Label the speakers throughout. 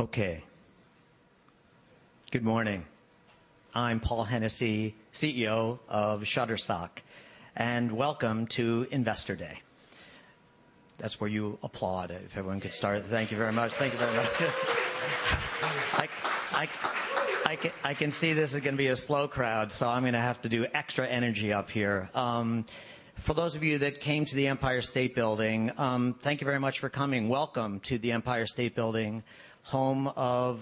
Speaker 1: Okay. Good morning. I'm Paul Hennessy, CEO of Shutterstock. Welcome to Investor Day. That's where you applaud if everyone could start. Thank you very much. Thank you very much. I can see this is gonna be a slow crowd, I'm gonna have to do extra energy up here. For those of you that came to the Empire State Building, thank you very much for coming. Welcome to the Empire State Building, home of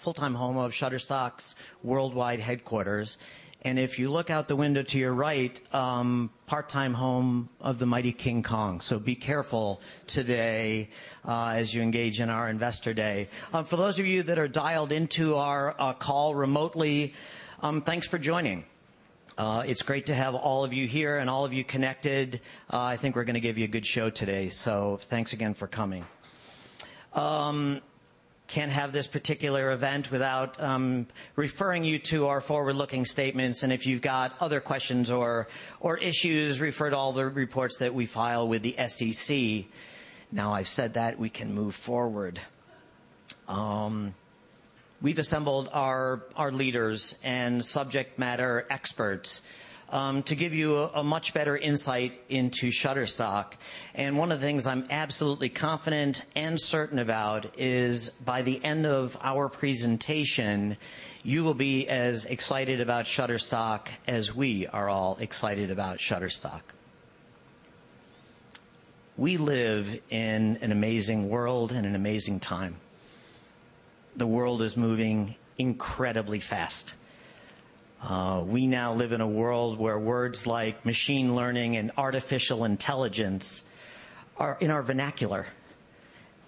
Speaker 1: full-time home of Shutterstock's worldwide headquarters. If you look out the window to your right, part-time home of the mighty King Kong. Be careful today as you engage in our Investor Day. For those of you that are dialed into our call remotely, thanks for joining. It's great to have all of you here and all of you connected. I think we're gonna give you a good show today, so thanks again for coming. Can't have this particular event without referring you to our forward-looking statements, and if you've got other questions or issues, refer to all the reports that we file with the SEC. I've said that we can move forward. We've assembled our leaders and subject matter experts to give you a much better insight into Shutterstock. One of the things I'm absolutely confident and certain about is by the end of our presentation, you will be as excited about Shutterstock as we are all excited about Shutterstock. We live in an amazing world and an amazing time. The world is moving incredibly fast. We now live in a world where words like machine learning and artificial intelligence are in our vernacular.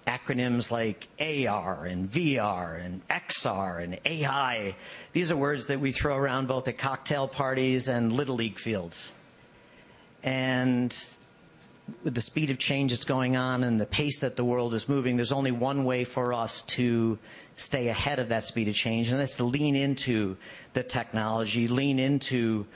Speaker 1: Acronyms like AR and VR and XR and AI, these are words that we throw around both at cocktail parties and little league fields. With the speed of change that's going on and the pace that the world is moving, there's only one way for us to stay ahead of that speed of change, and that's to lean into the technology, lean into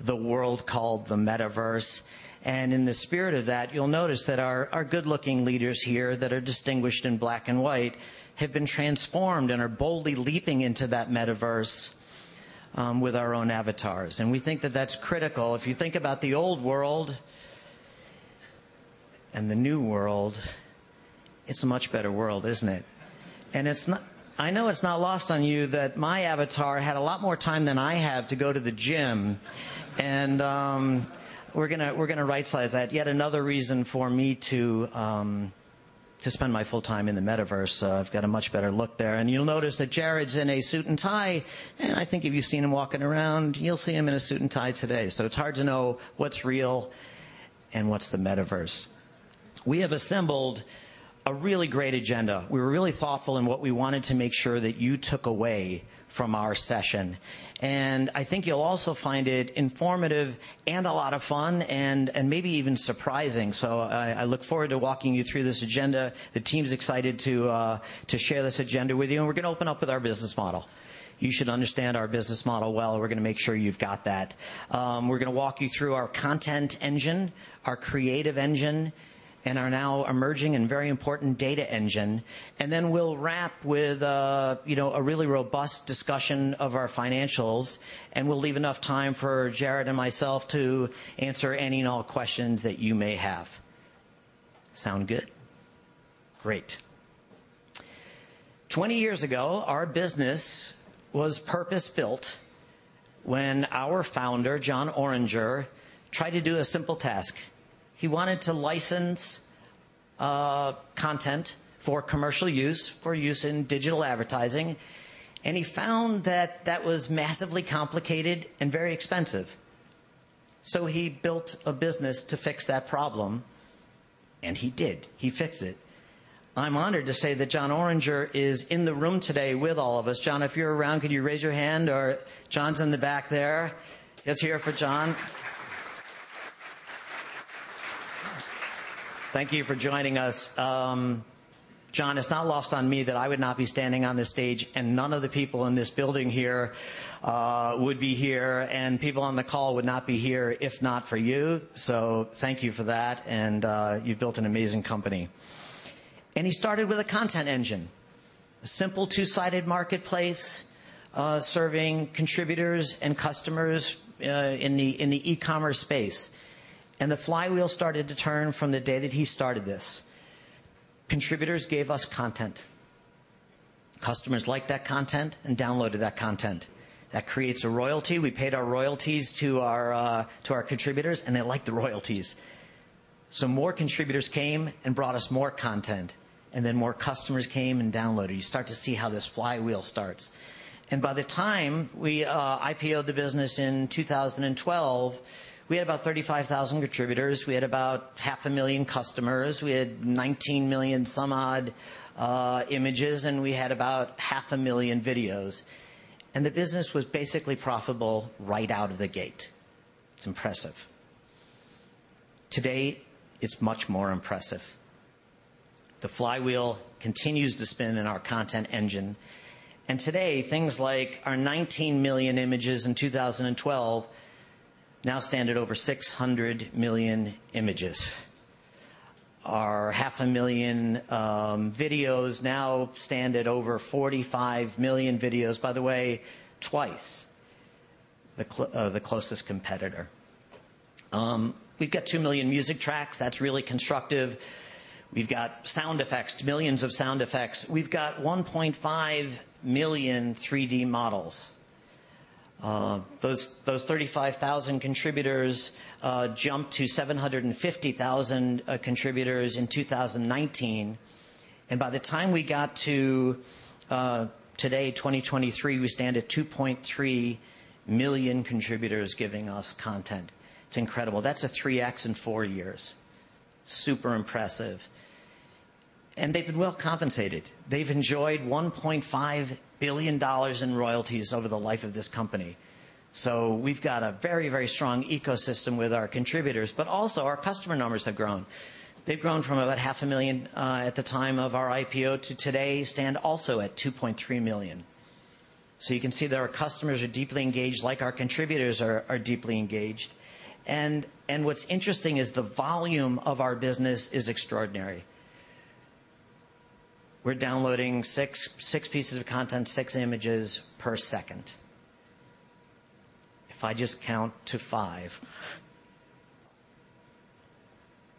Speaker 1: the world called the Metaverse. In the spirit of that, you'll notice that our good-looking leaders here that are distinguished in black and white have been transformed and are boldly leaping into that Metaverse with our own avatars. We think that that's critical. If you think about the old world and the new world, it's a much better world, isn't it? I know it's not lost on you that my avatar had a lot more time than I have to go to the gym, and we're gonna rightsize that. Yet another reason for me to spend my full time in the Metaverse. I've got a much better look there. You'll notice that Jarrod's in a suit and tie, and I think if you've seen him walking around, you'll see him in a suit and tie today. It's hard to know what's real and what's the Metaverse. We have assembled a really great agenda. We were really thoughtful in what we wanted to make sure that you took away from our session, and I think you'll also find it informative and a lot of fun and maybe even surprising. I look forward to walking you through this agenda. The team's excited to share this agenda with you, and we're gonna open up with our business model. You should understand our business model well. We're gonna make sure you've got that. We're gonna walk you through our content engine, our Creative Engine, and our now emerging and very important Data Engine. We'll wrap with, you know, a really robust discussion of our financials, and we'll leave enough time for Jarrod and myself to answer any and all questions that you may have. Sound good? Great. 20 years ago, our business was purpose-built when our founder, Jon Oringer, tried to do a simple task. He wanted to license content for commercial use, for use in digital advertising, and he found that that was massively complicated and very expensive. He built a business to fix that problem, and he did. He fixed it. I'm honored to say that Jon Oringer is in the room today with all of us. Jon, if you're around, could you raise your hand. Jon's in the back there. Let's hear it for Jon. Thank you for joining us. Jon, it's not lost on me that I would not be standing on this stage and none of the people in this building here would be here, and people on the call would not be here if not for you. Thank you for that and you've built an amazing company. He started with a content engine, a simple two-sided marketplace, serving contributors and customers in the e-commerce space. The flywheel started to turn from the day that he started this. Contributors gave us content. Customers liked that content and downloaded that content. That creates a royalty. We paid our royalties to our to our contributors, and they liked the royalties. More contributors came and brought us more content, and then more customers came and downloaded. You start to see how this flywheel starts. By the time we IPO'd the business in 2012, we had about 35,000 contributors, we had about 500,000 customers, we had 19 million some odd images, and we had about 500,000 videos. The business was basically profitable right out of the gate. It's impressive. Today, it's much more impressive. The flywheel continues to spin in our content engine, and today, things like our 19 million images in 2012 now stand at over 600 million images. Our 500,000 videos now stand at over 45 million videos. By the way, twice the closest competitor. We've got two million music tracks. That's really constructive. We've got sound effects, millions of sound effects. We've got 1.5 million 3D models. Those 35,000 contributors jumped to 750,000 contributors in 2019. By the time we got to today, 2023, we stand at 2.3 million contributors giving us content. It's incredible. That's a 3x in four years. Super impressive. They've been well compensated. They've enjoyed $1.5 billion in royalties over the life of this company. We've got a very, very strong ecosystem with our contributors, but also our customer numbers have grown. They've grown from about half a million at the time of our IPO to today stand also at $2.3 million. You can see that our customers are deeply engaged, like our contributors are deeply engaged. What's interesting is the volume of our business is extraordinary. We're downloading six pieces of content, six images per second. If I just count to five,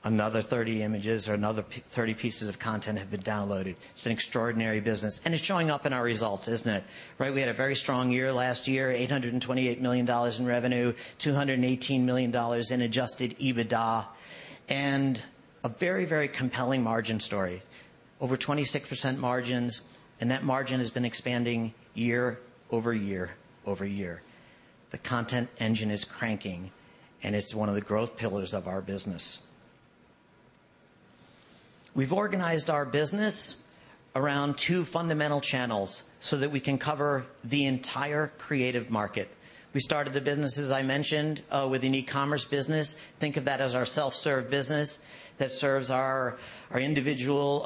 Speaker 1: another 30 images or another 30 pieces of content have been downloaded. It's an extraordinary business, it's showing up in our results, isn't it? Right, we had a very strong year last year, $828 million in revenue, $218 million in adjusted EBITDA, a very, very compelling margin story. Over 26% margins, that margin has been expanding year-over-year. The content engine is cranking, and it's one of the growth pillars of our business. We've organized our business around two fundamental channels so that we can cover the entire creative market. We started the business, as I mentioned, with an e-commerce business. Think of that as our self-serve business that serves our individual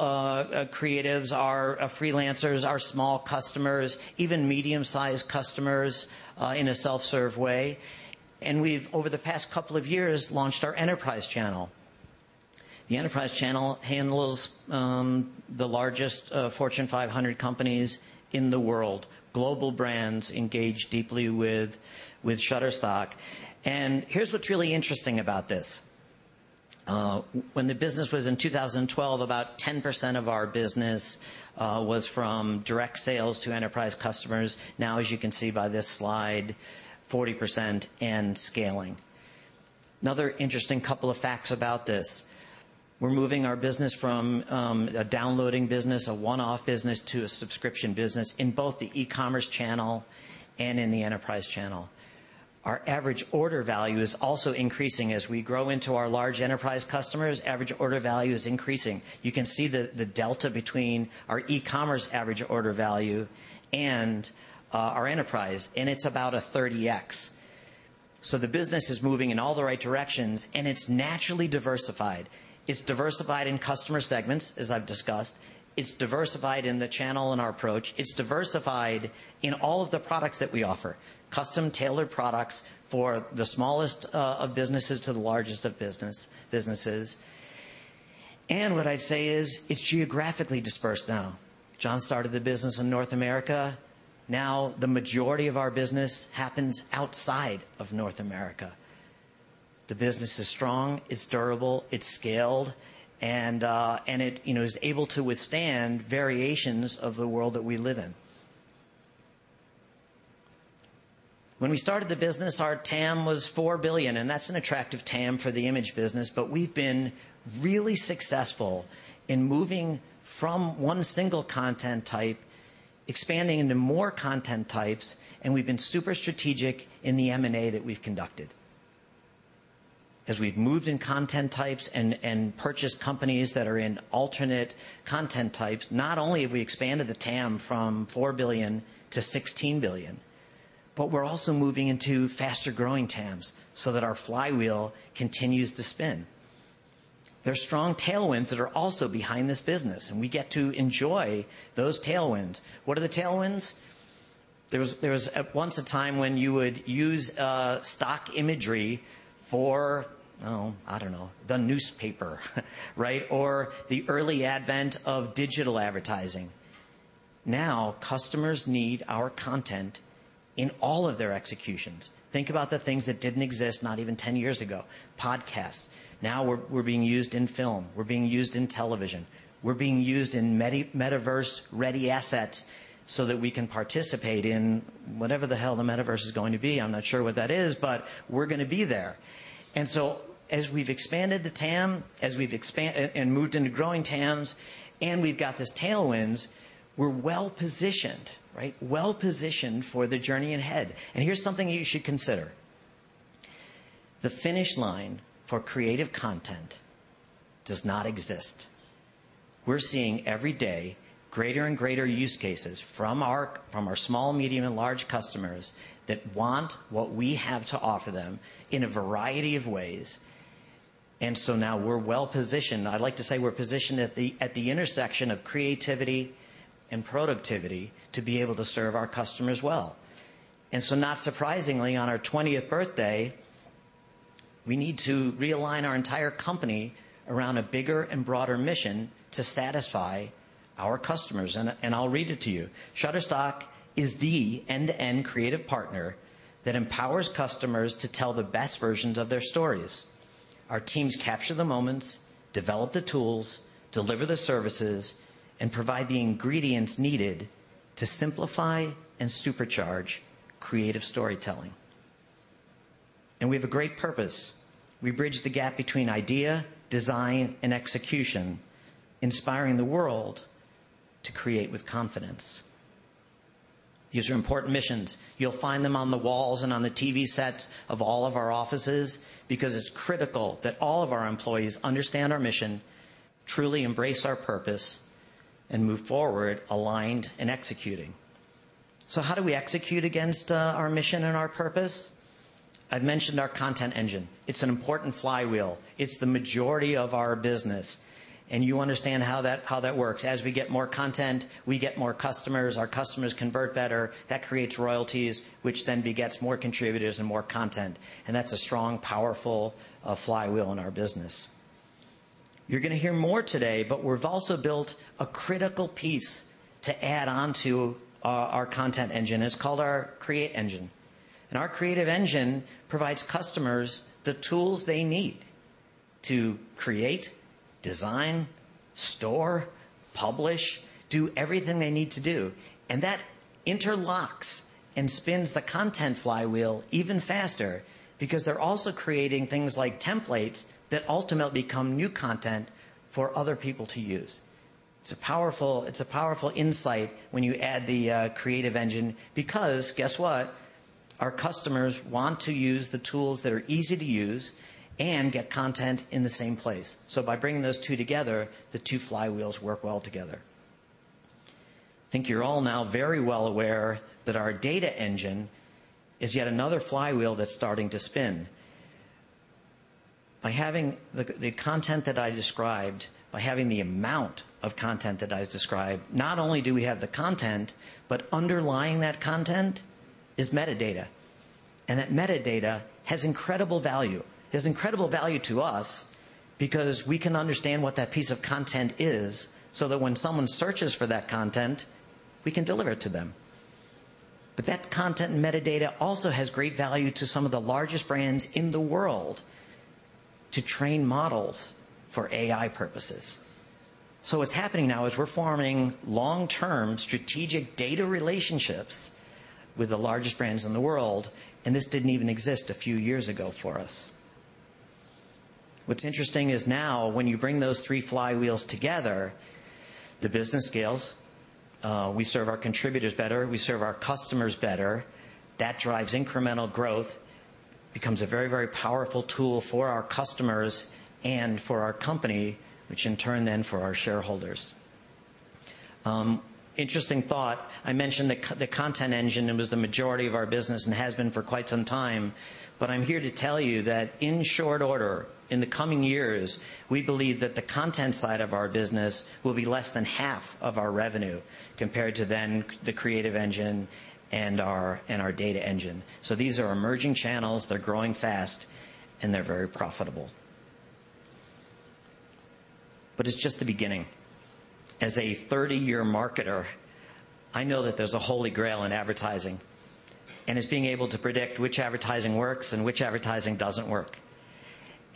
Speaker 1: creatives, our freelancers, our small customers, even medium-sized customers, in a self-serve way. We've, over the past couple of years, launched our enterprise channel. The enterprise channel handles the largest Fortune 500 companies in the world. Global brands engage deeply with Shutterstock. Here's what's really interesting about this. When the business was in 2012, about 10% of our business was from direct sales to enterprise customers. Now, as you can see by this slide, 40% and scaling. Another interesting couple of facts about this. We're moving our business from a downloading business, a one-off business, to a subscription business in both the e-commerce channel and in the enterprise channel. Our average order value is also increasing. As we grow into our large enterprise customers, average order value is increasing. You can see the delta between our e-commerce average order value and our enterprise. It's about a 30x. The business is moving in all the right directions. It's naturally diversified. It's diversified in customer segments, as I've discussed. It's diversified in the channel and our approach. It's diversified in all of the products that we offer, custom-tailored products for the smallest of businesses to the largest of businesses. What I'd say is it's geographically dispersed now. Jon started the business in North America. The majority of our business happens outside of North America. The business is strong, it's durable, it's scaled, and it, you know, is able to withstand variations of the world that we live in. When we started the business, our TAM was $4 billion, that's an attractive TAM for the image business. We've been really successful in moving from one single content type, expanding into more content types, and we've been super strategic in the M&A that we've conducted. As we've moved in content types and purchased companies that are in alternate content types, not only have we expanded the TAM from $4 billion to $16 billion, we're also moving into faster-growing TAMs so that our flywheel continues to spin. There are strong tailwinds that are also behind this business, we get to enjoy those tailwinds. What are the tailwinds? There was at once a time when you would use stock imagery for, I don't know, the newspaper, right? The early advent of digital advertising. Now, customers need our content in all of their executions. Think about the things that didn't exist not even 10 years ago. Podcasts. Now we're being used in film, we're being used in television, we're being used in Metaverse-ready assets so that we can participate in whatever the hell the Metaverse is going to be. I'm not sure what that is, but we're gonna be there. As we've expanded the TAM, as we've moved into growing TAMs, and we've got these tailwinds, we're well-positioned, right? Well-positioned for the journey ahead. Here's something you should consider. The finish line for creative content does not exist. We're seeing every day greater and greater use cases from our small, medium, and large customers that want what we have to offer them in a variety of ways. Now we're well-positioned. I'd like to say we're positioned at the intersection of creativity and productivity to be able to serve our customers well. Not surprisingly, on our 20th birthday, we need to realign our entire company around a bigger and broader mission to satisfy our customers. I, and I'll read it to you. Shutterstock is the end-to-end creative partner that empowers customers to tell the best versions of their stories. Our teams capture the moments, develop the tools, deliver the services, and provide the ingredients needed to simplify and supercharge creative storytelling. We have a great purpose. We bridge the gap between idea, design, and execution, inspiring the world to create with confidence. These are important missions. You'll find them on the walls and on the TV sets of all of our offices because it's critical that all of our employees understand our mission, truly embrace our purpose, and move forward, aligned and executing. How do we execute against our mission and our purpose? I've mentioned our content engine. It's an important flywheel. It's the majority of our business, and you understand how that works. As we get more content, we get more customers. Our customers convert better. That creates royalties, which then begets more contributors and more content. That's a strong, powerful flywheel in our business. You're gonna hear more today, but we've also built a critical piece to add on to our content engine. It's called our Create Engine. Our Creative Engine provides customers the tools they need to create, design, store, publish, do everything they need to do. That interlocks and spins the content flywheel even faster because they're also creating things like templates that ultimately become new content for other people to use. It's a powerful insight when you add the Creative Engine because guess what? Our customers want to use the tools that are easy to use and get content in the same place. By bringing those two together, the two flywheels work well together. Think you're all now very well aware that our Data Engine is yet another flywheel that's starting to spin. By having the content that I described, by having the amount of content that I described, not only do we have the content, but underlying that content is metadata. That metadata has incredible value. It has incredible value to us because we can understand what that piece of content is, so that when someone searches for that content, we can deliver it to them. That content metadata also has great value to some of the largest brands in the world to train models for AI purposes. What's happening now is we're forming long-term strategic data relationships with the largest brands in the world, and this didn't even exist a few years ago for us. What's interesting is now when you bring those three flywheels together, the business scales, we serve our contributors better, we serve our customers better. That drives incremental growth, becomes a very, very powerful tool for our customers and for our company, which in turn then for our shareholders. Interesting thought, I mentioned the content engine, it was the majority of our business and has been for quite some time. I'm here to tell you that in short order, in the coming years, we believe that the content side of our business will be less than half of our revenue compared to then the Creative Engine and our, and our Data Engine. These are emerging channels, they're growing fast, and they're very profitable. It's just the beginning. As a 30-year marketer, I know that there's a holy grail in advertising, and it's being able to predict which advertising works and which advertising doesn't work.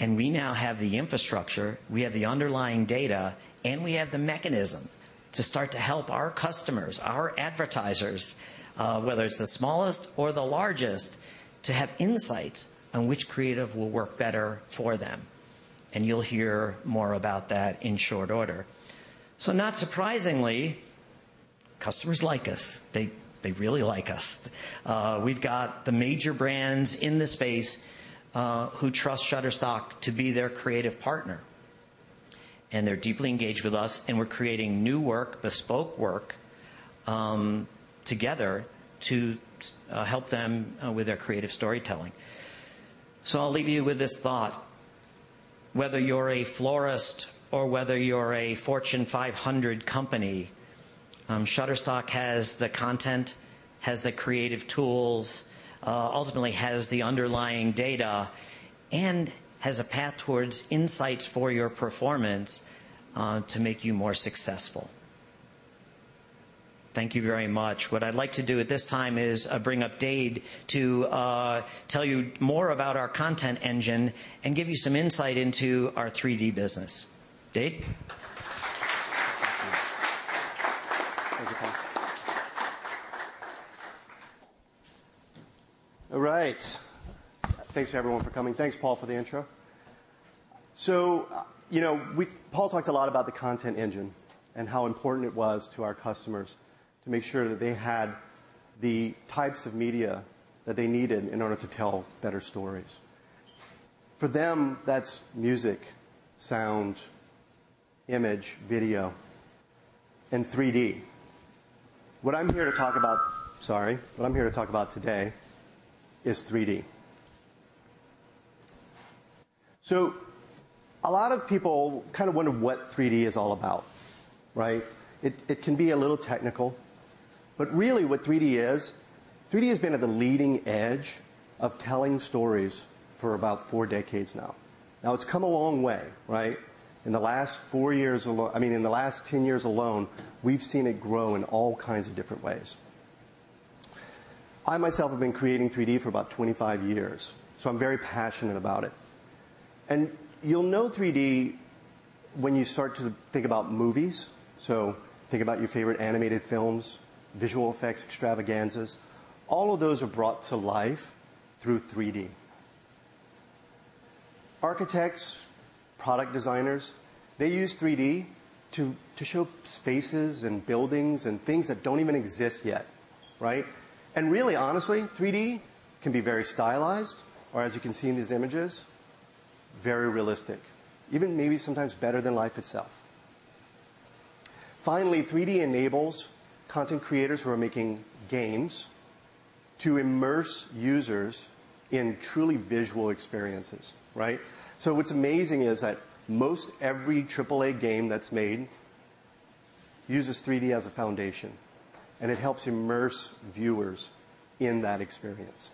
Speaker 1: We now have the infrastructure, we have the underlying data, and we have the mechanism to start to help our customers, our advertisers, whether it's the smallest or the largest, to have insights on which creative will work better for them. You'll hear more about that in short order. Not surprisingly, customers like us. They really like us. We've got the major brands in the space, who trust Shutterstock to be their creative partner. They're deeply engaged with us, and we're creating new work, bespoke work, together to help them with their creative storytelling. I'll leave you with this thought. Whether you're a florist or whether you're a Fortune 500 company, Shutterstock has the content, has the creative tools, ultimately has the underlying data, and has a path towards insights for your performance, to make you more successful. Thank you very much. What I'd like to do at this time is bring up Dade to tell you more about our content engine and give you some insight into our 3D business. Dade.
Speaker 2: Thank you, Paul. All right. Thanks, everyone, for coming. Thanks, Paul, for the intro. You know, Paul talked a lot about the content engine and how important it was to our customers to make sure that they had the types of media that they needed in order to tell better stories. For them, that's music, sound, image, video, and 3D. Sorry. What I'm here to talk about today is 3D. A lot of people kind of wonder what 3D is all about, right? It can be a little technical, but really what 3D is, 3D has been at the leading edge of telling stories for about four decades now. It's come a long way, right? In the last I mean, in the last 10 years alone, we've seen it grow in all kinds of different ways. I myself have been creating 3D for about 25 years, so I'm very passionate about it. You'll know 3D when you start to think about movies. Think about your favorite animated films, visual effects extravaganzas, all of those are brought to life through 3D. Architects, product designers, they use 3D to show spaces and buildings and things that don't even exist yet, right? Really, honestly, 3D can be very stylized, or as you can see in these images, very realistic. Even maybe sometimes better than life itself. Finally, 3D enables content creators who are making games to immerse users in truly visual experiences, right? What's amazing is that most every AAA game that's made uses 3D as a foundation, and it helps immerse viewers in that experience.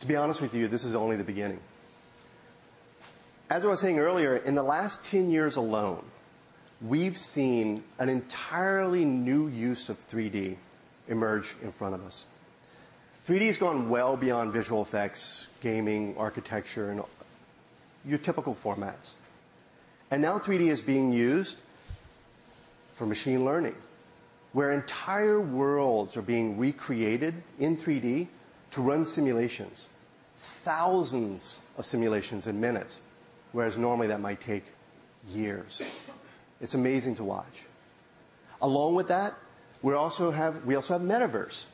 Speaker 2: To be honest with you, this is only the beginning. As I was saying earlier, in the last 10 years alone, we've seen an entirely new use of 3D emerge in front of us. 3D has gone well beyond visual effects, gaming, architecture and your typical formats. Now 3D is being used for machine learning, where entire worlds are being recreated in 3D to run simulations. Thousands of simulations in minutes, whereas normally that might take years. It's amazing to watch. Along with that, we also have Metaverse.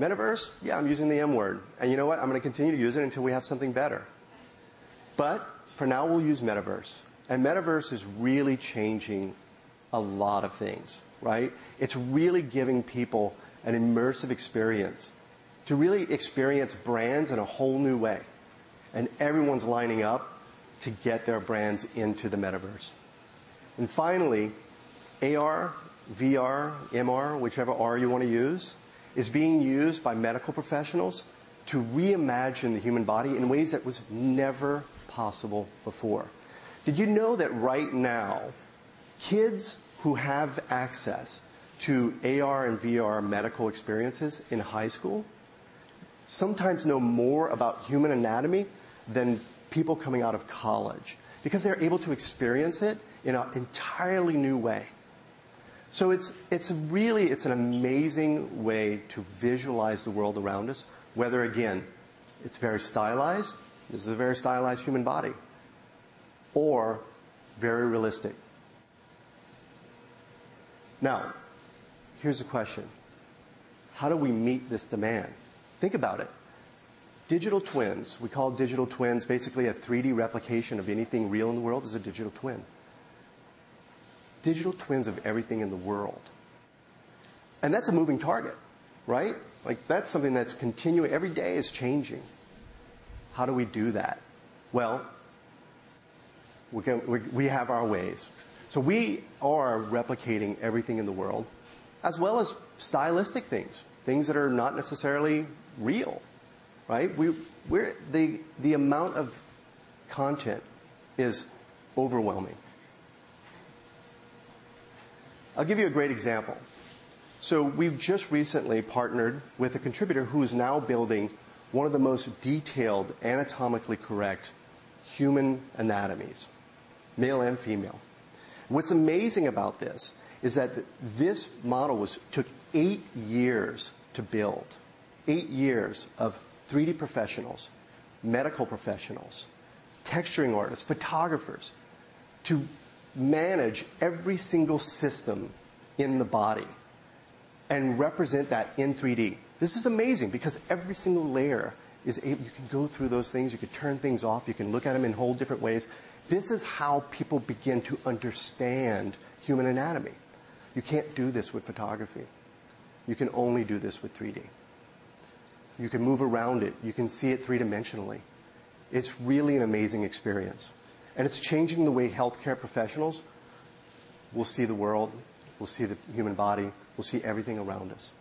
Speaker 2: Metaverse, yeah, I'm using the M-word. You know what? I'm gonna continue to use it until we have something better. For now we'll use Metaverse. Metaverse is really changing a lot of things, right? It's really giving people an immersive experience to really experience brands in a whole new way. Everyone's lining up to get their brands into the Metaverse. Finally, AR, VR, MR, whichever R you wanna use, is being used by medical professionals to reimagine the human body in ways that was never possible before. Did you know that right now, kids who have access to AR and VR medical experiences in high school sometimes know more about human anatomy than people coming out of college because they're able to experience it in a entirely new way? It's really, it's an amazing way to visualize the world around us, whether, again, it's very stylized, this is a very stylized human body, or very realistic. Now, here's a question: How do we meet this demand? Think about it. Digital twins, we call digital twins, basically a 3D replication of anything real in the world is a digital twin. Digital twins of everything in the world. That's a moving target, right? Like, that's something that's continuing... Every day it's changing. How do we do that? Well, we have our ways. We are replicating everything in the world, as well as stylistic things that are not necessarily real, right? The amount of content is overwhelming. I'll give you a great example. We've just recently partnered with a contributor who is now building one of the most detailed anatomically correct human anatomies, male and female. What's amazing about this is that this model was took eight years to build. Eight years of 3D professionals, medical professionals, texturing artists, photographers, to manage every single system in the body and represent that in 3D. This is amazing because every single layer is You can go through those things, you can turn things off, you can look at them in whole different ways. This is how people begin to understand human anatomy. You can't do this with photography. You can only do this with 3D. You can move around it. You can see it 3Dimensionally. It's really an amazing experience, and it's changing the way healthcare professionals will see the world, will see the human body, will see everything around us.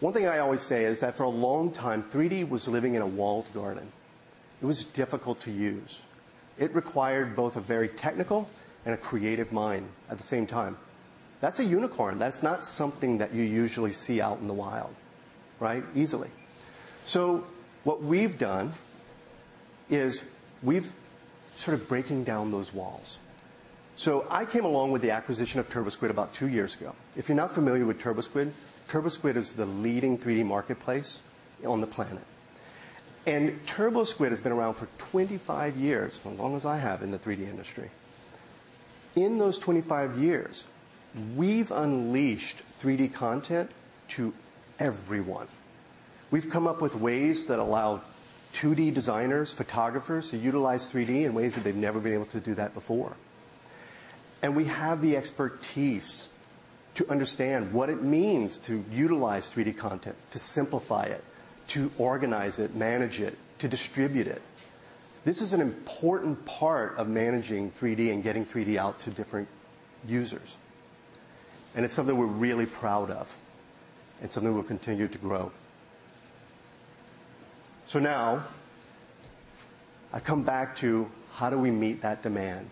Speaker 2: One thing I always say is that for a long time, 3D was living in a walled garden. It was difficult to use. It required both a very technical and a creative mind at the same time. That's a unicorn. That's not something that you usually see out in the wild, right? Easily. What we've done is we've sort of breaking down those walls. I came along with the acquisition of TurboSquid about two years ago. If you're not familiar with TurboSquid is the leading 3D marketplace on the planet. TurboSquid has been around for 25 years, as long as I have in the 3D industry. In those 25 years, we've unleashed 3D content to everyone. We've come up with ways that allow 2D designers, photographers to utilize 3D in ways that they've never been able to do that before. We have the expertise to understand what it means to utilize 3D content, to simplify it, to organize it, manage it, to distribute it. This is an important part of managing 3D and getting 3D out to different users. It's something we're really proud of. It's something we'll continue to grow. Now I come back to how do we meet that demand.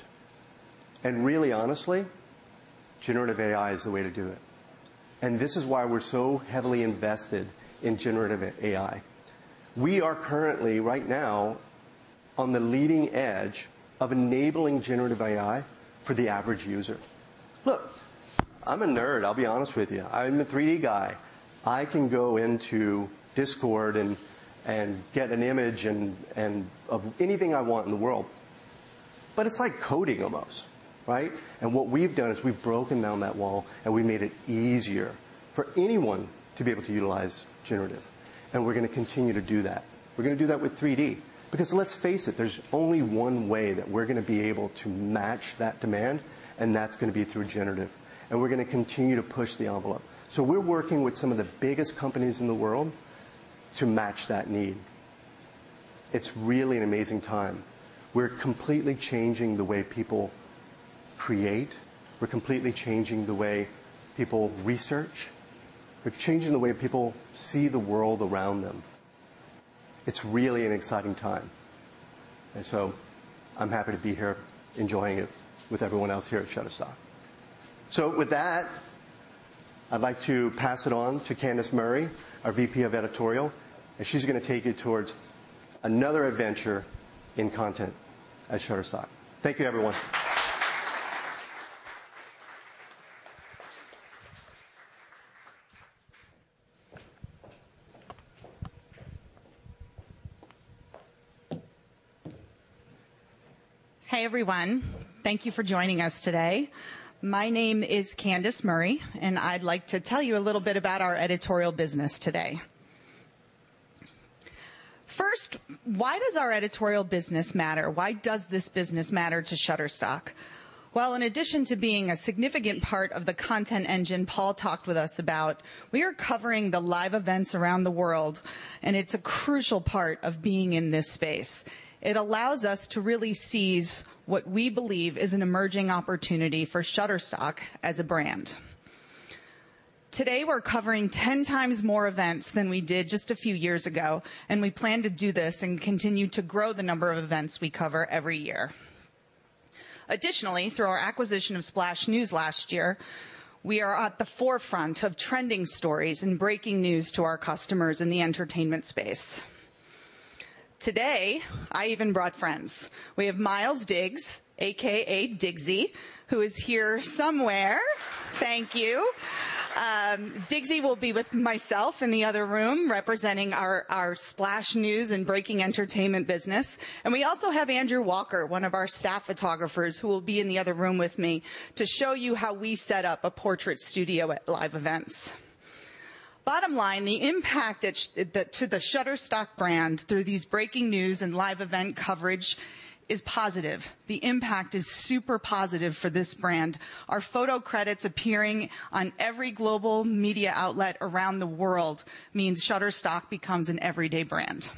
Speaker 2: Really, honestly, generative AI is the way to do it. This is why we're so heavily invested in generative AI. We are currently right now on the leading edge of enabling generative AI for the average user. Look, I'm a nerd. I'll be honest with you. I'm a 3D guy. I can go into Discord and get an image of anything I want in the world. It's like coding almost, right? What we've done is we've broken down that wall and we made it easier for anyone to be able to utilize generative. We're gonna continue to do that. We're gonna do that with 3D because let's face it, there's only one way that we're gonna be able to match that demand, and that's gonna be through generative. We're gonna continue to push the envelope. We're working with some of the biggest companies in the world to match that need. It's really an amazing time. We're completely changing the way people create. We're completely changing the way people research. We're changing the way people see the world around them. It's really an exciting time. I'm happy to be here enjoying it with everyone else here at Shutterstock. With that, I'd like to pass it on to Candice Murray, our VP of Editorial, and she's gonna take you towards another adventure in content at Shutterstock. Thank you everyone.
Speaker 3: Hey everyone. Thank you for joining us today. My name is Candice Murray and I'd like to tell you a little bit about our editorial business today. First, why does our editorial business matter? Why does this business matter to Shutterstock? Well, in addition to being a significant part of the content engine Paul talked with us about, we are covering the live events around the world, and it's a crucial part of being in this space. It allows us to really seize what we believe is an emerging opportunity for Shutterstock as a brand. Today we're covering 10 times more events than we did just a few years ago, and we plan to do this and continue to grow the number of events we cover every year. Additionally, through our acquisition of Splash News last year, we are at the forefront of trending stories and breaking news to our customers in the entertainment space. Today I even brought friends. We have Miles Diggs, AKA Diggzy, who is here somewhere. Thank you. Diggzy will be with myself in the other room representing our Splash News and breaking entertainment business. We also have Andrew Walker, one of our staff photographers who will be in the other room with me to show you how we set up a portrait studio at live events. Bottom line, the impact to the Shutterstock brand through these breaking news and live event coverage is positive. The impact is super positive for this brand. Our photo credits appearing on every global media outlet around the world means Shutterstock becomes an everyday brand.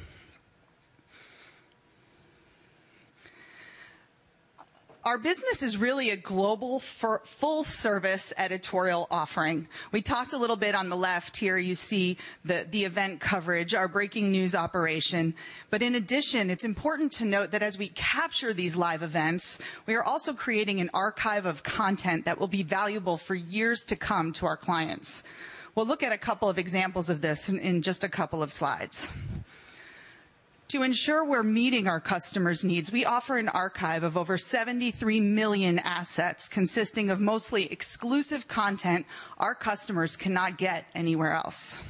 Speaker 3: Our business is really a global for full service editorial offering. We talked a little bit on the left here you see the event coverage, our breaking news operation. In addition, it's important to note that as we capture these live events, we are also creating an archive of content that will be valuable for years to come to our clients. We'll look at a couple of examples of this in just a couple of slides. To ensure we're meeting our customers' needs, we offer an archive of over 73 million assets consisting of mostly exclusive content our customers cannot get anywhere else.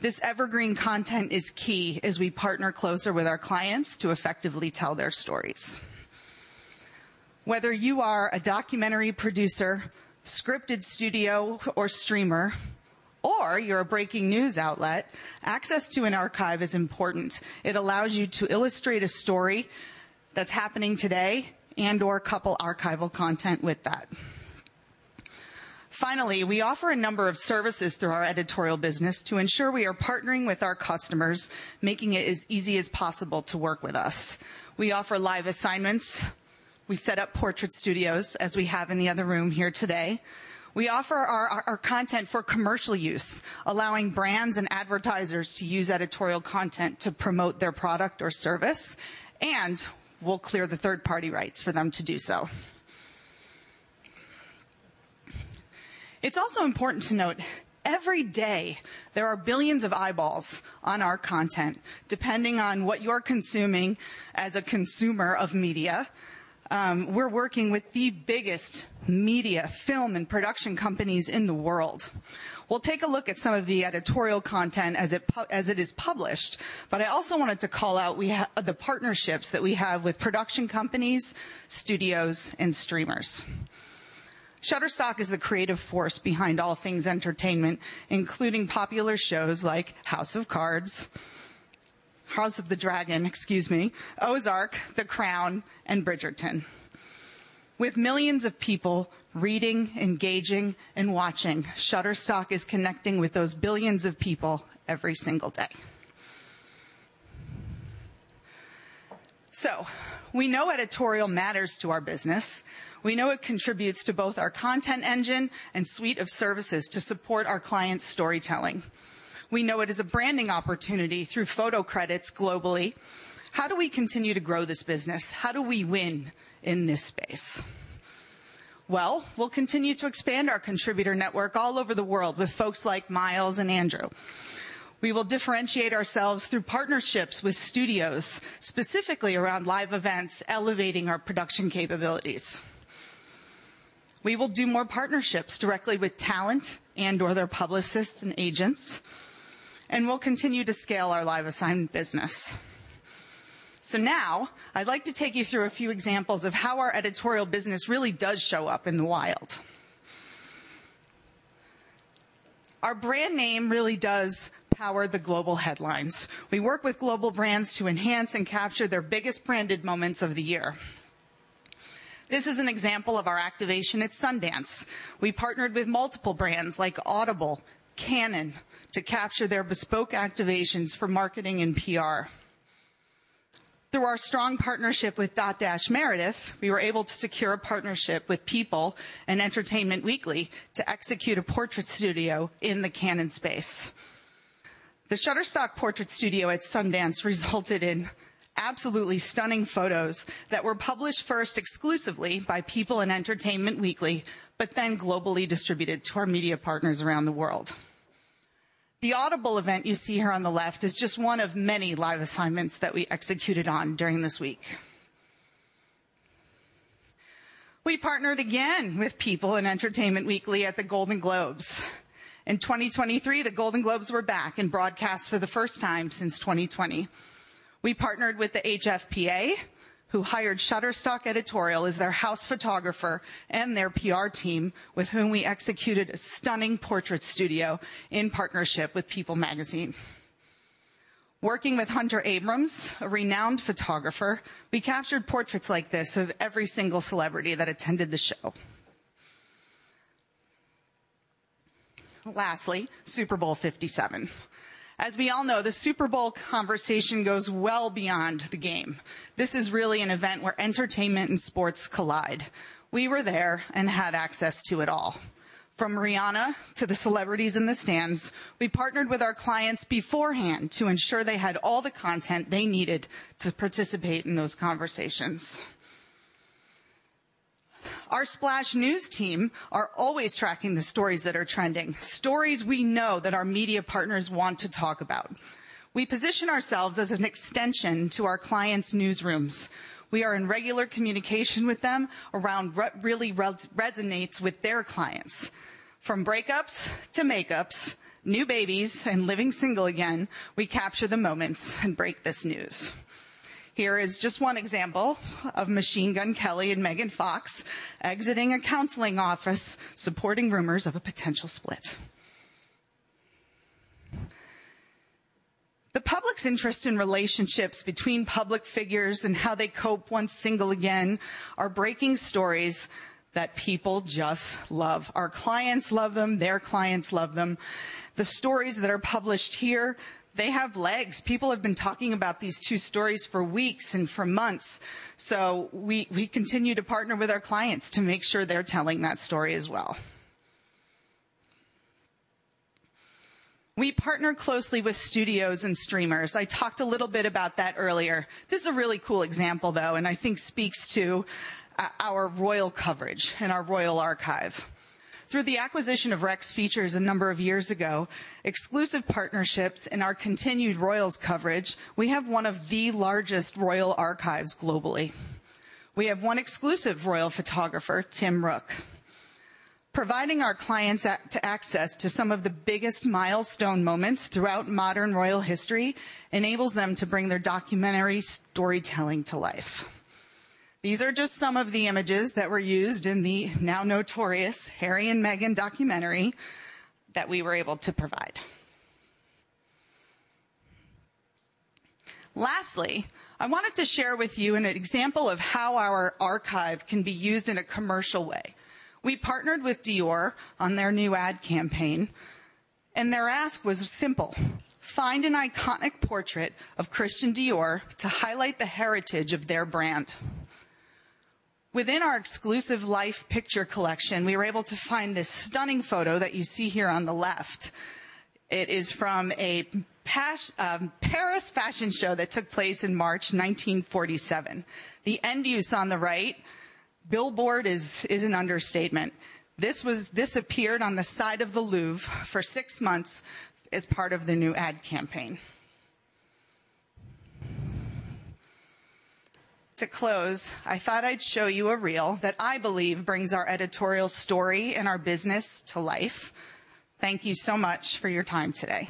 Speaker 3: This evergreen content is key as we partner closer with our clients to effectively tell their stories. Whether you are a documentary producer, scripted studio or streamer, or you're a breaking news outlet, access to an archive is important. It allows you to illustrate a story that's happening today and/or couple archival content with that. Finally, we offer a number of services through our editorial business to ensure we are partnering with our customers, making it as easy as possible to work with us. We offer live assignments. We set up portrait studios as we have in the other room here today. We offer our content for commercial use, allowing brands and advertisers to use editorial content to promote their product or service, and we'll clear the third party rights for them to do so. It's also important to note every day there are billions of eyeballs on our content, depending on what you are consuming as a consumer of media. We're working with the biggest media, film and production companies in the world. We'll take a look at some of the editorial content as it is published. I also wanted to call out the partnerships that we have with production companies, studios and streamers. Shutterstock is the creative force behind all things entertainment, including popular shows like House of Cards, House of the Dragon, excuse me, Ozark, The Crown, and Bridgerton. With millions of people reading, engaging, and watching, Shutterstock is connecting with those billions of people every single day. We know editorial matters to our business. We know it contributes to both our content engine and suite of services to support our clients' storytelling. We know it is a branding opportunity through photo credits globally. How do we continue to grow this business? How do we win in this space? We'll continue to expand our contributor network all over the world with folks like Miles and Andrew. We will differentiate ourselves through partnerships with studios, specifically around live events, elevating our production capabilities. We will do more partnerships directly with talent and/or their publicists and agents, and we'll continue to scale our live assignment business. Now I'd like to take you through a few examples of how our Shutterstock Editorial business really does show up in the wild. Our brand name really does power the global headlines. We work with global brands to enhance and capture their biggest branded moments of the year. This is an example of our activation at Sundance. We partnered with multiple brands like Audible, Canon, to capture their bespoke activations for marketing and PR. Through our strong partnership with Dotdash Meredith, we were able to secure a partnership with People and Entertainment Weekly to execute a portrait studio in the Canon space. The Shutterstock portrait studio at Sundance resulted in absolutely stunning photos that were published first exclusively by People and Entertainment Weekly, but then globally distributed to our media partners around the world. The Audible event you see here on the left is just one of many live assignments that we executed on during this week. We partnered again with People and Entertainment Weekly at the Golden Globes. In 2023, the Golden Globes were back and broadcast for the first time since 2020. We partnered with the HFPA, who hired Shutterstock Editorial as their house photographer and their PR team, with whom we executed a stunning portrait studio in partnership with People Magazine. Working with Hunter Abrams, a renowned photographer, we captured portraits like this of every single celebrity that attended the show. Lastly, Super Bowl LVII. As we all know, the Super Bowl conversation goes well beyond the game. This is really an event where entertainment and sports collide. We were there and had access to it all. From Rihanna to the celebrities in the stands, we partnered with our clients beforehand to ensure they had all the content they needed to participate in those conversations. Our Splash News team are always tracking the stories that are trending, stories we know that our media partners want to talk about. We position ourselves as an extension to our clients' newsrooms. We are in regular communication with them around what really resonates with their clients. From breakups to makeups, new babies and living single again, we capture the moments and break this news. Here is just one example of Machine Gun Kelly and Megan Fox exiting a counseling office supporting rumors of a potential split. The public's interest in relationships between public figures and how they cope once single again are breaking stories that people just love. Our clients love them. Their clients love them. The stories that are published here, they have legs. People have been talking about these two stories for weeks and for months, so we continue to partner with our clients to make sure they're telling that story as well. We partner closely with studios and streamers. I talked a little bit about that earlier. This is a really cool example, though, and I think speaks to our royal coverage and our royal archive. Through the acquisition of Rex Features a number of years ago, exclusive partnerships in our continued royals coverage, we have one of the largest royal archives globally. We have one exclusive royal photographer, Tim Rooke. Providing our clients access to some of the biggest milestone moments throughout modern royal history enables them to bring their documentary storytelling to life. These are just some of the images that were used in the now notorious Harry and Meghan documentary that we were able to provide. Lastly, I wanted to share with you an example of how our archive can be used in a commercial way. We partnered with Dior on their new ad campaign, and their ask was simple: Find an iconic portrait of Christian Dior to highlight the heritage of their brand. Within our exclusive The LIFE Picture Collection, we were able to find this stunning photo that you see here on the left. It is from a Paris fashion show that took place in March 1947. The end use on the right, billboard is an understatement. This appeared on the side of the Louvre for six months as part of the new ad campaign. To close, I thought I'd show you a reel that I believe brings our editorial story and our business to life. Thank you so much for your time today.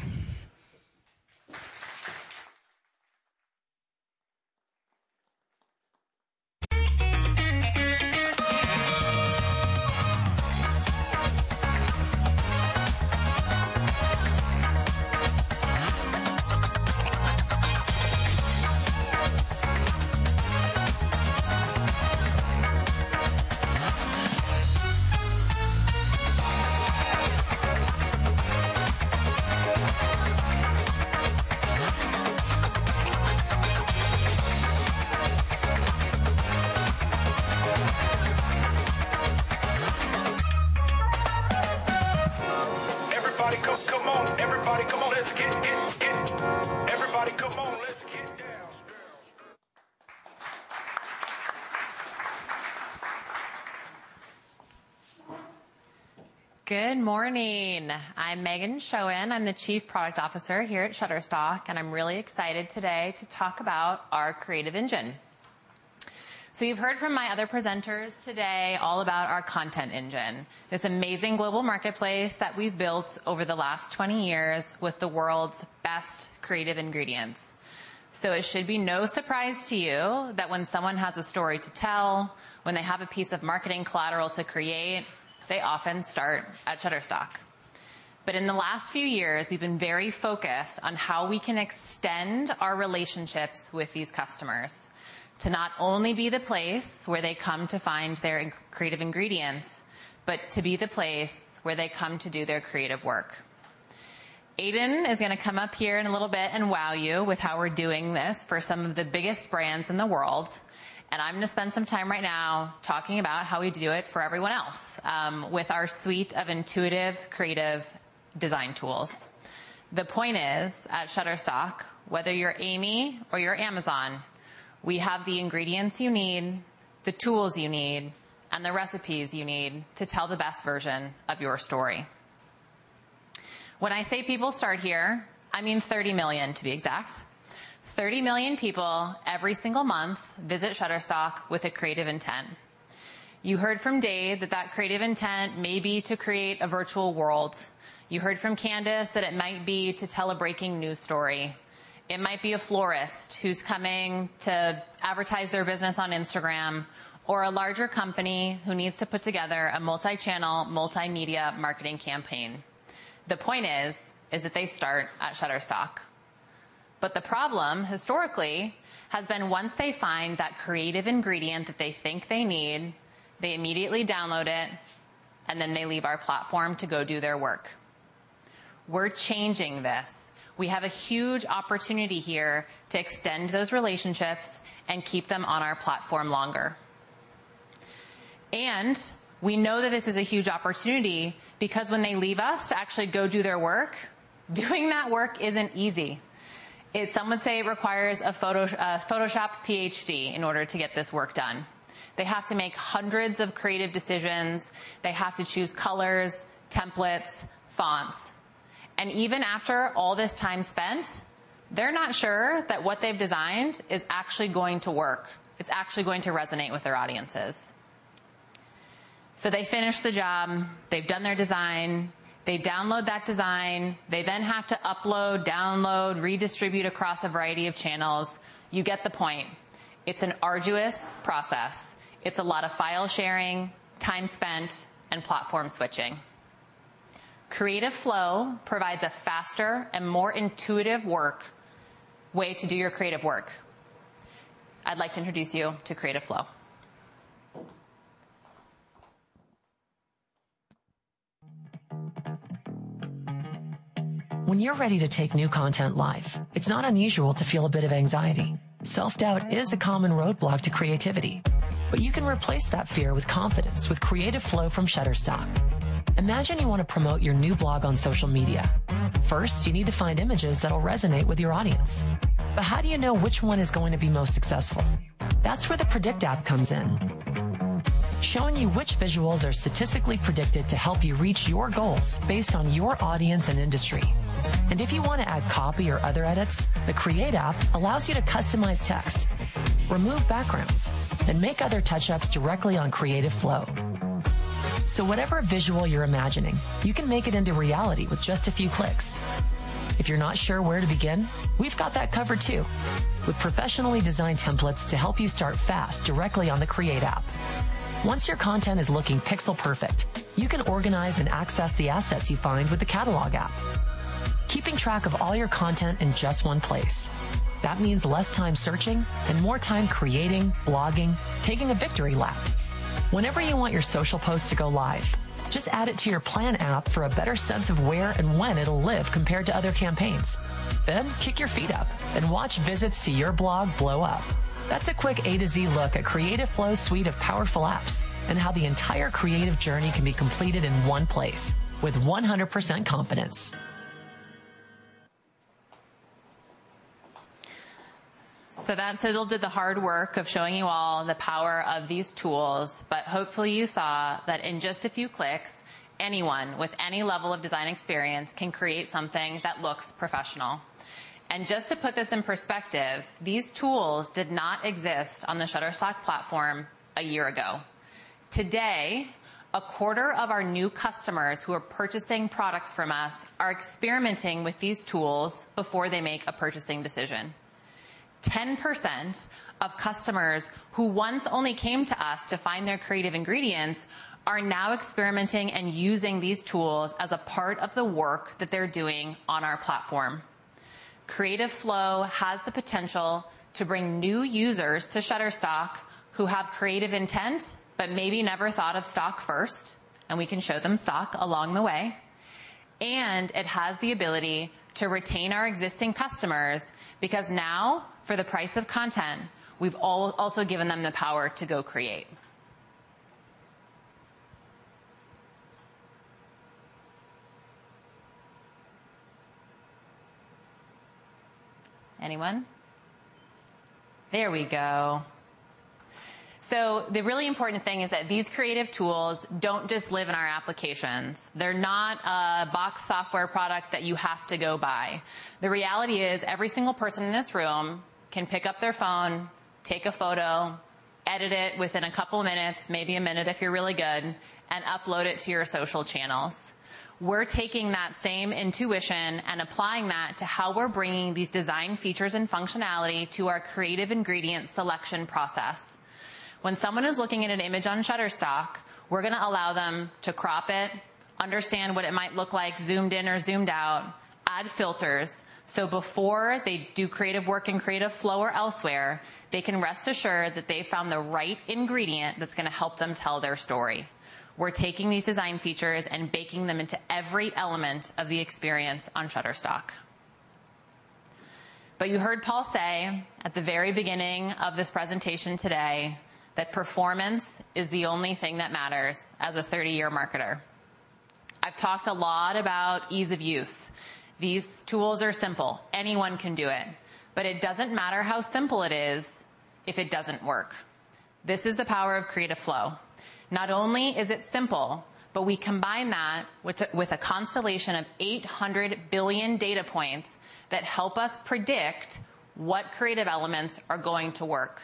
Speaker 4: Good morning. I'm Meghan Schoen. I'm the Chief Product Officer here at Shutterstock, I'm really excited today to talk about our Creative Engine. You've heard from my other presenters today all about our content engine, this amazing global marketplace that we've built over the last 20 years with the world's best creative ingredients. It should be no surprise to you that when someone has a story to tell, when they have a piece of marketing collateral to create, they often start at Shutterstock. In the last few years, we've been very focused on how we can extend our relationships with these customers to not only be the place where they come to find their creative ingredients, but to be the place where they come to do their creative work. Aiden is gonna come up here in a little bit and wow you with how we're doing this for some of the biggest brands in the world, and I'm gonna spend some time right now talking about how we do it for everyone else with our suite of intuitive creative design tools. The point is, at Shutterstock, whether you're Amy or you're Amazon, we have the ingredients you need, the tools you need, and the recipes you need to tell the best version of your story. When I say people start here, I mean 30 million, to be exact. 30 million people every single month visit Shutterstock with a creative intent. You heard from Dade that that creative intent may be to create a virtual world. You heard from Candice that it might be to tell a breaking news story. It might be a florist who's coming to advertise their business on Instagram or a larger company who needs to put together a multi-channel, multimedia marketing campaign. The point is that they start at Shutterstock. The problem historically has been once they find that creative ingredient that they think they need, they immediately download it, and then they leave our platform to go do their work. We're changing this. We have a huge opportunity here to extend those relationships and keep them on our platform longer. We know that this is a huge opportunity because when they leave us to actually go do their work, doing that work isn't easy. Some would say it requires a Photoshop PhD in order to get this work done. They have to make hundreds of creative decisions. They have to choose colors, templates, fonts. Even after all this time spent, they're not sure that what they've designed is actually going to work, it's actually going to resonate with their audiences. They finish the job, they've done their design, they download that design. They have to upload, download, redistribute across a variety of channels. You get the point. It's an arduous process. It's a lot of file sharing, time spent, and platform switching. Creative Flow provides a faster and more intuitive way to do your creative work. I'd like to introduce you to Creative Flow. When you're ready to take new content live, it's not unusual to feel a bit of anxiety. Self-doubt is a common roadblock to creativity. You can replace that fear with confidence with Creative Flow from Shutterstock. Imagine you want to promote your new blog on social media. First, you need to find images that'll resonate with your audience. How do you know which one is going to be most successful? That's where the Predict app comes in, showing you which visuals are statistically predicted to help you reach your goals based on your audience and industry. If you want to add copy or other edits, the Create app allows you to customize text, remove backgrounds, and make other touch-ups directly on Creative Flow. Whatever visual you're imagining, you can make it into reality with just a few clicks. If you're not sure where to begin, we've got that covered too, with professionally designed templates to help you start fast directly on the Create app. Once your content is looking pixel perfect, you can organize and access the assets you find with the Catalog app, keeping track of all your content in just one place. That means less time searching and more time creating, blogging, taking a victory lap. Whenever you want your social post to go live, just add it to your Plan app for a better sense of where and when it'll live compared to other campaigns. Kick your feet up and watch visits to your blog blow up. That's a quick A to Z look at Creative Flow's suite of powerful apps and how the entire creative journey can be completed in one place with 100% confidence. That sizzle did the hard work of showing you all the power of these tools. Hopefully you saw that in just a few clicks, anyone with any level of design experience can create something that looks professional. Just to put this in perspective, these tools did not exist on the Shutterstock platform a year ago. Today, a quarter of our new customers who are purchasing products from us are experimenting with these tools before they make a purchasing decision. 10% of customers who once only came to us to find their creative ingredients are now experimenting and using these tools as a part of the work that they're doing on our platform. Creative Flow has the potential to bring new users to Shutterstock who have creative intent, but maybe never thought of stock first, and we can show them stock along the way. It has the ability to retain our existing customers because now, for the price of content, we've also given them the power to go create. Anyone? There we go. The really important thing is that these creative tools don't just live in our applications. They're not a box software product that you have to go buy. The reality is every single person in this room can pick up their phone, take a photo, edit it within two minutes, maybe one minute if you're really good, and upload it to your social channels. We're taking that same intuition and applying that to how we're bringing these design features and functionality to our creative ingredient selection process. When someone is looking at an image on Shutterstock, we're going to allow them to crop it, understand what it might look like zoomed in or zoomed out, add filters, so before they do creative work in Creative Flow or elsewhere, they can rest assured that they found the right ingredient that's going to help them tell their story. We're taking these design features and baking them into every element of the experience on Shutterstock. You heard Paul say at the very beginning of this presentation today that performance is the only thing that matters as a 30-year marketer. I've talked a lot about ease of use. These tools are simple. Anyone can do it, but it doesn't matter how simple it is if it doesn't work. This is the power of Creative Flow. Not only is it simple, but we combine that with a constellation of 800 billion data points that help us predict what creative elements are going to work.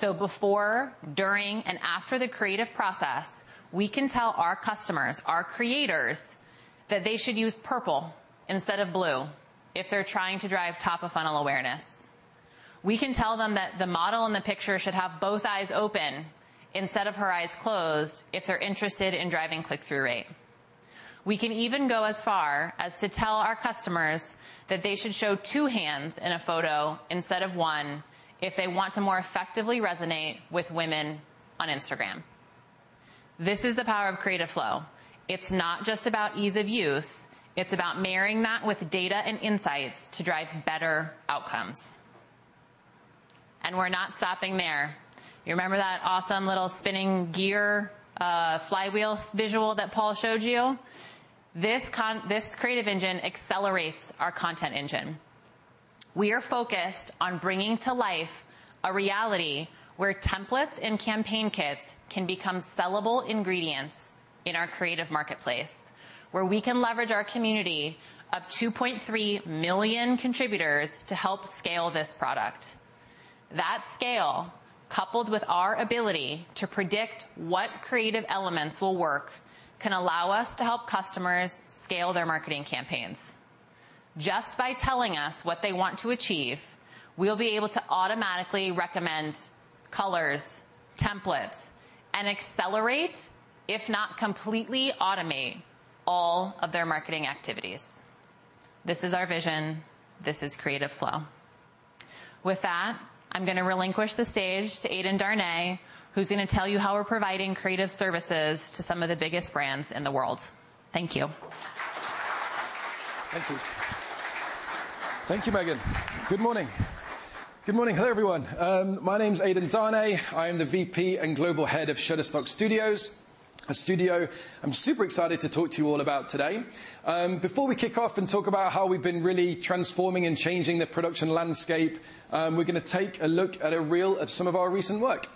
Speaker 4: Before, during, and after the creative process, we can tell our customers, our creators, that they should use purple instead of blue if they're trying to drive top-of-funnel awareness. We can tell them that the model in the picture should have both eyes open instead of her eyes closed if they're interested in driving click-through rate. We can even go as far as to tell our customers that they should show two hands in a photo instead of one if they want to more effectively resonate with women on Instagram. This is the power of Creative Flow. It's not just about ease of use. It's about marrying that with data and insights to drive better outcomes. We're not stopping there. You remember that awesome little spinning gear, flywheel visual that Paul showed you? This Creative Engine accelerates our content engine. We are focused on bringing to life a reality where templates and campaign kits can become sellable ingredients in our creative marketplace, where we can leverage our community of 2.3 million contributors to help scale this product. That scale, coupled with our ability to predict what creative elements will work, can allow us to help customers scale their marketing campaigns. Just by telling us what they want to achieve, we'll be able to automatically recommend colors, templates, and accelerate, if not completely automate all of their marketing activities. This is our vision. This is Creative Flow. With that, I'm gonna relinquish the stage to Aiden Darné, who's gonna tell you how we're providing creative services to some of the biggest brands in the world. Thank you.
Speaker 5: Thank you. Thank you, Meghan. Good morning. Good morning. Hello, everyone. My name's Aiden Darné. I am the VP and Global Head of Shutterstock Studios, a studio I'm super excited to talk to you all about today. Before we kick off and talk about how we've been really transforming and changing the production landscape, we're gonna take a look at a reel of some of our recent work.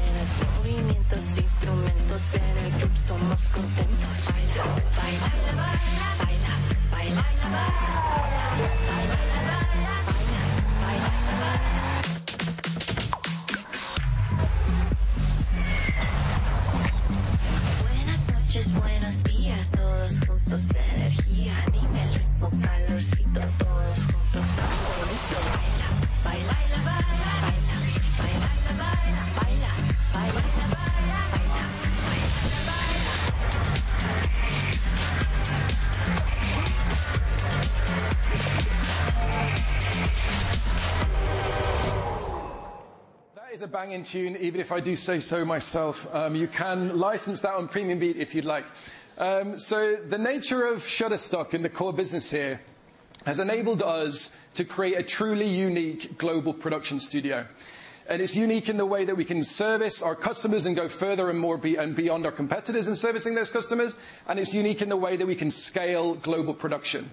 Speaker 5: That is a banging tune, even if I do say so myself. You can license that on PremiumBeat if you'd like. The nature of Shutterstock and the core business here has enabled us to create a truly unique global production studio. It's unique in the way that we can service our customers and go further and more beyond our competitors in servicing those customers, and it's unique in the way that we can scale global production.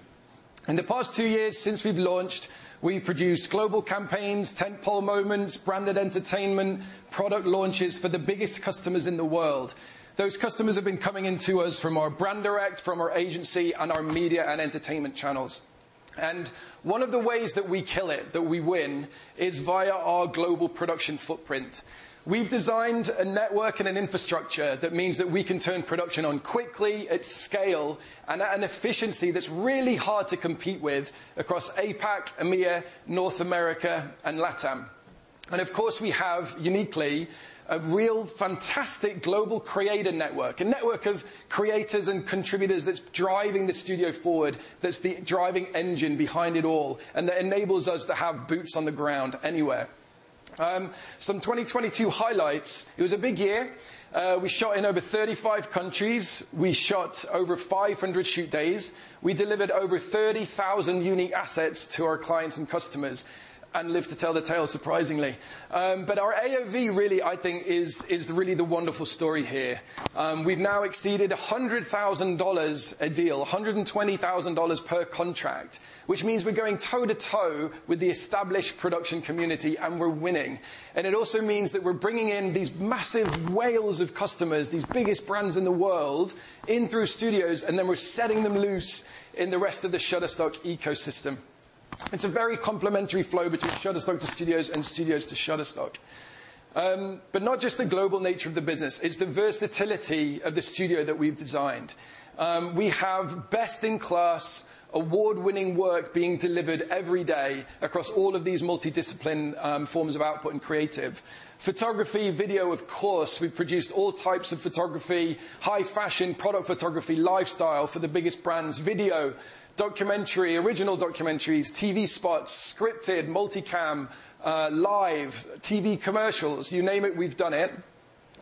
Speaker 5: In the past two years since we've launched, we've produced global campaigns, tentpole moments, branded entertainment, product launches for the biggest customers in the world. Those customers have been coming into us from our brand direct, from our agency and our media and entertainment channels. One of the ways that we kill it, that we win, is via our global production footprint. We've designed a network and an infrastructure that means that we can turn production on quickly at scale and at an efficiency that's really hard to compete with across APAC, EMEA, North America and LatAm. Of course, we have uniquely a real fantastic global creator network, a network of creators and contributors that's driving the studio forward, that's the driving engine behind it all, and that enables us to have boots on the ground anywhere. Some 2022 highlights. It was a big year. We shot in over 35 countries. We shot over 500 shoot days. We delivered over 30,000 unique assets to our clients and customers and lived to tell the tale surprisingly. But our AOV really, I think, is really the wonderful story here. We've now exceeded $100,000 a deal, $120,000 per contract. Which means we're going toe-to-toe with the established production community, and we're winning. It also means that we're bringing in these massive whales of customers, these biggest brands in the world, in through studios, and then we're setting them loose in the rest of the Shutterstock ecosystem. It's a very complementary flow between Shutterstock to studios and studios to Shutterstock. Not just the global nature of the business, it's the versatility of the studio that we've designed. We have best in class award-winning work being delivered every day across all of these multi-discipline forms of output and creative. Photography, video, of course, we've produced all types of photography, high fashion, product photography, lifestyle for the biggest brands. Video, documentary, original documentaries, TV spots, scripted, multicam, live, TV commercials, you name it, we've done it,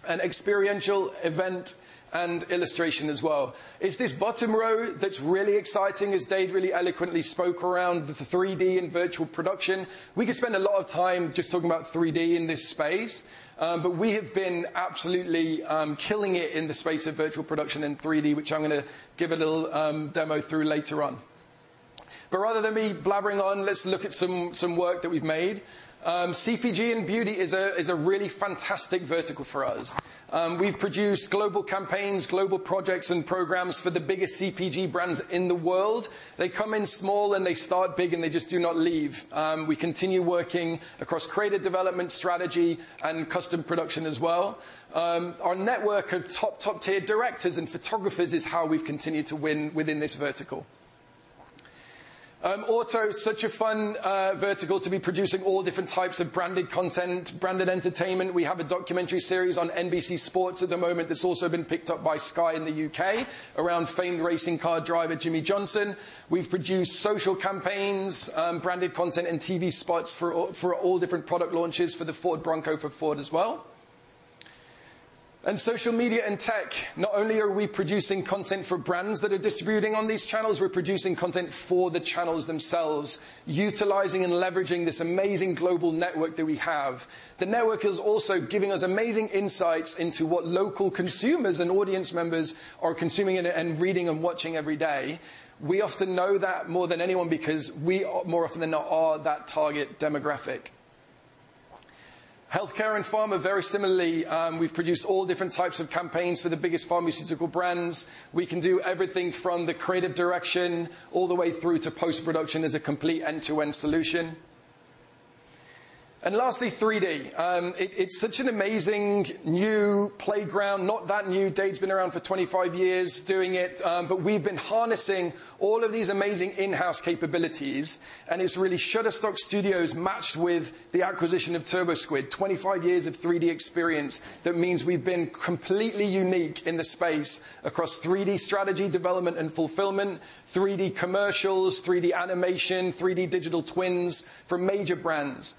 Speaker 5: and experiential event and illustration as well. It's this bottom row that's really exciting as Dade really eloquently spoke around the 3D and virtual production. We could spend a lot of time just talking about 3D in this space, but we have been absolutely killing it in the space of virtual production in 3D, which I'm gonna give a little demo through later on. Rather than me blabbering on, let's look at some work that we've made. CPG and beauty is a really fantastic vertical for us. We've produced global campaigns, global projects and programs for the biggest CPG brands in the world. They come in small, and they start big, and they just do not leave. We continue working across creative development strategy and custom production as well. Our network of top-tier directors and photographers is how we've continued to win within this vertical. Auto, such a fun vertical to be producing all different types of branded content, branded entertainment. We have a documentary series on NBC Sports at the moment that's also been picked up by Sky in the U.K. around famed racing car driver Jimmie Johnson. We've produced social campaigns, branded content and TV spots for all different product launches for the Ford Bronco for Ford as well. Social media and tech, not only are we producing content for brands that are distributing on these channels, we're producing content for the channels themselves, utilizing and leveraging this amazing global network that we have. The network is also giving us amazing insights into what local consumers and audience members are consuming and reading and watching every day. We often know that more than anyone because we are more often than not that target demographic. Healthcare and pharma, very similarly, we've produced all different types of campaigns for the biggest pharmaceutical brands. We can do everything from the creative direction all the way through to post-production as a complete end-to-end solution. Lastly, 3D. It's such an amazing new playground. Not that new. Dade's been around for 25 years doing it, but we've been harnessing all of these amazing in-house capabilities, and it's really Shutterstock Studios matched with the acquisition of TurboSquid, 25 years of 3D experience. That means we've been completely unique in the space across 3D strategy, development and fulfillment, 3D commercials, 3D animation, 3D digital twins for major brands.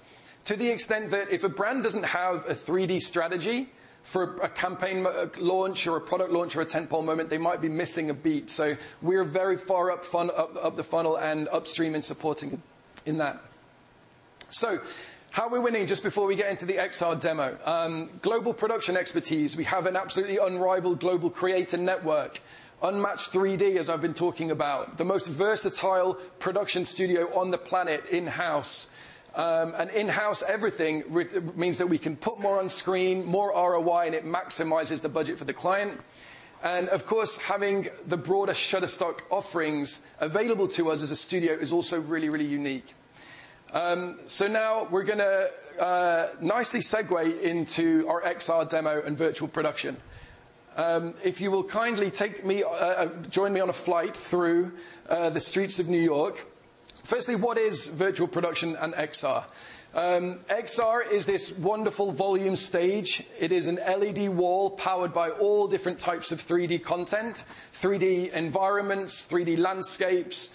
Speaker 5: To the extent that if a brand doesn't have a 3D strategy for a campaign launch or a product launch or a tentpole moment, they might be missing a beat. We're very far up the funnel and upstream in supporting in that. How are we winning just before we get into the XR demo? Global production expertise. We have an absolutely unrivaled global creator network, unmatched 3D, as I've been talking about, the most versatile production studio on the planet in-house. And in-house everything means that we can put more on screen, more ROI, and it maximizes the budget for the client. Of course, having the broader Shutterstock offerings available to us as a studio is also really, really unique. Now we're going to nicely segue into our XR demo and virtual production. If you will kindly take me join me on a flight through the streets of New York. Firstly, what is virtual production and XR? XR is this wonderful volume stage. It is an LED wall powered by all different types of 3D content, 3D environments, 3D landscapes.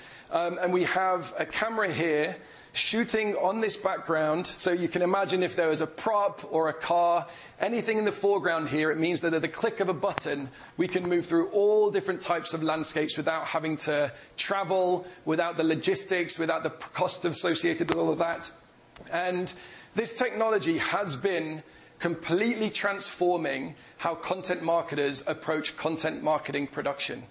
Speaker 5: We have a camera here shooting on this background. You can imagine if there was a prop or a car, anything in the foreground here, it means that at the click of a button, we can move through all different types of landscapes without having to travel, without the logistics, without the cost associated with all of that. This technology has been completely transforming how content marketers approach content marketing production.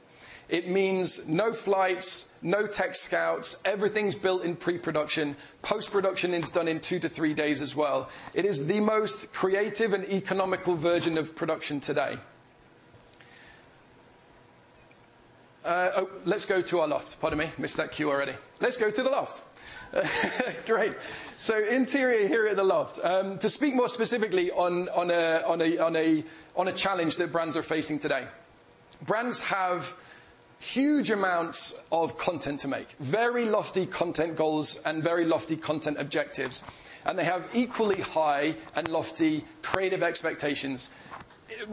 Speaker 5: It means no flights, no tech scouts. Everything's built in pre-production. Post-production is done in two to three days as well. It is the most creative and economical version of production today. Oh, let's go to our loft. Pardon me, missed that cue already. Let's go to the loft. Great. Interior here at the loft. To speak more specifically on a challenge that brands are facing today. Brands have huge amounts of content to make, very lofty content goals and very lofty content objectives, and they have equally high and lofty creative expectations,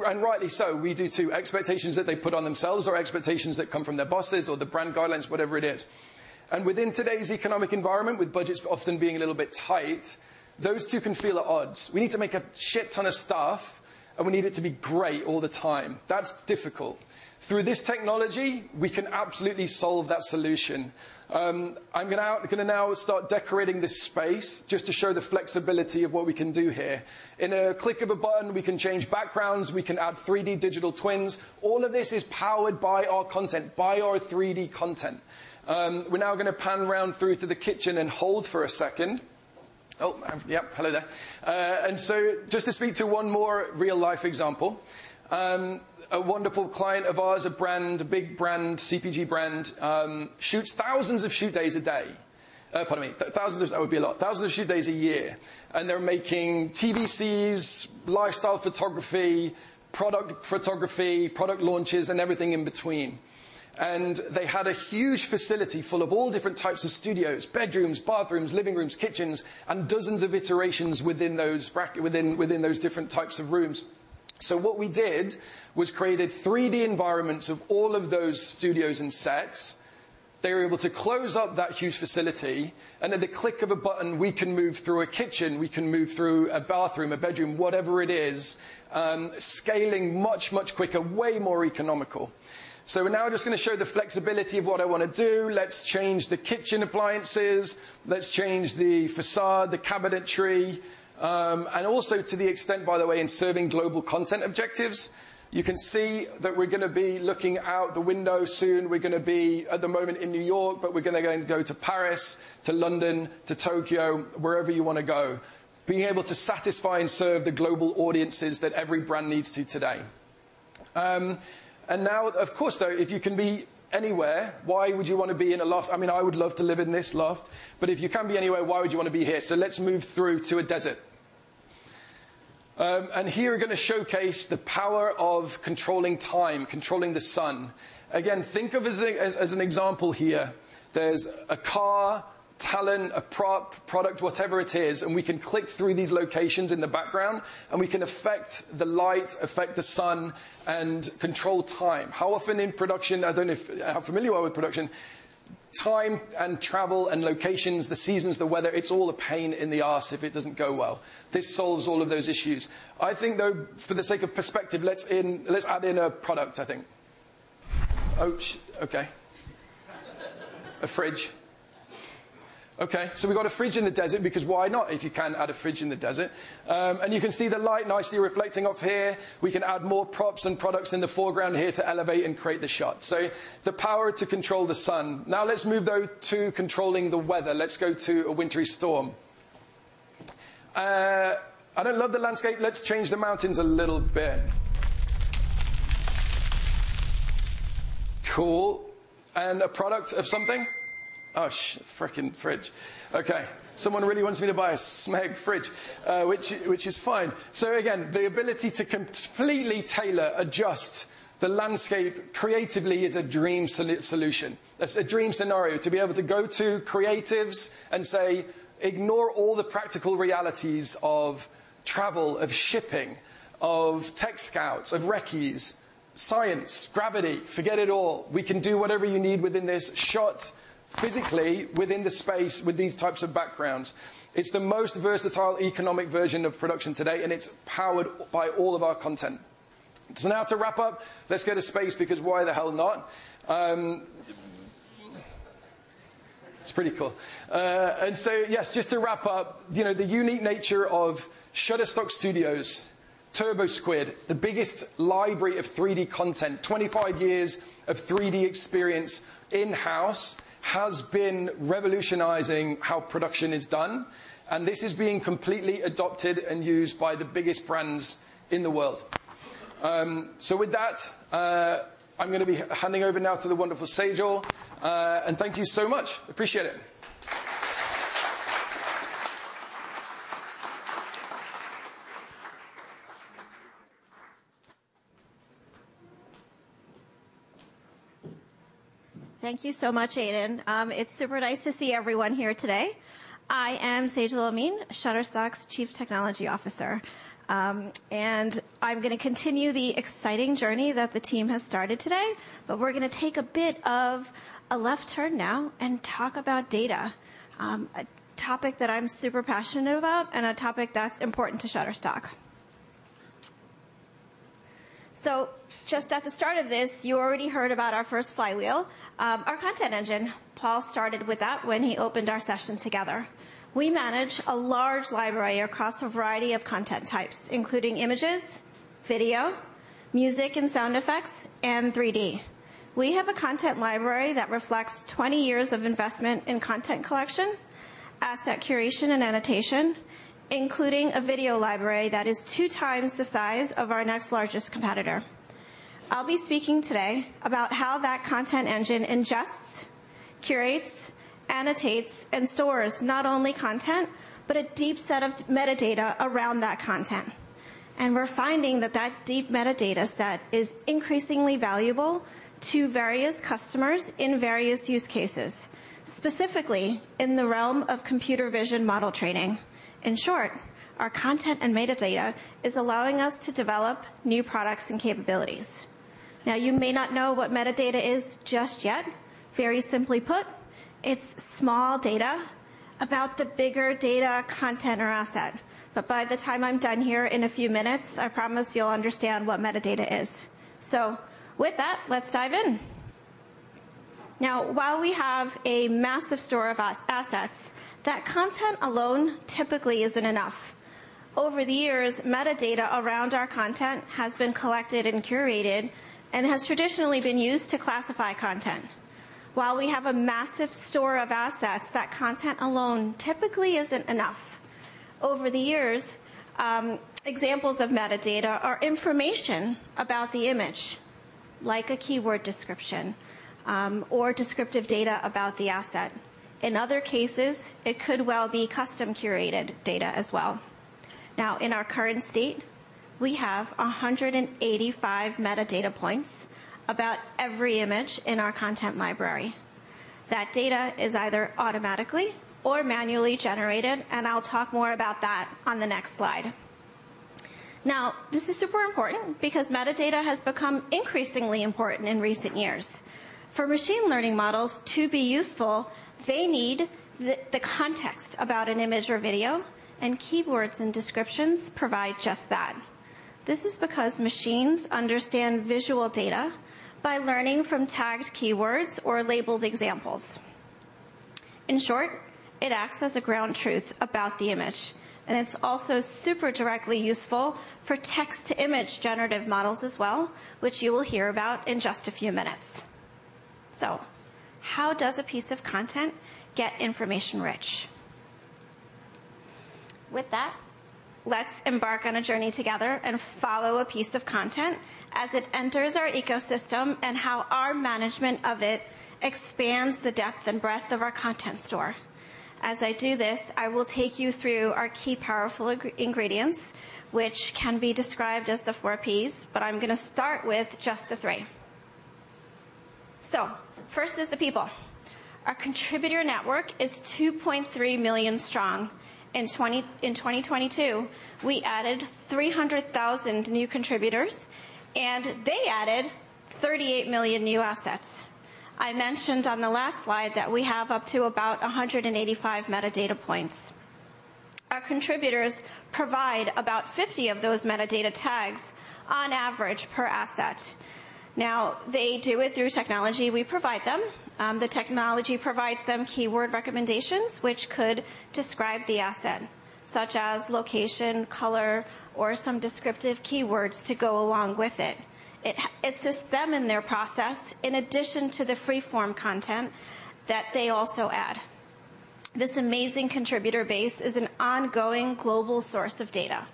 Speaker 5: and rightly so. We do too. Expectations that they put on themselves or expectations that come from their bosses or the brand guidelines, whatever it is. Within today's economic environment, with budgets often being a little bit tight, those two can feel at odds. We need to make a crap ton of stuff, we need it to be great all the time. That's difficult. Through this technology, we can absolutely solve that solution. I'm gonna now start decorating this space just to show the flexibility of what we can do here. In a click of a button, we can change backgrounds, we can add 3D digital twins. All of this is powered by our content, by our 3D content. We're now gonna pan round through to the kitchen and hold for a second. Yep, hello there. Just to speak to one more real-life example, a wonderful client of ours, a brand, a big brand, CPG brand, shoots thousands of shoot days a day. Pardon me. Thousands of shoot days a year, and they're making TVCs, lifestyle photography, product photography, product launches, and everything in between. They had a huge facility full of all different types of studios, bedrooms, bathrooms, living rooms, kitchens, and dozens of iterations within those different types of rooms. What we did was created 3D environments of all of those studios and sets. They were able to close up that huge facility, and at the click of a button, we can move through a kitchen, we can move through a bathroom, a bedroom, whatever it is, scaling much, much quicker, way more economical. We're now just gonna show the flexibility of what I wanna do. Let's change the kitchen appliances. Let's change the facade, the cabinetry. Also to the extent, by the way, in serving global content objectives, you can see that we're gonna be looking out the window soon. We're gonna be, at the moment, in New York, but we're gonna go and go to Paris, to London, to Tokyo, wherever you wanna go. Being able to satisfy and serve the global audiences that every brand needs to today. Now, of course, though, if you can be anywhere, why would you wanna be in a loft? I mean, I would love to live in this loft, but if you can be anywhere, why would you wanna be here? Let's move through to a desert. Here we're gonna showcase the power of controlling time, controlling the sun. Again, think of as a, as an example here, there's a car, talent, a prop, product, whatever it is, and we can click through these locations in the background, and we can affect the light, affect the sun, and control time. How often in production, I don't know if how familiar you are with production, time and travel and locations, the seasons, the weather, it's all a pain in the ass if it doesn't go well. This solves all of those issues. I think, though, for the sake of perspective, let's add in a product, I think. Okay. A fridge. Okay, so we've got a fridge in the desert because why not if you can add a fridge in the desert? And you can see the light nicely reflecting off here. We can add more props and products in the foreground here to elevate and create the shot. So the power to control the sun. Now let's move, though, to controlling the weather. Let's go to a wintry storm. I don't love the landscape. Let's change the mountains a little bit. Cool. And a product of something. Fricking fridge. Okay. Someone really wants me to buy a SMEG fridge, which is fine. So again, the ability to completely tailor, adjust the landscape creatively is a dream solution. It's a dream scenario to be able to go to creatives and say, "Ignore all the practical realities of travel, of shipping, of tech scouts, of reccees, science, gravity. Forget it all. We can do whatever you need within this shot physically, within the space, with these types of backgrounds." It's the most versatile economic version of production today, and it's powered by all of our content. Now to wrap up, let's go to space because why the hell not? It's pretty cool. yes, just to wrap up, you know, the unique nature of Shutterstock Studios, TurboSquid, the biggest library of 3D content, 25 years of 3D experience in-house, has been revolutionizing how production is done, and this is being completely adopted and used by the biggest brands in the world. With that, I'm gonna be handing over now to the wonderful Sejal. Thank you so much. Appreciate it.
Speaker 6: Thank you so much, Aiden. It's super nice to see everyone here today. I am Sejal Amin, Shutterstock's Chief Technology Officer. And I'm gonna continue the exciting journey that the team has started today, but we're gonna take a bit of a left turn now and talk about data, a topic that I'm super passionate about and a topic that's important to Shutterstock. Just at the start of this, you already heard about our first flywheel, our content engine. Paul started with that when he opened our session together. We manage a large library across a variety of content types, including images, video, music and sound effects, and 3D. We have a content library that reflects 20 years of investment in content collection, asset curation and annotation, including a video library that is two times the size of our next largest competitor. I'll be speaking today about how that content engine ingests, curates, annotates, and stores not only content, but a deep set of metadata around that content. We're finding that that deep metadata set is increasingly valuable to various customers in various use cases, specifically in the realm of computer vision model training. In short, our content and metadata is allowing us to develop new products and capabilities. You may not know what metadata is just yet. Very simply put, it's small data about the bigger data content or asset. By the time I'm done here in a few minutes, I promise you'll understand what metadata is. With that, let's dive in. While we have a massive store of assets, that content alone typically isn't enough. Over the years, metadata around our content has been collected and curated and has traditionally been used to classify content. While we have a massive store of assets, that content alone typically isn't enough. Over the years, examples of metadata are information about the image, like a keyword description, or descriptive data about the asset. In other cases, it could well be custom curated data as well. In our current state, we have 185 metadata points about every image in our content library. That data is either automatically or manually generated, and I'll talk more about that on the next slide. This is super important because metadata has become increasingly important in recent years. For machine learning models to be useful, they need the context about an image or video, and keywords and descriptions provide just that. This is because machines understand visual data by learning from tagged keywords or labeled examples. It acts as a ground truth about the image, and it's also super directly useful for text-to-image generative models as well, which you will hear about in just a few minutes. How does a piece of content get information rich? With that, let's embark on a journey together and follow a piece of content as it enters our ecosystem and how our management of it expands the depth and breadth of our content store. As I do this, I will take you through our key powerful ingredients, which can be described as the four Ps, but I'm gonna start with just the three. First is the people. Our contributor network is 2.3 million strong. In 2022, we added 300,000 new contributors, and they added 38 million new assets. I mentioned on the last slide that we have up to about 185 metadata points. Our contributors provide about 50 of those metadata tags on average per asset. Now, they do it through technology we provide them. The technology provides them keyword recommendations which could describe the asset, such as location, color, or some descriptive keywords to go along with it. It assists them in their process in addition to the freeform content that they also add. This amazing contributor base is an ongoing global source of data.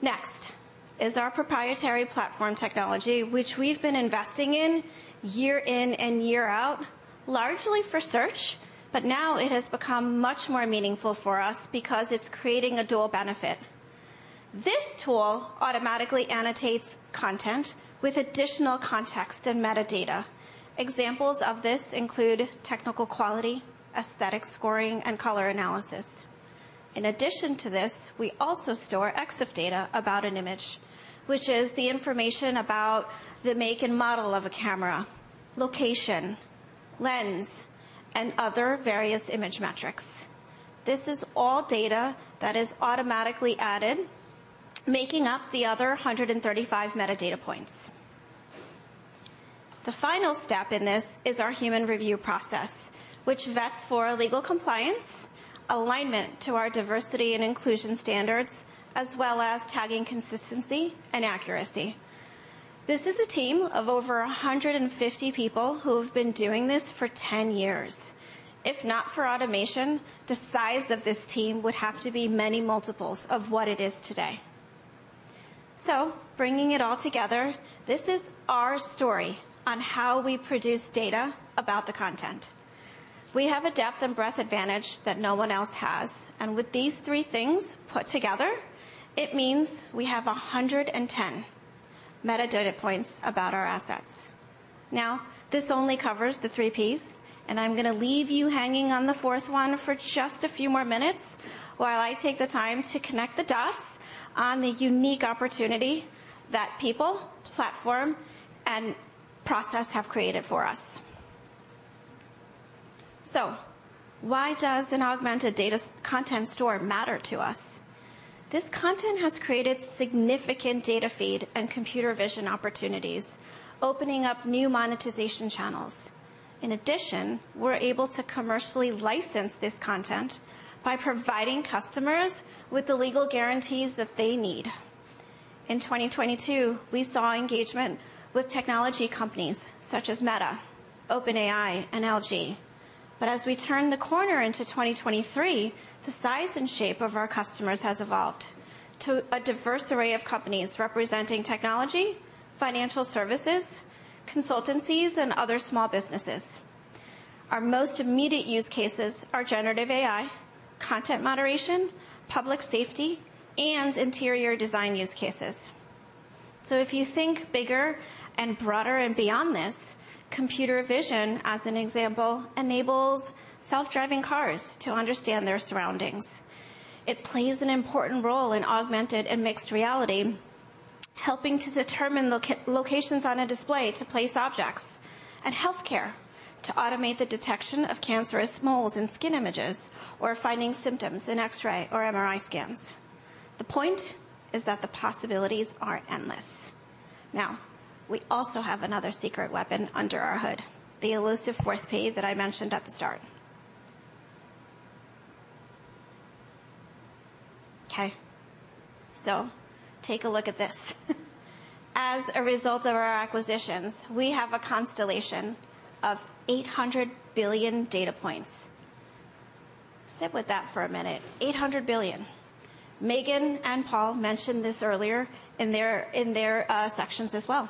Speaker 6: Next is our proprietary platform technology, which we've been investing in year in and year out, largely for search, but now it has become much more meaningful for us because it's creating a dual benefit. This tool automatically annotates content with additional context and metadata. Examples of this include technical quality, aesthetic scoring, and color analysis. In addition to this, we also store EXIF data about an image, which is the information about the make and model of a camera, location, lens, and other various image metrics. This is all data that is automatically added, making up the other 135 metadata points. The final step in this is our human review process, which vets for legal compliance, alignment to our diversity and inclusion standards, as well as tagging consistency and accuracy. This is a team of over 150 people who have been doing this for 10 years. If not for automation, the size of this team would have to be many multiples of what it is today. Bringing it all together, this is our story on how we produce data about the content. We have a depth and breadth advantage that no one else has, and with these three things put together, it means we have 110 metadata points about our assets. This only covers the three Ps, and I'm gonna leave you hanging on the fourth one for just a few more minutes while I take the time to connect the dots on the unique opportunity that people, platform, and process have created for us. Why does an augmented data content store matter to us? This content has created significant data feed and computer vision opportunities, opening up new monetization channels. In addition, we're able to commercially license this content by providing customers with the legal guarantees that they need. In 2022, we saw engagement with technology companies such as Meta, OpenAI, and LG. As we turn the corner into 2023, the size and shape of our customers has evolved to a diverse array of companies representing technology, financial services, consultancies, and other small businesses. Our most immediate use cases are generative AI, content moderation, public safety, and interior design use cases. If you think bigger and broader and beyond this, computer vision, as an example, enables self-driving cars to understand their surroundings. It plays an important role in augmented and mixed reality, helping to determine locations on a display to place objects, and healthcare to automate the detection of cancerous moles in skin images or finding symptoms in X-ray or MRI scans. The point is that the possibilities are endless. We also have another secret weapon under our hood, the elusive fourth P that I mentioned at the start. Okay. Take a look at this. As a result of our acquisitions, we have a constellation of 800 billion data points. Sit with that for a minute. 800 billion. Meghan and Paul mentioned this earlier in their sections as well.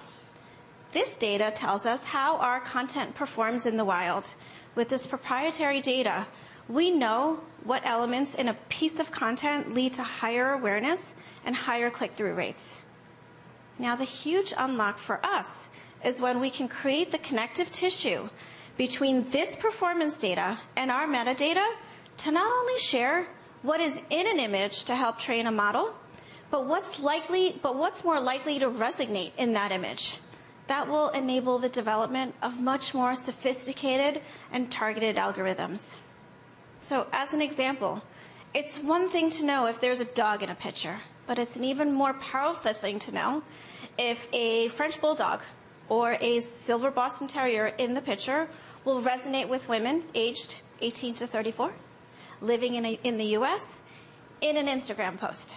Speaker 6: This data tells us how our content performs in the wild. With this proprietary data, we know what elements in a piece of content lead to higher awareness and higher click-through rates. The huge unlock for us is when we can create the connective tissue between this performance data and our metadata to not only share what is in an image to help train a model, but what's more likely to resonate in that image. That will enable the development of much more sophisticated and targeted algorithms. As an example, it's one thing to know if there's a dog in a picture, but it's an even more powerful thing to know if a French Bulldog or a silver Boston Terrier in the picture will resonate with women aged 18-34 living in the U.S. in an Instagram post.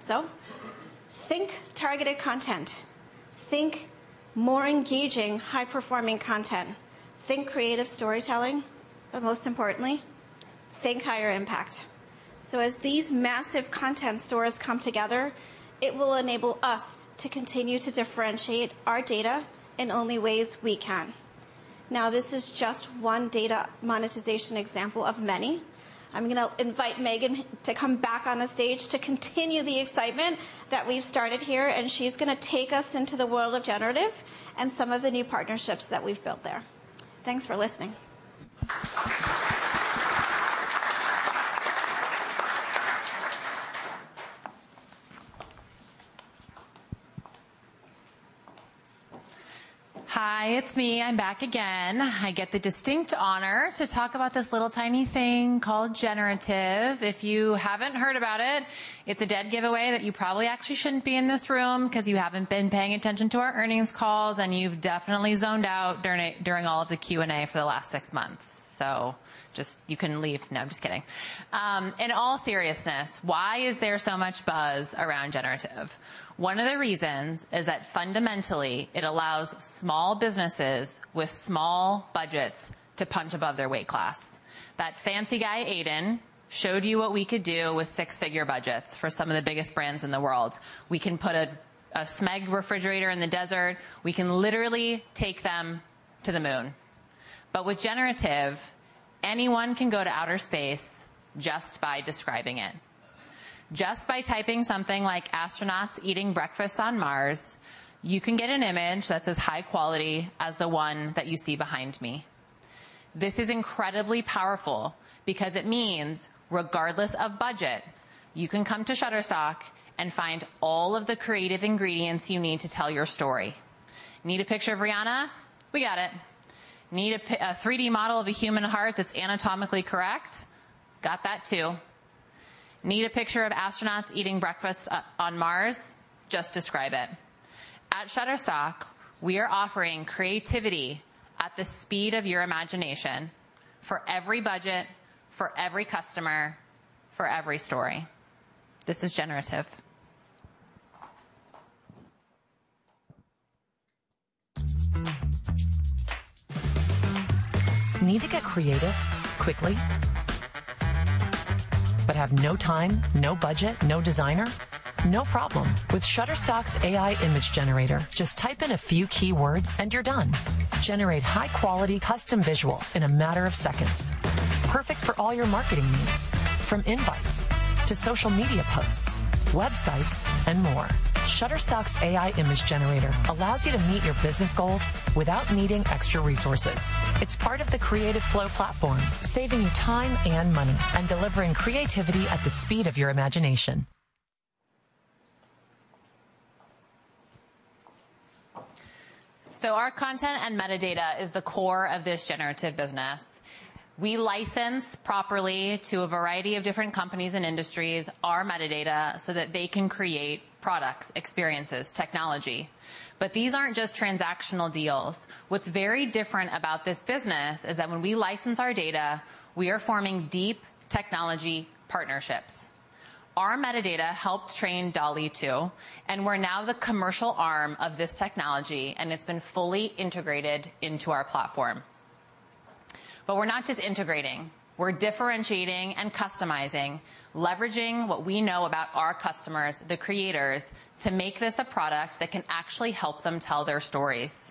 Speaker 6: Think targeted content, think more engaging, high-performing content, think creative storytelling, but most importantly, think higher impact. As these massive content stores come together, it will enable us to continue to differentiate our data in only ways we can. Now, this is just one data monetization example of many. I'm gonna invite Meghan to come back on the stage to continue the excitement that we've started here, and she's gonna take us into the world of generative and some of the new partnerships that we've built there. Thanks for listening.
Speaker 4: Hi, it's me. I'm back again. I get the distinct honor to talk about this little tiny thing called generative. If you haven't heard about it's a dead giveaway that you probably actually shouldn't be in this room 'cause you haven't been paying attention to our earnings calls, and you've definitely zoned out during all of the Q&A for the last six months. Just you can leave. No, I'm just kidding. In all seriousness, why is there so much buzz around generative? One of the reasons is that fundamentally it allows small businesses with small budgets to punch above their weight class. That fancy guy, Aiden, showed you what we could do with six-figure budgets for some of the biggest brands in the world. We can put a SMEG refrigerator in the desert. We can literally take them to the moon. With generative, anyone can go to outer space just by describing it. Just by typing something like "astronauts eating breakfast on Mars," you can get an image that's as high quality as the one that you see behind me. This is incredibly powerful because it means regardless of budget, you can come to Shutterstock and find all of the creative ingredients you need to tell your story. Need a picture of Rihanna? We got it. Need a 3D model of a human heart that's anatomically correct? Got that too. Need a picture of astronauts eating breakfast on Mars? Just describe it. At Shutterstock, we are offering creativity at the speed of your imagination for every budget, for every customer, for every story. This is generative. Need to get creative quickly, but have no time, no budget, no designer? No problem. With Shutterstock's AI image generator, just type in a few keywords and you're done. Generate high-quality custom visuals in a matter of seconds. Perfect for all your marketing needs, from invites to social media posts, websites, and more. Shutterstock's AI image generator allows you to meet your business goals without needing extra resources. It's part of the Creative Flow platform, saving you time and money and delivering creativity at the speed of your imagination. Our content and metadata is the core of this generative business. We license properly to a variety of different companies and industries our metadata so that they can create products, experiences, technology. These aren't just transactional deals. What's very different about this business is that when we license our data, we are forming deep technology partnerships. Our metadata helped train DALL-E 2. We're now the commercial arm of this technology. It's been fully integrated into our platform. We're not just integrating. We're differentiating and customizing, leveraging what we know about our customers, the creators, to make this a product that can actually help them tell their stories.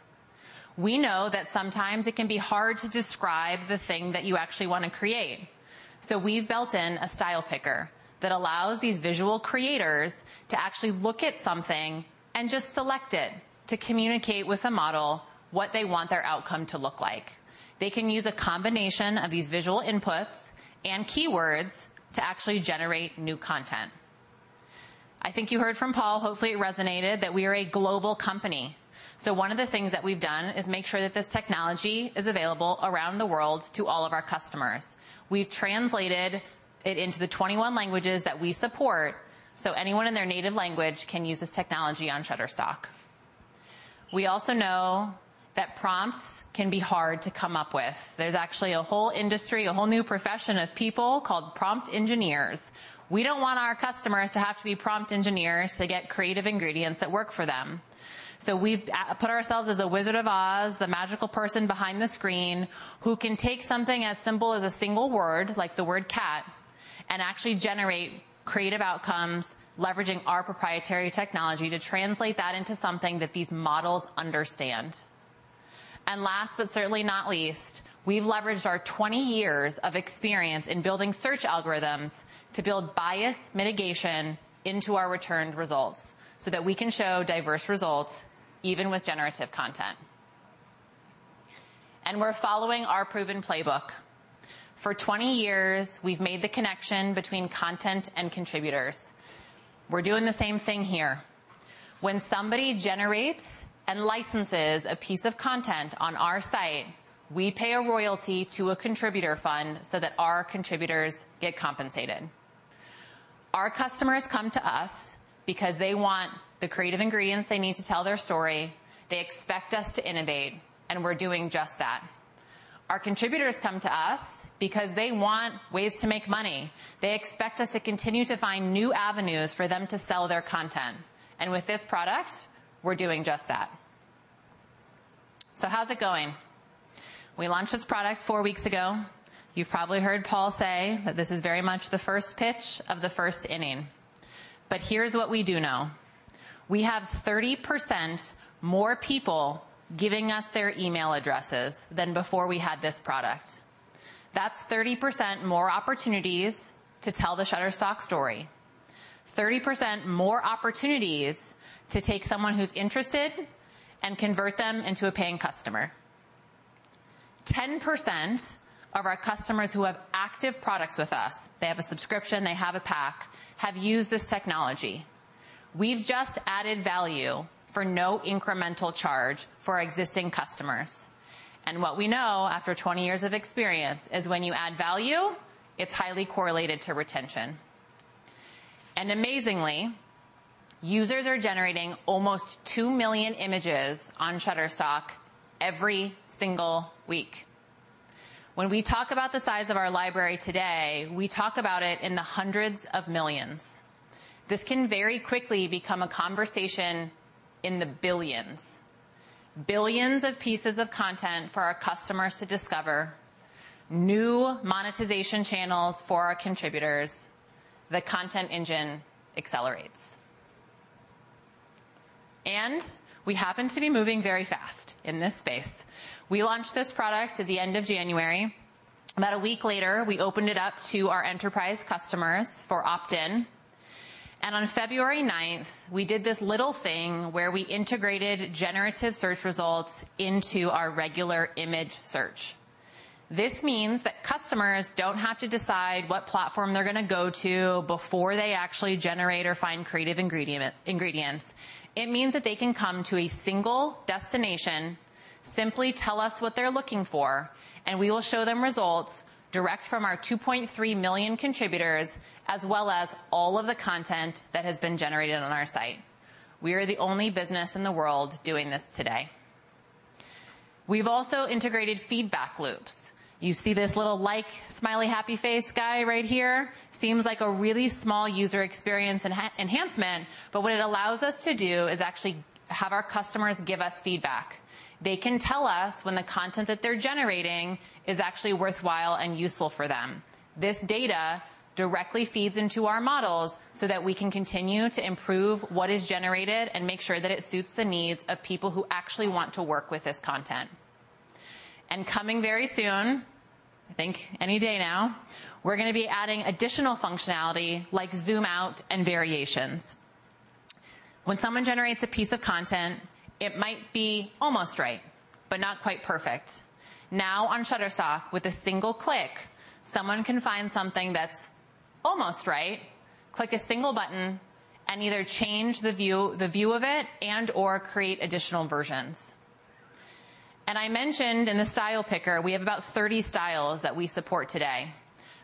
Speaker 4: We know that sometimes it can be hard to describe the thing that you actually wanna create. We've built in a style picker that allows these visual creators to actually look at something and just select it to communicate with the model what they want their outcome to look like. They can use a combination of these visual inputs and keywords to actually generate new content. I think you heard from Paul, hopefully it resonated, that we are a global company. One of the things that we've done is make sure that this technology is available around the world to all of our customers. We've translated it into the 21 languages that we support, so anyone in their native language can use this technology on Shutterstock. We also know that prompts can be hard to come up with. There's actually a whole industry, a whole new profession of people called prompt engineers. We don't want our customers to have to be prompt engineers to get creative ingredients that work for them. We've put ourselves as a Wizard of Oz, the magical person behind the screen, who can take something as simple as a single word, like the word cat, and actually generate creative outcomes, leveraging our proprietary technology to translate that into something that these models understand. Last, but certainly not least, we've leveraged our 20 years of experience in building search algorithms to build bias mitigation into our returned results so that we can show diverse results even with generative content. We're following our proven playbook. For 20 years, we've made the connection between content and contributors. We're doing the same thing here. When somebody generates and licenses a piece of content on our site, we pay a royalty to a contributor fund so that our contributors get compensated. Our customers come to us because they want the creative ingredients they need to tell their story. They expect us to innovate, and we're doing just that. Our contributors come to us because they want ways to make money. They expect us to continue to find new avenues for them to sell their content. With this product, we're doing just that. How's it going? We launched this product four weeks ago. You've probably heard Paul say that this is very much the first pitch of the first inning. Here's what we do know. We have 30% more people giving us their email addresses than before we had this product. That's 30% more opportunities to tell the Shutterstock story. 30% more opportunities to take someone who's interested and convert them into a paying customer. 10% of our customers who have active products with us, they have a subscription, they have a pack, have used this technology. We've just added value for no incremental charge for our existing customers. What we know after 20 years of experience is when you add value, it's highly correlated to retention. Amazingly, users are generating almost two million images on Shutterstock every single week. When we talk about the size of our library today, we talk about it in the hundreds of millions. This can very quickly become a conversation in the billions. Billions of pieces of content for our customers to discover, new monetization channels for our contributors. The content engine accelerates. We happen to be moving very fast in this space. We launched this product at the end of January. About a week later, we opened it up to our enterprise customers for opt-in. On February 9th, we did this little thing where we integrated generative search results into our regular image search. This means that customers don't have to decide what platform they're gonna go to before they actually generate or find creative ingredients. It means that they can come to a single destination, simply tell us what they're looking for, and we will show them results direct from our 2.3 million contributors, as well as all of the content that has been generated on our site. We are the only business in the world doing this today. We've also integrated feedback loops. You see this little like smiley, happy face guy right here? Seems like a really small user experience enhancement, but what it allows us to do is actually have our customers give us feedback. They can tell us when the content that they're generating is actually worthwhile and useful for them. This data directly feeds into our models so that we can continue to improve what is generated and make sure that it suits the needs of people who actually want to work with this content. Coming very soon, I think any day now, we're gonna be adding additional functionality like zoom out and variations. When someone generates a piece of content, it might be almost right, but not quite perfect. Now on Shutterstock, with a single click, someone can find something that's almost right. Click a single button and either change the view of it and/or create additional versions. I mentioned in the style picker, we have about 30 styles that we support today.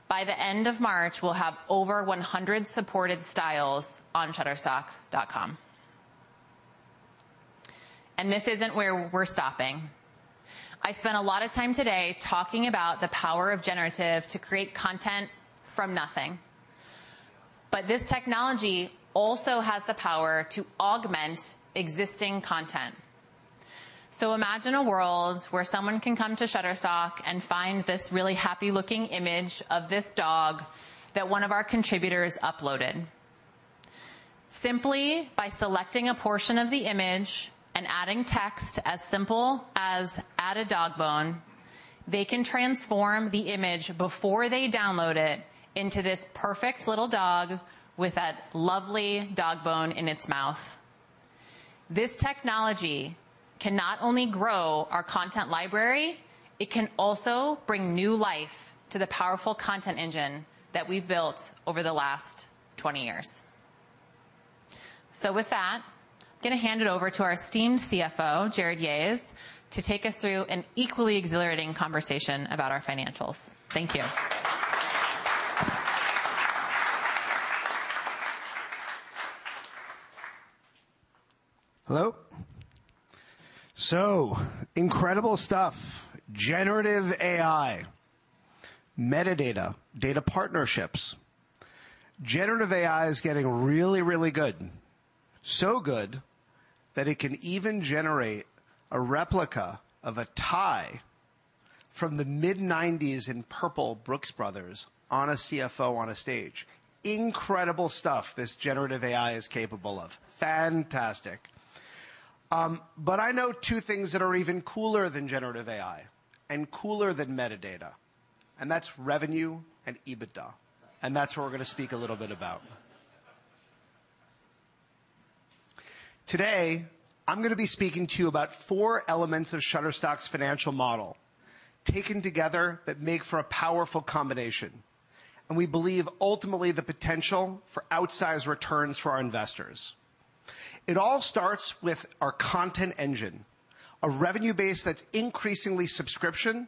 Speaker 4: By the end of March, we'll have over 100 supported styles on shutterstock.com. This isn't where we're stopping. I spent a lot of time today talking about the power of generative to create content from nothing, but this technology also has the power to augment existing content. Imagine a world where someone can come to Shutterstock and find this really happy looking image of this dog that one of our contributors uploaded. Simply by selecting a portion of the image and adding text as simple as add a dog bone, they can transform the image before they download it into this perfect little dog with that lovely dog bone in its mouth. This technology can not only grow our content library, it can also bring new life to the powerful content engine that we've built over the last 20 years. With that, I'm gonna hand it over to our esteemed CFO, Jarrod Yahes, to take us through an equally exhilarating conversation about our financials. Thank you.
Speaker 7: Hello. Incredible stuff. Generative AI, metadata, data partnerships. Generative AI is getting really, really good. Good that it can even generate a replica of a tie from the mid-90s in purple Brooks Brothers on a CFO on a stage. Incredible stuff this generative AI is capable of. Fantastic. I know two things that are even cooler than generative AI and cooler than metadata, and that's revenue and EBITDA, and that's what we're gonna speak a little bit about. Today I'm gonna be speaking to you about four elements of Shutterstock's financial model, taken together that make for a powerful combination, and we believe ultimately the potential for outsized returns for our investors. It all starts with our content engine, a revenue base that's increasingly subscription,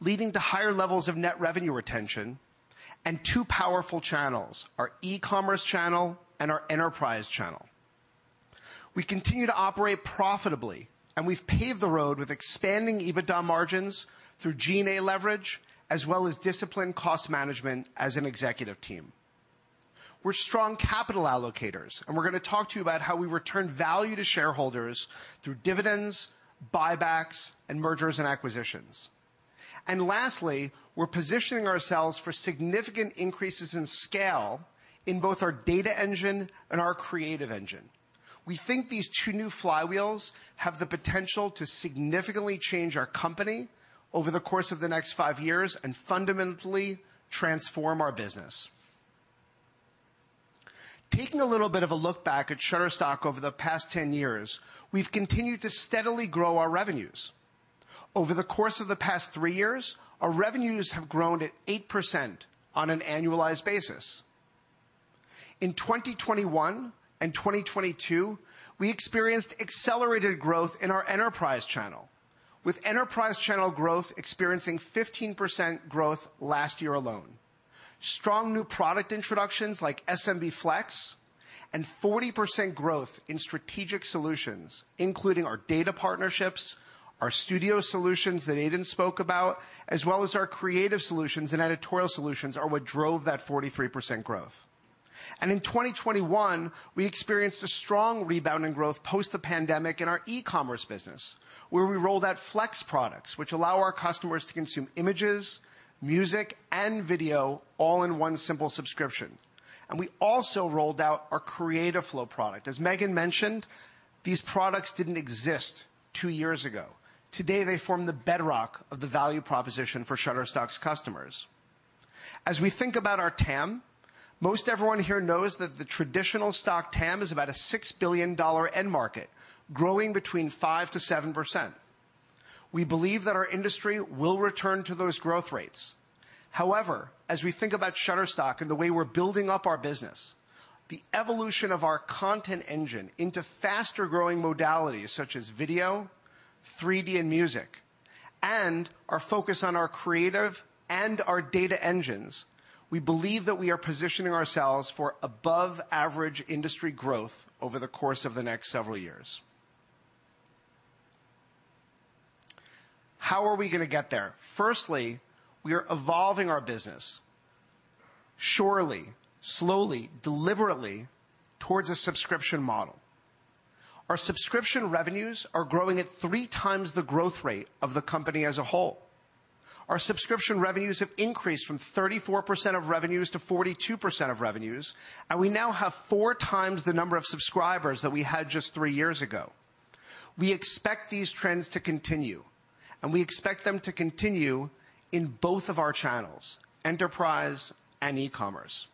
Speaker 7: leading to higher levels of net revenue retention, and two powerful channels, our e-commerce channel and our enterprise channel. We continue to operate profitably. We've paved the road with expanding EBITDA margins through G&A leverage as well as disciplined cost management as an executive team. We're strong capital allocators, and we're gonna talk to you about how we return value to shareholders through dividends, buybacks, and mergers and acquisitions. Lastly, we're positioning ourselves for significant increases in scale in both our Data Engine and our Creative Engine. We think these two new flywheels have the potential to significantly change our company over the course of the next five years and fundamentally transform our business. Taking a little bit of a look back at Shutterstock over the past 10 years, we've continued to steadily grow our revenues. Over the course of the past three years, our revenues have grown at 8% on an annualized basis. In 2021 and 2022, we experienced accelerated growth in our enterprise channel, with enterprise channel growth experiencing 15% growth last year alone. Strong new product introductions like SMB Flex and 40% growth in strategic solutions, including our data partnerships, our studio solutions that Aiden spoke about, as well as our creative solutions and editorial solutions are what drove that 43% growth. In 2021, we experienced a strong rebounding growth post the pandemic in our e-commerce business, where we rolled out Flex products, which allow our customers to consume images, music, and video all in one simple subscription. We also rolled out our Creative Flow product. As Meghan mentioned, these products didn't exist two years ago. Today, they form the bedrock of the value proposition for Shutterstock's customers. We think about our TAM, most everyone here knows that the traditional stock TAM is about a $6 billion end market, growing between 5%-7%. We believe that our industry will return to those growth rates. As we think about Shutterstock and the way we're building up our business, the evolution of our content engine into faster growing modalities such as video, 3D, and music, and our focus on our creative and our Data Engines, we believe that we are positioning ourselves for above average industry growth over the course of the next several years. How are we gonna get there? We are evolving our business surely, slowly, deliberately towards a subscription model. Our subscription revenues are growing at three times the growth rate of the company as a whole. Our subscription revenues have increased from 34% of revenues to 42% of revenues. We now have four times the number of subscribers that we had just three years ago. We expect these trends to continue. We expect them to continue in both of our channels, enterprise and e-commerce.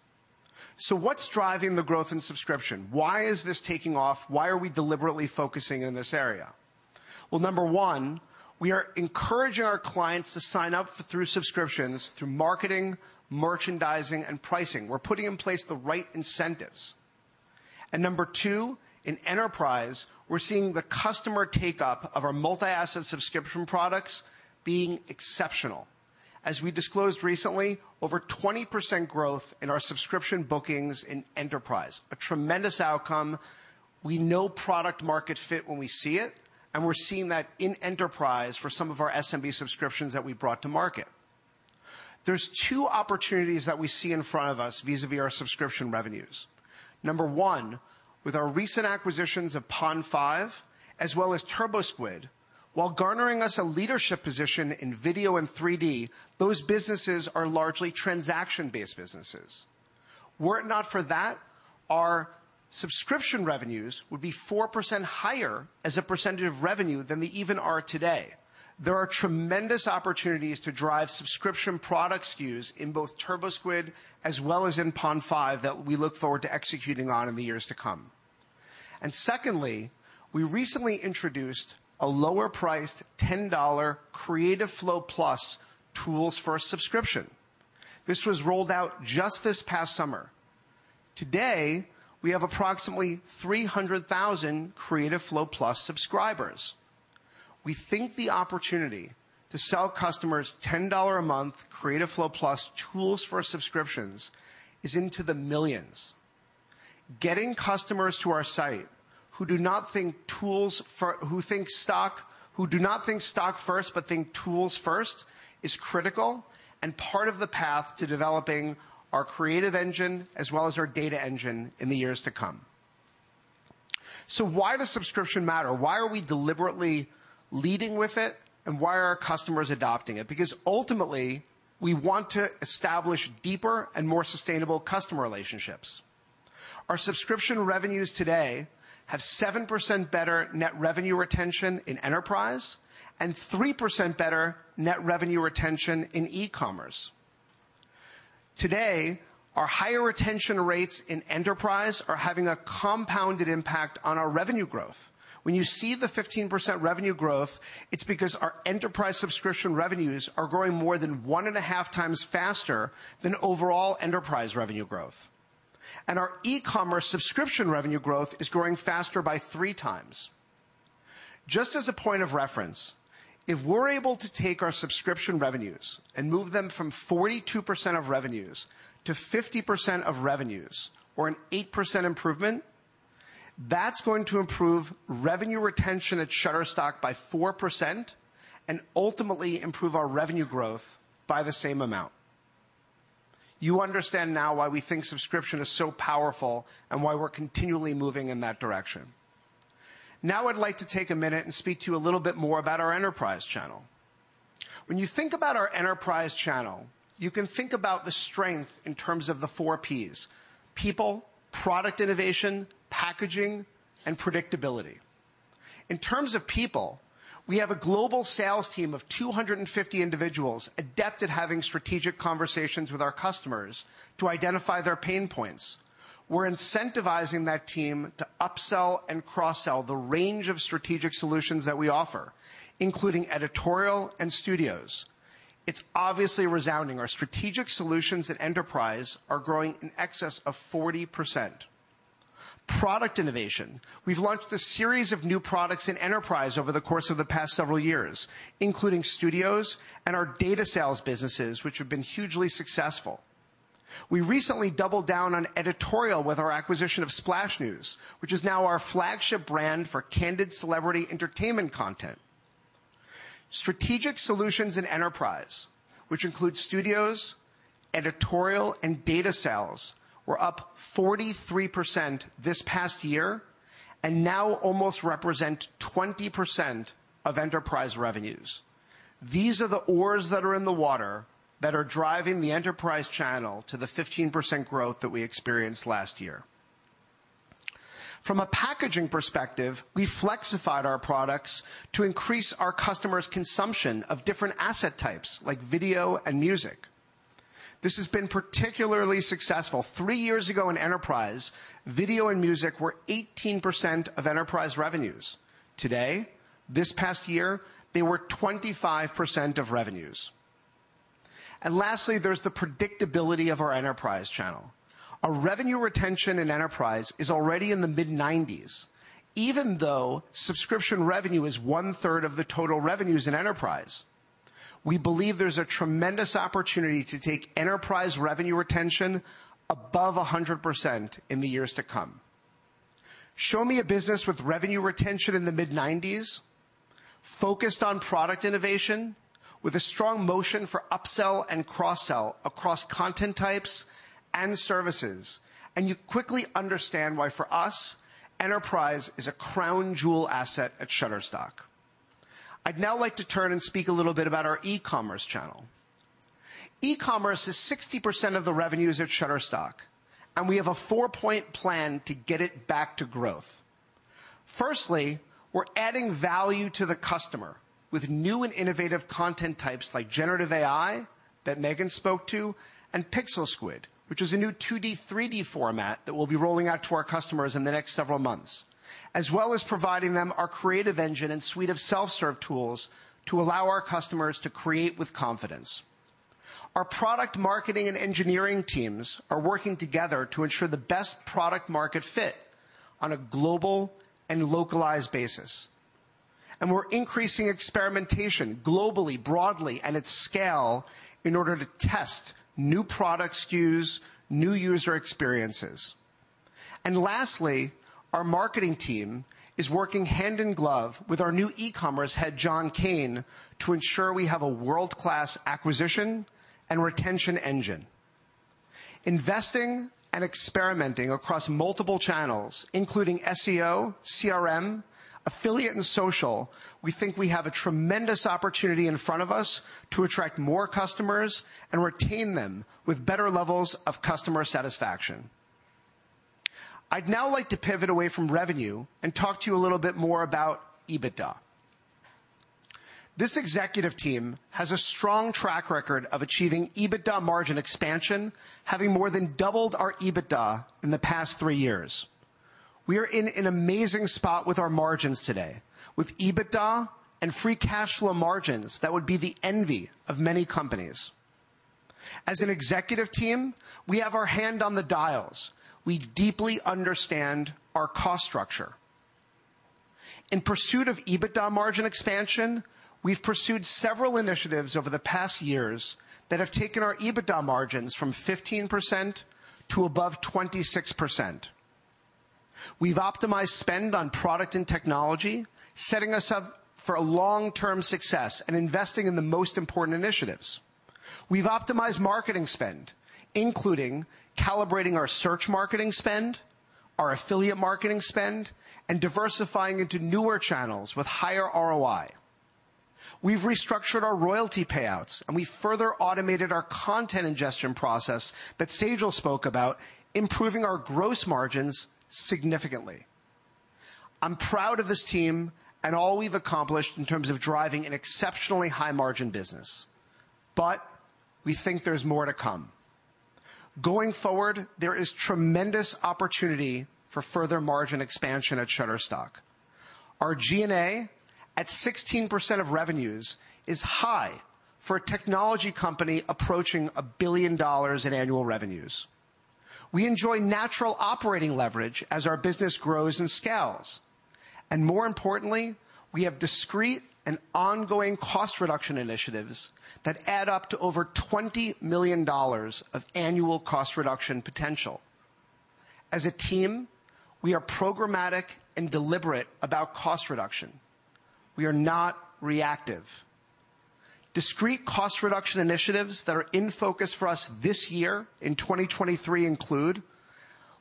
Speaker 7: What's driving the growth in subscription? Why is this taking off? Why are we deliberately focusing in this area? Number one, we are encouraging our clients to sign up through subscriptions through marketing, merchandising, and pricing. We're putting in place the right incentives. Number two, in enterprise, we're seeing the customer take-up of our multi-asset subscription products being exceptional. As we disclosed recently, over 20% growth in our subscription bookings in enterprise. A tremendous outcome. We know product market fit when we see it, and we're seeing that in enterprise for some of our SMB subscriptions that we brought to market. There's two opportunities that we see in front of us vis-a-vis our subscription revenues. Number one, with our recent acquisitions of Pond5 as well as TurboSquid, while garnering us a leadership position in video and 3D, those businesses are largely transaction-based businesses. Were it not for that, our subscription revenues would be 4% higher as a percentage of revenue than they even are today. There are tremendous opportunities to drive subscription product SKUs in both TurboSquid as well as in Pond5 that we look forward to executing on in the years to come. Secondly, we recently introduced a lower-priced $10 Creative Flow+ tools for a subscription. This was rolled out just this past summer. Today, we have approximately 300,000 Creative Flow+ subscribers. We think the opportunity to sell customers $10 a month Creative Flow+ tools for subscriptions is into the millions. Getting customers to our site who do not think stock first, but think tools first is critical and part of the path to developing our Creative Engine as well as our Data Engine in the years to come. Why does subscription matter? Why are we deliberately leading with it, and why are our customers adopting it? Ultimately, we want to establish deeper and more sustainable customer relationships. Our subscription revenues today have 7% better net revenue retention in enterprise and 3% better net revenue retention in e-commerce. Today, our higher retention rates in enterprise are having a compounded impact on our revenue growth. When you see the 15% revenue growth, it's because our enterprise subscription revenues are growing more than 1.5 times faster than overall enterprise revenue growth. Our e-commerce subscription revenue growth is growing faster by three times. Just as a point of reference, if we're able to take our subscription revenues and move them from 42% of revenues to 50% of revenues, or an 8% improvement, that's going to improve revenue retention at Shutterstock by 4% and ultimately improve our revenue growth by the same amount. You understand now why we think subscription is so powerful and why we're continually moving in that direction. I'd like to take a minute and speak to you a little bit more about our enterprise channel. When you think about our enterprise channel, you can think about the strength in terms of the four Ps: people, product innovation, packaging, and predictability. In terms of people, we have a global sales team of 250 individuals adept at having strategic conversations with our customers to identify their pain points. We're incentivizing that team to upsell and cross-sell the range of strategic solutions that we offer, including editorial and studios. It's obviously resounding. Our strategic solutions at enterprise are growing in excess of 40%. Product innovation. We've launched a series of new products in enterprise over the course of the past several years, including studios and our data sales businesses, which have been hugely successful. We recently doubled down on editorial with our acquisition of Splash News, which is now our flagship brand for candid celebrity entertainment content. Strategic solutions in enterprise, which includes Studios, Editorial, and data sales, were up 43% this past year and now almost represent 20% of enterprise revenues. These are the oars that are in the water that are driving the enterprise channel to the 15% growth that we experienced last year. From a packaging perspective, we flexified our products to increase our customers' consumption of different asset types like video and music. This has been particularly successful. Three years ago in enterprise, video and music were 18% of enterprise revenues. Today, this past year, they were 25% of revenues. Lastly, there's the predictability of our enterprise channel. Our revenue retention in enterprise is already in the mid-90s, even though subscription revenue is one-third of the total revenues in enterprise. We believe there's a tremendous opportunity to take enterprise revenue retention above 100% in the years to come. Show me a business with revenue retention in the mid-90s, focused on product innovation, with a strong motion for upsell and cross-sell across content types and services, and you quickly understand why for us, enterprise is a crown jewel asset at Shutterstock. I'd now like to turn and speak a little bit about our e-commerce channel. E-commerce is 60% of the revenues at Shutterstock, and we have a four-point plan to get it back to growth. We're adding value to the customer with new and innovative content types like generative AI that Meghan spoke to, and PixelSquid, which is a new 2D, 3D format that we'll be rolling out to our customers in the next several months, as well as providing them our Creative Engine and suite of self-serve tools to allow our customers to create with confidence. Our product marketing and engineering teams are working together to ensure the best product market fit on a global and localized basis. We're increasing experimentation globally, broadly, and at scale in order to test new product SKUs, new user experiences. Lastly, our marketing team is working hand in glove with our new e-commerce head, Jon Kane, to ensure we have a world-class acquisition and retention engine. Investing and experimenting across multiple channels, including SEO, CRM, affiliate, and social, we think we have a tremendous opportunity in front of us to attract more customers and retain them with better levels of customer satisfaction. I'd now like to pivot away from revenue and talk to you a little bit more about EBITDA. This executive team has a strong track record of achieving EBITDA margin expansion, having more than doubled our EBITDA in the past three years. We are in an amazing spot with our margins today, with EBITDA and free cash flow margins that would be the envy of many companies. As an executive team, we have our hand on the dials. We deeply understand our cost structure. In pursuit of EBITDA margin expansion, we've pursued several initiatives over the past years that have taken our EBITDA margins from 15% to above 26%. We've optimized spend on product and technology, setting us up for a long-term success and investing in the most important initiatives. We've optimized marketing spend, including calibrating our search marketing spend, our affiliate marketing spend, and diversifying into newer channels with higher ROI. We've restructured our royalty payouts. We further automated our content ingestion process that Sejal spoke about, improving our gross margins significantly. I'm proud of this team and all we've accomplished in terms of driving an exceptionally high margin business. We think there's more to come. Going forward, there is tremendous opportunity for further margin expansion at Shutterstock. Our G&A at 16% of revenues is high for a technology company approaching $1 billion in annual revenues. We enjoy natural operating leverage as our business grows and scales. More importantly, we have discrete and ongoing cost reduction initiatives that add up to over $20 million of annual cost reduction potential. As a team, we are programmatic and deliberate about cost reduction. We are not reactive. Discrete cost reduction initiatives that are in focus for us this year in 2023 include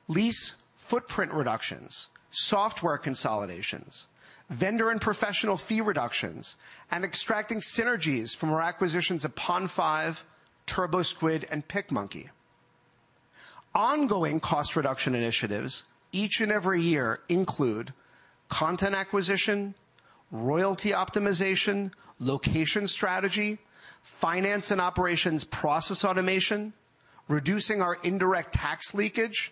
Speaker 7: lease footprint reductions, software consolidations, vendor and professional fee reductions, and extracting synergies from our acquisitions of Pond5, TurboSquid, and PicMonkey. Ongoing cost reduction initiatives each and every year include content acquisition, royalty optimization, location strategy, finance and operations process automation, reducing our indirect tax leakage,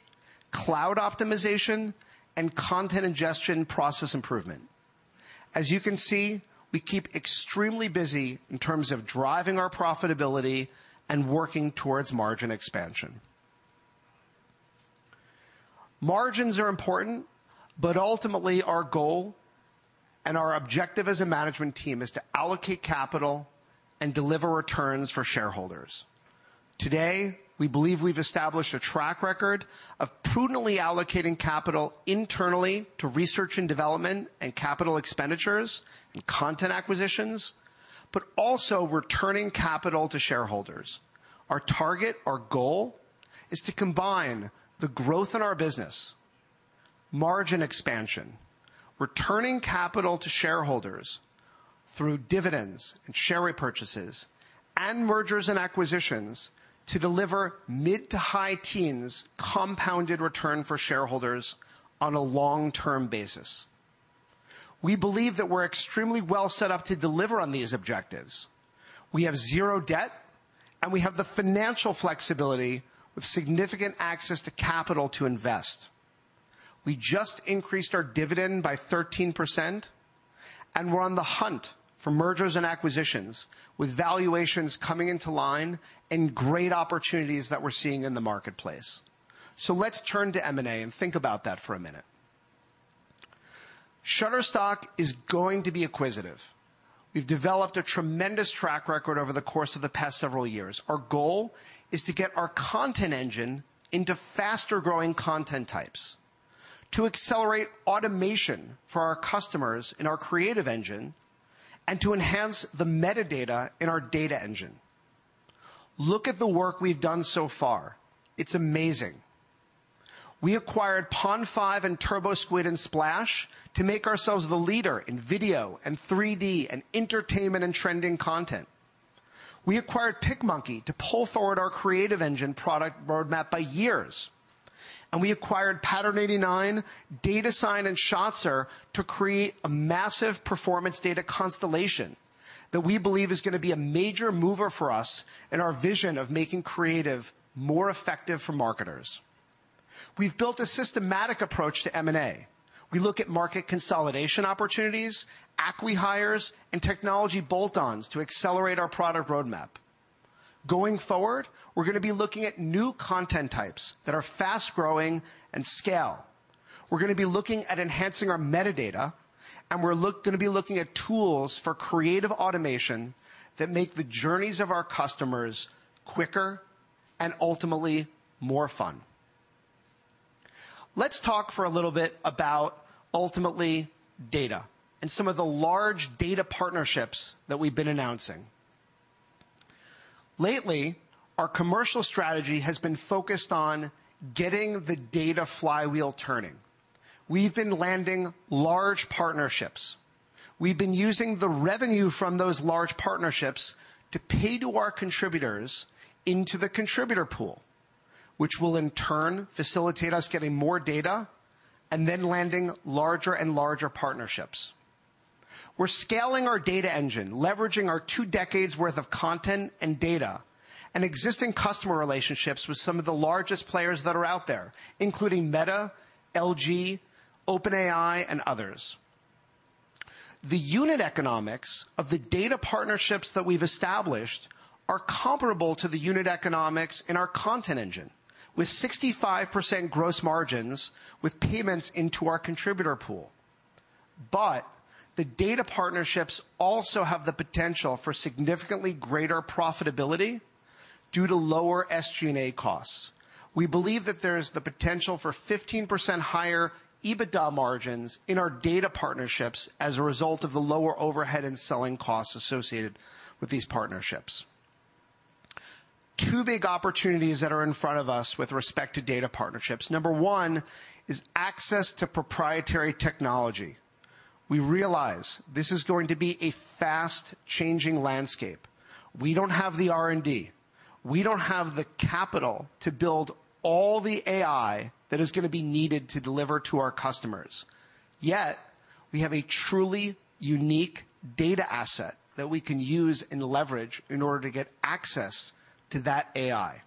Speaker 7: cloud optimization, and content ingestion process improvement. As you can see, we keep extremely busy in terms of driving our profitability and working towards margin expansion. Margins are important, ultimately, our goal and our objective as a management team is to allocate capital and deliver returns for shareholders. Today, we believe we've established a track record of prudently allocating capital internally to research and development and capital expenditures and content acquisitions, but also returning capital to shareholders. Our target, our goal, is to combine the growth in our business, margin expansion, returning capital to shareholders through dividends and share repurchases and mergers and acquisitions to deliver mid to high teens compounded return for shareholders on a long-term basis. We believe that we're extremely well set up to deliver on these objectives. We have zero debt, and we have the financial flexibility with significant access to capital to invest. We just increased our dividend by 13%, and we're on the hunt for mergers and acquisitions with valuations coming into line and great opportunities that we're seeing in the marketplace. Let's turn to M&A and think about that for a minute. Shutterstock is going to be acquisitive. We've developed a tremendous track record over the course of the past several years. Our goal is to get our content engine into faster-growing content types, to accelerate automation for our customers in our Creative Engine, and to enhance the metadata in our Data Engine. Look at the work we've done so far. It's amazing. We acquired Pond5 and TurboSquid and Splash to make ourselves the leader in video and 3D and entertainment and trending content. We acquired PicMonkey to pull forward our Creative Engine product roadmap by years. We acquired Pattern89, Datasine, and Shotzr to create a massive performance data constellation that we believe is gonna be a major mover for us in our vision of making creative more effective for marketers. We've built a systematic approach to M&A. We look at market consolidation opportunities, acqui-hires, and technology bolt-ons to accelerate our product roadmap. Going forward, we're gonna be looking at new content types that are fast-growing and scale. We're gonna be looking at enhancing our metadata. We're gonna be looking at tools for creative automation that make the journeys of our customers quicker and ultimately more fun. Let's talk for a little bit about ultimately data and some of the large data partnerships that we've been announcing. Lately, our commercial strategy has been focused on getting the data flywheel turning. We've been landing large partnerships. We've been using the revenue from those large partnerships to pay to our contributors into the contributor pool, which will in turn facilitate us getting more data and then landing larger and larger partnerships. We're scaling our Data Engine, leveraging our two decades worth of content and data and existing customer relationships with some of the largest players that are out there, including Meta, LG, OpenAI, and others. The unit economics of the data partnerships that we've established are comparable to the unit economics in our content engine, with 65% gross margins with payments into our contributor pool. The data partnerships also have the potential for significantly greater profitability due to lower SG&A costs. We believe that there's the potential for 15% higher EBITDA margins in our data partnerships as a result of the lower overhead and selling costs associated with these partnerships. Two big opportunities that are in front of us with respect to data partnerships. Number one is access to proprietary technology. We realize this is going to be a fast changing landscape. We don't have the R&D. We don't have the capital to build all the AI that is gonna be needed to deliver to our customers, yet we have a truly unique data asset that we can use and leverage in order to get access to that AI.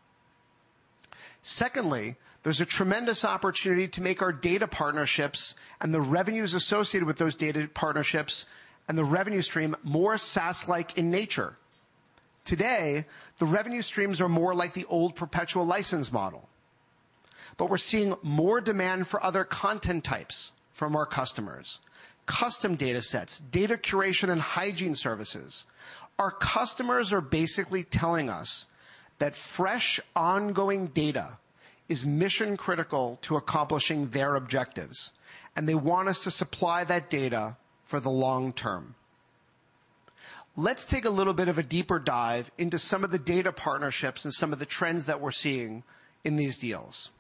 Speaker 7: Secondly, there's a tremendous opportunity to make our data partnerships and the revenues associated with those data partnerships and the revenue stream more SaaS-like in nature. Today, the revenue streams are more like the old perpetual license model, but we're seeing more demand for other content types from our customers, custom datasets, data curation and hygiene services. Our customers are basically telling us that fresh, ongoing data is mission critical to accomplishing their objectives, and they want us to supply that data for the long term. Let's take a little bit of a deeper dive into some of the data partnerships and some of the trends that we're seeing in these deals.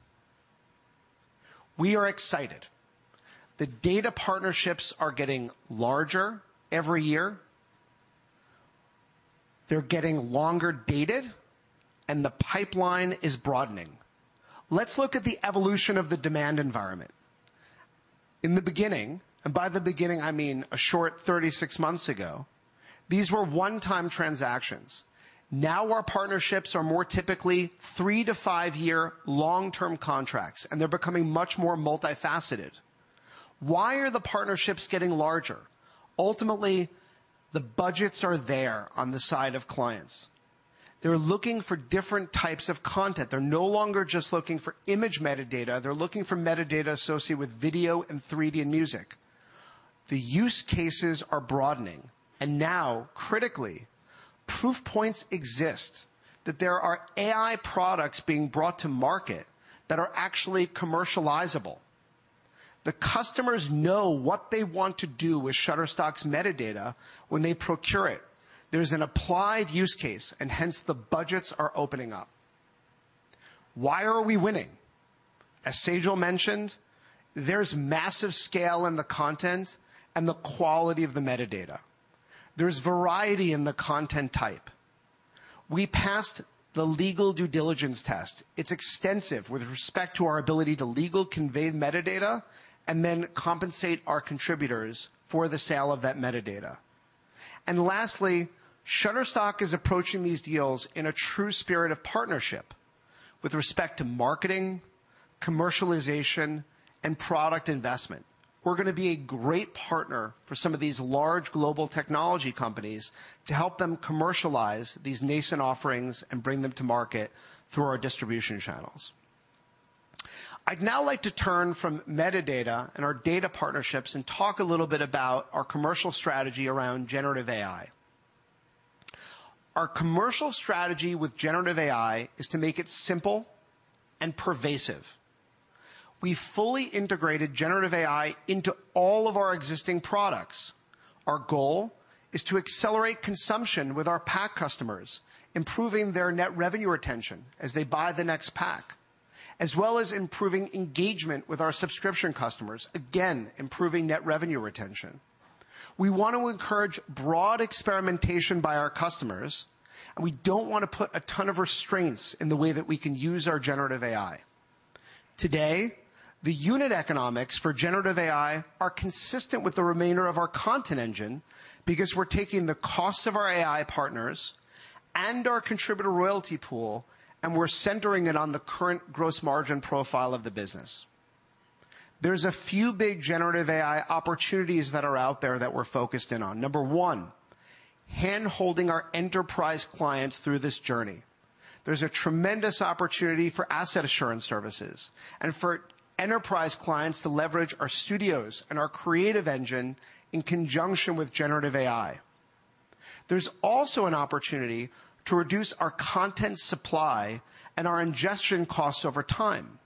Speaker 7: We are excited. The data partnerships are getting larger every year. They're getting longer dated, and the pipeline is broadening. Let's look at the evolution of the demand environment. In the beginning, and by the beginning, I mean a short 36 months ago, these were one-time transactions. Now, our partnerships are more typically three to five-year long-term contracts, and they're becoming much more multifaceted. Why are the partnerships getting larger? Ultimately, the budgets are there on the side of clients. They're looking for different types of content. They're no longer just looking for image metadata. They're looking for metadata associated with video and 3D and music. The use cases are broadening and now critically proof points exist that there are AI products being brought to market that are actually commercializable. The customers know what they want to do with Shutterstock's metadata when they procure it. There's an applied use case and hence the budgets are opening up. Why are we winning? As Sejal mentioned, there's massive scale in the content and the quality of the metadata. There's variety in the content type. We passed the legal due diligence test. It's extensive with respect to our ability to legally convey metadata and then compensate our contributors for the sale of that metadata. Lastly, Shutterstock is approaching these deals in a true spirit of partnership with respect to marketing, commercialization, and product investment. We're gonna be a great partner for some of these large global technology companies to help them commercialize these nascent offerings and bring them to market through our distribution channels. I'd now like to turn from metadata and our data partnerships and talk a little bit about our commercial strategy around generative AI. Our commercial strategy with generative AI is to make it simple and pervasive. We fully integrated generative AI into all of our existing products. Our goal is to accelerate consumption with our pack customers, improving their net revenue retention as they buy the next pack, as well as improving engagement with our subscription customers, again, improving net revenue retention. We want to encourage broad experimentation by our customers, we don't wanna put a ton of restraints in the way that we can use our generative AI. Today, the unit economics for generative AI are consistent with the remainder of our content engine because we're taking the cost of our AI partners and our contributor royalty pool, and we're centering it on the current gross margin profile of the business. There's a few big generative AI opportunities that are out there that we're focused in on. Number one, hand-holding our enterprise clients through this journey. There's a tremendous opportunity for asset assurance services and for enterprise clients to leverage our studios and our Creative Engine in conjunction with generative AI. There's also an opportunity to reduce our content supply and our ingestion costs over time.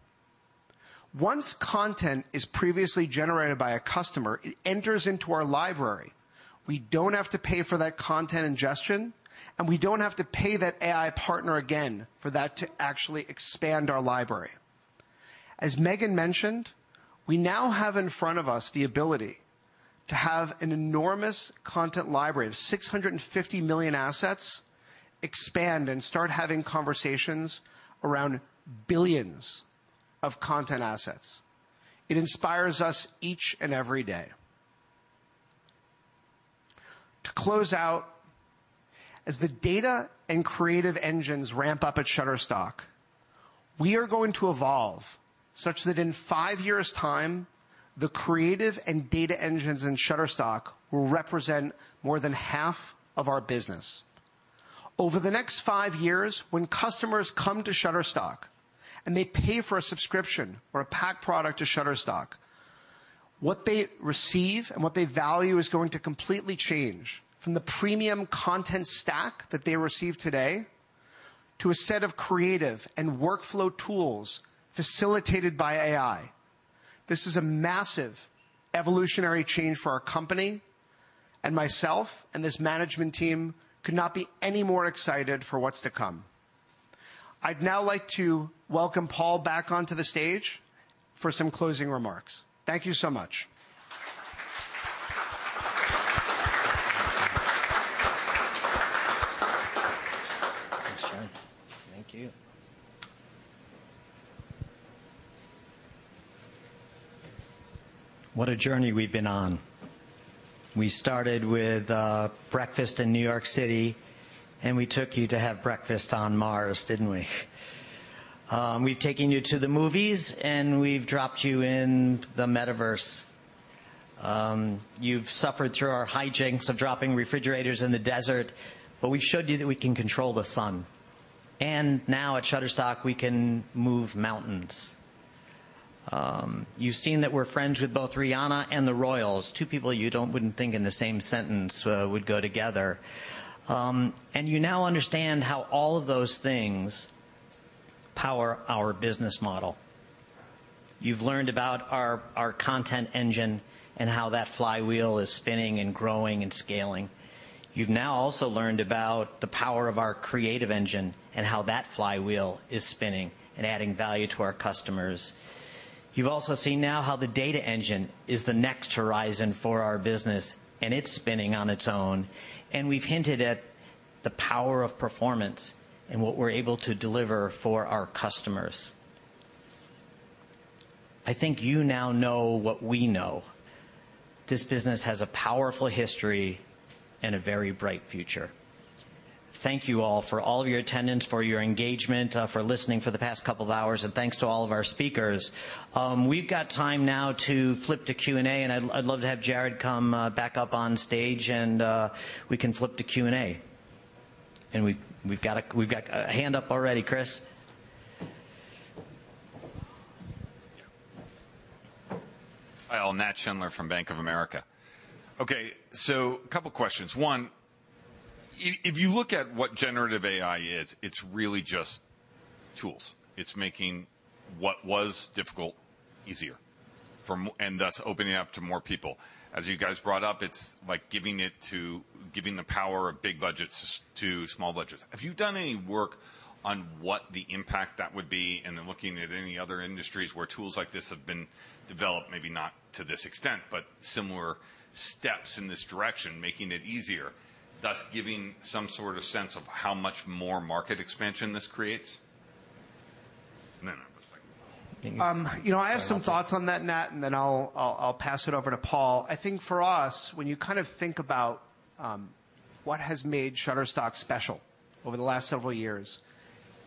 Speaker 7: Once content is previously generated by a customer, it enters into our library. We don't have to pay for that content ingestion, and we don't have to pay that AI partner again for that to actually expand our library. As Meghan mentioned, we now have in front of us the ability to have an enormous content library of 650 million assets expand and start having conversations around billions of content assets. It inspires us each and every day. To close out, as the data and Creative Engines ramp up at Shutterstock, we are going to evolve such that in five years' time, the creative and Data Engines in Shutterstock will represent more than half of our business. Over the next five years, when customers come to Shutterstock, and they pay for a subscription or a packed product to Shutterstock, what they receive and what they value is going to completely change from the premium content stack that they receive today to a set of creative and workflow tools facilitated by AI. This is a massive evolutionary change for our company, and myself and this management team could not be any more excited for what's to come. I'd now like to welcome Paul back onto the stage for some closing remarks. Thank you so much.
Speaker 1: Thanks, Jarrod.
Speaker 7: Thank you.
Speaker 1: What a journey we've been on. We started with breakfast in New York City, and we took you to have breakfast on Mars, didn't we? We've taken you to the movies, and we've dropped you in the Metaverse. You've suffered through our hijinks of dropping refrigerators in the desert, but we showed you that we can control the sun. Now at Shutterstock, we can move mountains. You've seen that we're friends with both Rihanna and the royals, two people you wouldn't think in the same sentence would go together. You now understand how all of those things power our business model. You've learned about our content engine and how that flywheel is spinning and growing and scaling. You've now also learned about the power of our Creative Engine and how that flywheel is spinning and adding value to our customers. You've also seen now how the Data Engine is the next horizon for our business, and it's spinning on its own, and we've hinted at the power of performance and what we're able to deliver for our customers. I think you now know what we know. This business has a powerful history and a very bright future. Thank you all for all of your attendance, for your engagement, for listening for the past two hours, and thanks to all of our speakers. We've got time now to flip to Q&A, and I'd love to have Jarrod come back up on stage and we can flip to Q&A. We've got a hand up already, Chris.
Speaker 8: Hi, all. Nat Schindler from Bank of America. A couple questions. One, if you look at what generative AI is, it's really just tools. It's making what was difficult easier for and thus opening up to more people. As you guys brought up, it's like giving the power of big budgets to small budgets. Have you done any work on what the impact that would be? Looking at any other industries where tools like this have been developed, maybe not to this extent, but similar steps in this direction, making it easier, thus giving some sort of sense of how much more market expansion this creates. I have a second follow-up.
Speaker 7: You know, I have some thoughts on that, Nat, and then I'll pass it over to Paul. I think for us, when you kind of think about what has made Shutterstock special over the last several years,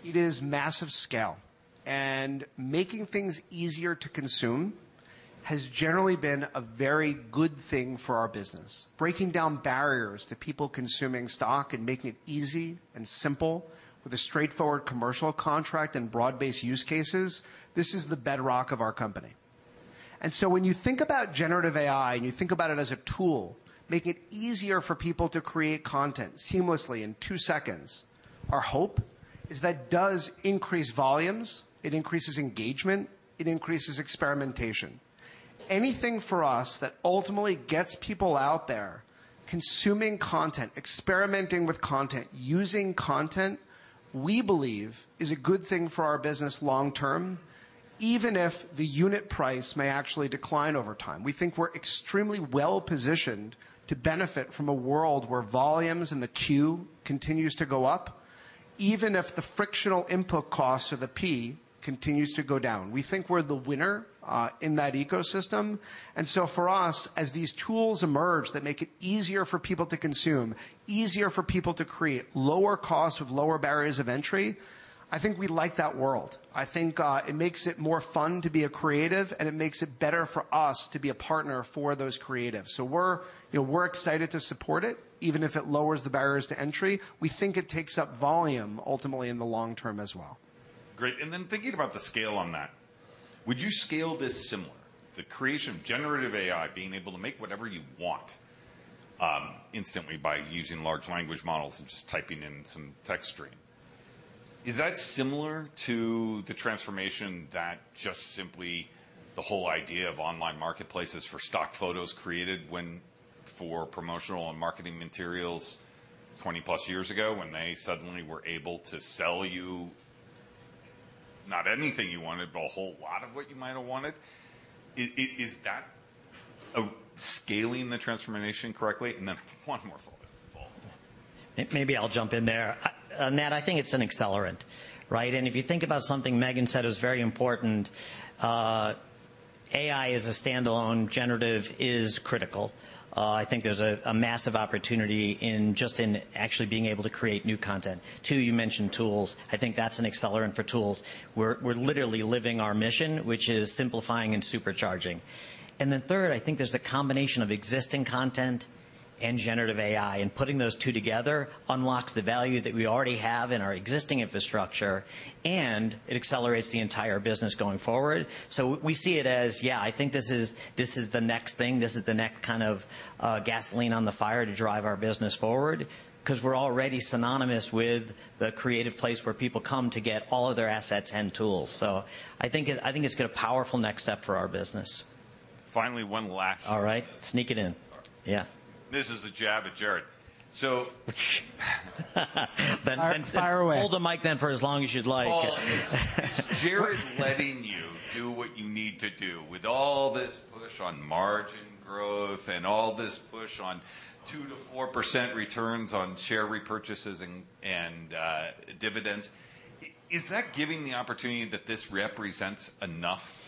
Speaker 7: it is massive scale, and making things easier to consume has generally been a very good thing for our business. Breaking down barriers to people consuming stock and making it easy and simple with a straightforward commercial contract and broad-based use cases, this is the bedrock of our company. When you think about generative AI, and you think about it as a tool, make it easier for people to create content seamlessly in two seconds, our hope is that does increase volumes, it increases engagement, it increases experimentation. Anything for us that ultimately gets people out there consuming content, experimenting with content, using content, we believe is a good thing for our business long term, even if the unit price may actually decline over time. We think we're extremely well-positioned to benefit from a world where volumes in the queue continues to go up, even if the frictional input costs or the P continues to go down. We think we're the winner in that ecosystem. For us, as these tools emerge that make it easier for people to consume, easier for people to create, lower costs with lower barriers of entry, I think we like that world. I think it makes it more fun to be a creative, and it makes it better for us to be a partner for those creatives. We're, you know, we're excited to support it, even if it lowers the barriers to entry. We think it takes up volume ultimately in the long term as well.
Speaker 8: Great. Thinking about the scale on that, would you scale this similar, the creation of generative AI, being able to make whatever you want, instantly by using large language models and just typing in some text string? Is that similar to the transformation that just simply the whole idea of online marketplaces for stock photos created for promotional and marketing materials 20+ years ago when they suddenly were able to sell you not anything you wanted, but a whole lot of what you might have wanted? Is that scaling the transformation correctly? One more follow-up.
Speaker 1: Maybe I'll jump in there. On that, I think it's an accelerant, right? If you think about something Meghan said is very important, AI as a standalone generative is critical. I think there's a massive opportunity in just in actually being able to create new content. Two, you mentioned tools. I think that's an accelerant for tools. We're literally living our mission, which is simplifying and supercharging. Then 3rd, I think there's a combination of existing content and generative AI, and putting those two together unlocks the value that we already have in our existing infrastructure, and it accelerates the entire business going forward. We see it as, yeah, I think this is the next thing. This is the kind of gasoline on the fire to drive our business forward 'cause we're already synonymous with the creative place where people come to get all of their assets and tools. I think it's got a powerful next step for our business.
Speaker 8: Finally, one last one.
Speaker 1: All right. Sneak it in.
Speaker 8: Sorry.
Speaker 1: Yeah.
Speaker 8: This is a jab at Jarrod.
Speaker 7: Fire away.
Speaker 1: Hold the mic then for as long as you'd like.
Speaker 8: Is Jarrod letting you do what you need to do with all this push on margin growth and all this push on 2% to 4% returns on share repurchases and dividends? Is that giving the opportunity that this represents enough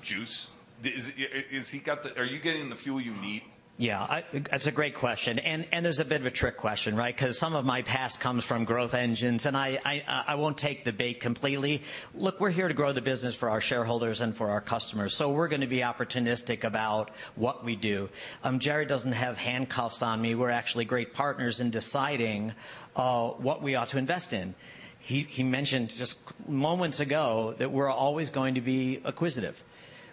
Speaker 8: juice? Are you getting the fuel you need?
Speaker 1: Yeah. That's a great question, and there's a bit of a trick question, right? 'Cause some of my past comes from growth engines, and I won't take the bait completely. Look, we're here to grow the business for our shareholders and for our customers, so we're gonna be opportunistic about what we do. Jarrod doesn't have handcuffs on me. We're actually great partners in deciding what we ought to invest in. He mentioned just moments ago that we're always going to be acquisitive.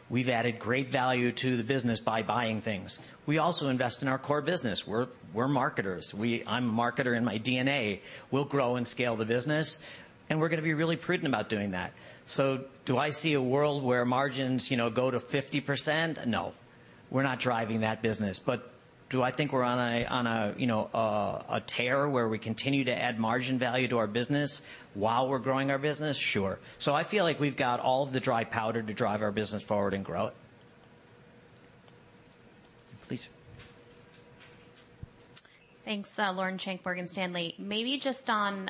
Speaker 1: We've added great value to the business by buying things. We also invest in our core business. We're marketers. I'm a marketer in my DNA. We'll grow and scale the business, and we're gonna be really prudent about doing that. Do I see a world where margins, you know, go to 50%? No. We're not driving that business. Do I think we're on a, you know, a tear where we continue to add margin value to our business while we're growing our business? Sure. I feel like we've got all the dry powder to drive our business forward and grow it. Please.
Speaker 9: Thanks. Lauren Schenk, Morgan Stanley. Maybe just on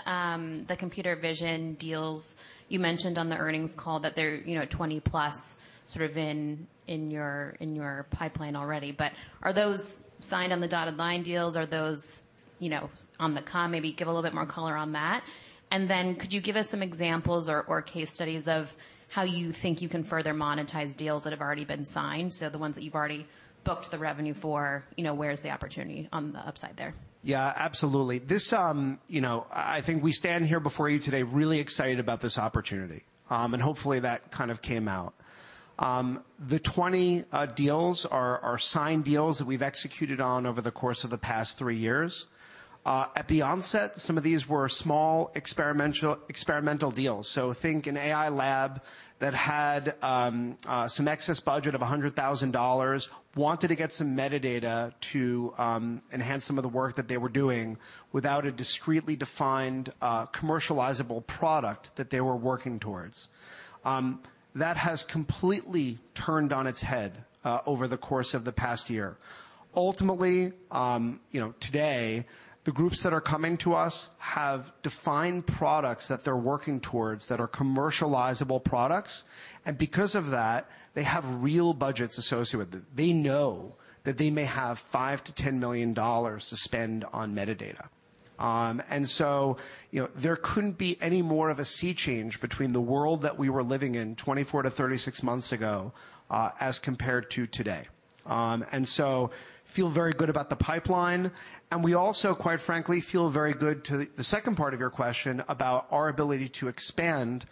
Speaker 9: the computer vision deals. You mentioned on the earnings call that they're, you know, at 20+ sort of in your, in your pipeline already. Are those signed on the dotted line deals? Are those, you know, on the come? Maybe give a little bit more color on that. Could you give us some examples or case studies of how you think you can further monetize deals that have already been signed? The ones that you've already booked the revenue for, you know, where's the opportunity on the upside there?
Speaker 7: Yeah, absolutely. This, you know, I think we stand here before you today really excited about this opportunity. Hopefully that kind of came out. The 20 deals are signed deals that we've executed on over the course of the past three years. At the onset, some of these were small experimental deals. Think an AI lab that had some excess budget of $100,000, wanted to get some metadata to enhance some of the work that they were doing without a discretely defined commercializable product that they were working towards. That has completely turned on its head over the course of the past year. Ultimately, you know, today, the groups that are coming to us have defined products that they're working towards that are commercializable products, and because of that, they have real budgets associated with it. They know that they may have $5 million-$10 million to spend on metadata. You know, there couldn't be any more of a sea change between the world that we were living in 24-36 months ago as compared to today. Feel very good about the pipeline. We also, quite frankly, feel very good to the second part of your question about our ability to expand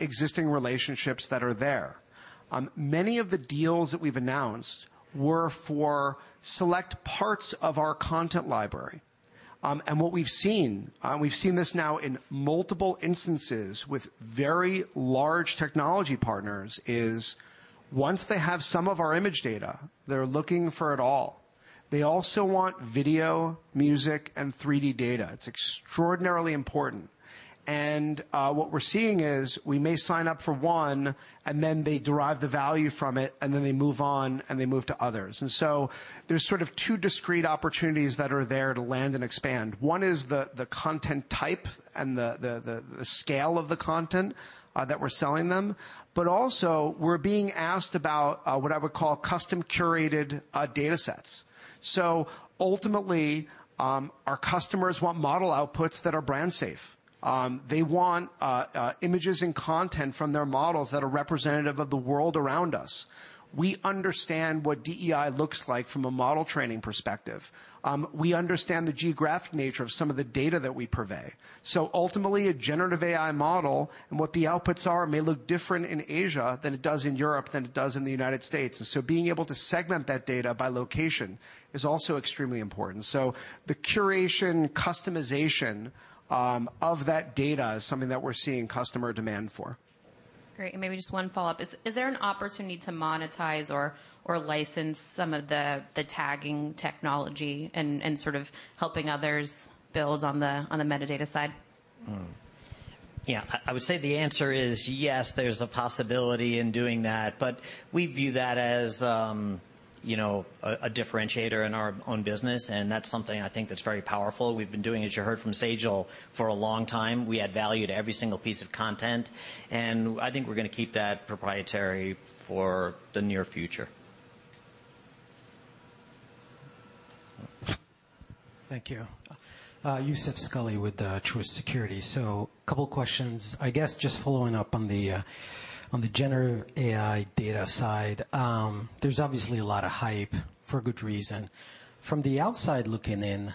Speaker 7: existing relationships that are there. Many of the deals that we've announced were for select parts of our content library. What we've seen, we've seen this now in multiple instances with very large technology partners, is once they have some of our image data, they're looking for it all. They also want video, music, and 3D data. It's extraordinarily important. What we're seeing is, we may sign up for one, and then they derive the value from it, and then they move on, and they move to others. There's sort of two discrete opportunities that are there to land and expand. One is the content type and the scale of the content that we're selling them. Also, we're being asked about what I would call custom curated data sets. Ultimately, our customers want model outputs that are brand safe. They want images and content from their models that are representative of the world around us. We understand what DEI looks like from a model training perspective. We understand the geographic nature of some of the data that we purvey. Ultimately, a generative AI model and what the outputs are may look different in Asia than it does in Europe, than it does in the United States. Being able to segment that data by location is also extremely important. The curation, customization, of that data is something that we're seeing customer demand for.
Speaker 9: Great. Maybe just one follow-up. Is there an opportunity to monetize or license some of the tagging technology and sort of helping others build on the metadata side?
Speaker 1: Mm. I would say the answer is yes, there's a possibility in doing that. We view that as, you know, a differentiator in our own business, and that's something I think that's very powerful. We've been doing, as you heard from Sejal, for a long time. We add value to every single piece of content. I think we're gonna keep that proprietary for the near future.
Speaker 10: Thank you. Youssef Squali with Truist Securities. Couple questions. I guess just following up on the generative AI data side. There's obviously a lot of hype for good reason. From the outside looking in,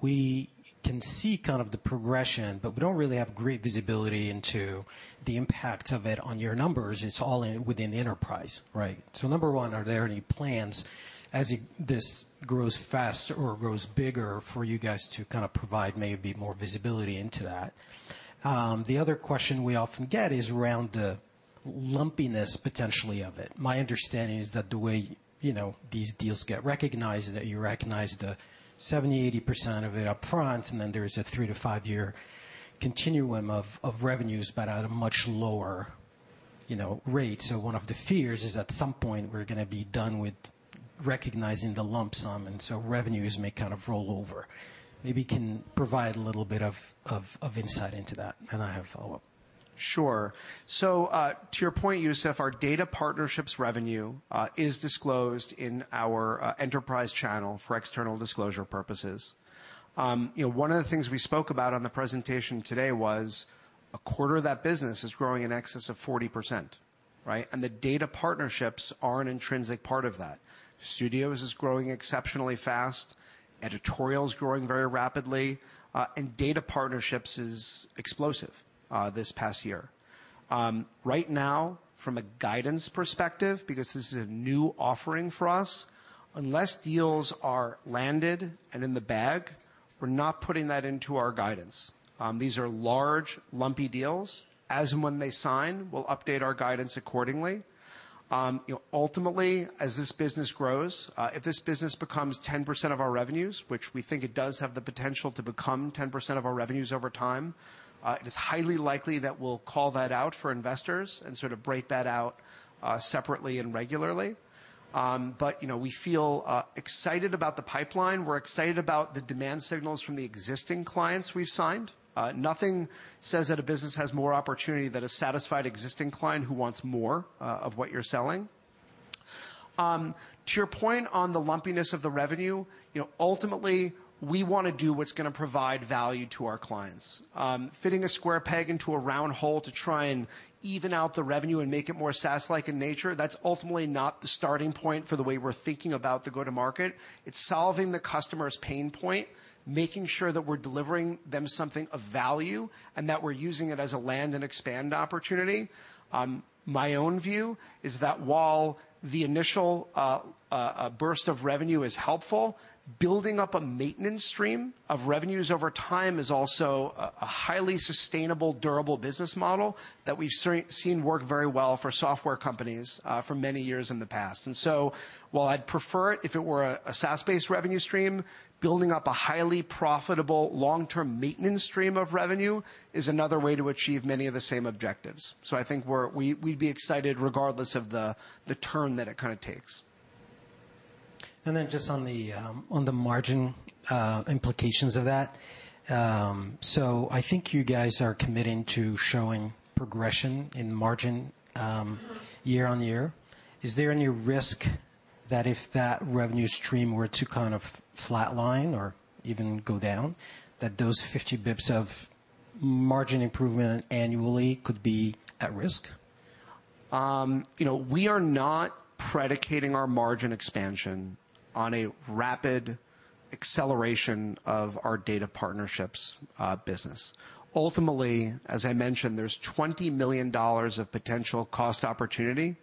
Speaker 10: we can see kind of the progression, but we don't really have great visibility into the impact of it on your numbers. It's all in within the enterprise, right? Number one, are there any plans as this grows fast or grows bigger for you guys to kind of provide maybe more visibility into that? The other question we often get is around the lumpiness potentially of it. My understanding is that the way, you know, these deals get recognized, that you recognize the 70%, 80% of it up front, and then there's a three to five-year continuum of revenues, but at a much lower, you know, rate. One of the fears is at some point we're gonna be done with recognizing the lump sum, revenues may kind of roll over. Maybe can provide a little bit of insight into that, and I have follow-up.
Speaker 7: Sure. To your point, Youssef, our data partnerships revenue is disclosed in our enterprise channel for external disclosure purposes. You know, one of the things we spoke about on the presentation today was a quarter of that business is growing in excess of 40%, right? The data partnerships are an intrinsic part of that. Studios is growing exceptionally fast, editorial is growing very rapidly, and data partnerships is explosive this past year. Right now, from a guidance perspective, because this is a new offering for us, unless deals are landed and in the bag, we're not putting that into our guidance. These are large, lumpy deals. As and when they sign, we'll update our guidance accordingly. You know, ultimately, as this business grows, if this business becomes 10% of our revenues, which we think it does have the potential to become 10% of our revenues over time, it is highly likely that we'll call that out for investors and sort of break that out separately and regularly. You know, we feel excited about the pipeline. We're excited about the demand signals from the existing clients we've signed. Nothing says that a business has more opportunity than a satisfied existing client who wants more of what you're selling. To your point on the lumpiness of the revenue, you know, ultimately, we wanna do what's gonna provide value to our clients. Fitting a square peg into a round hole to try and even out the revenue and make it more SaaS-like in nature, that's ultimately not the starting point for the way we're thinking about the go-to-market. It's solving the customer's pain point, making sure that we're delivering them something of value, and that we're using it as a land and expand opportunity. My own view is that while the initial burst of revenue is helpful, building up a maintenance stream of revenues over time is also a highly sustainable, durable business model that we've seen work very well for software companies for many years in the past. While I'd prefer it if it were a SaaS-based revenue stream, building up a highly profitable long-term maintenance stream of revenue is another way to achieve many of the same objectives. I think we'd be excited regardless of the turn that it kinda takes.
Speaker 10: Just on the margin implications of that. I think you guys are committing to showing progression in margin, year on year. Is there any risk that if that revenue stream were to kind of flatline or even go down, that those 50 basis points of margin improvement annually could be at risk?
Speaker 7: You know, we are not predicating our margin expansion on a rapid acceleration of our data partnerships business. Ultimately, as I mentioned, there's $20 million of potential cost opportunity.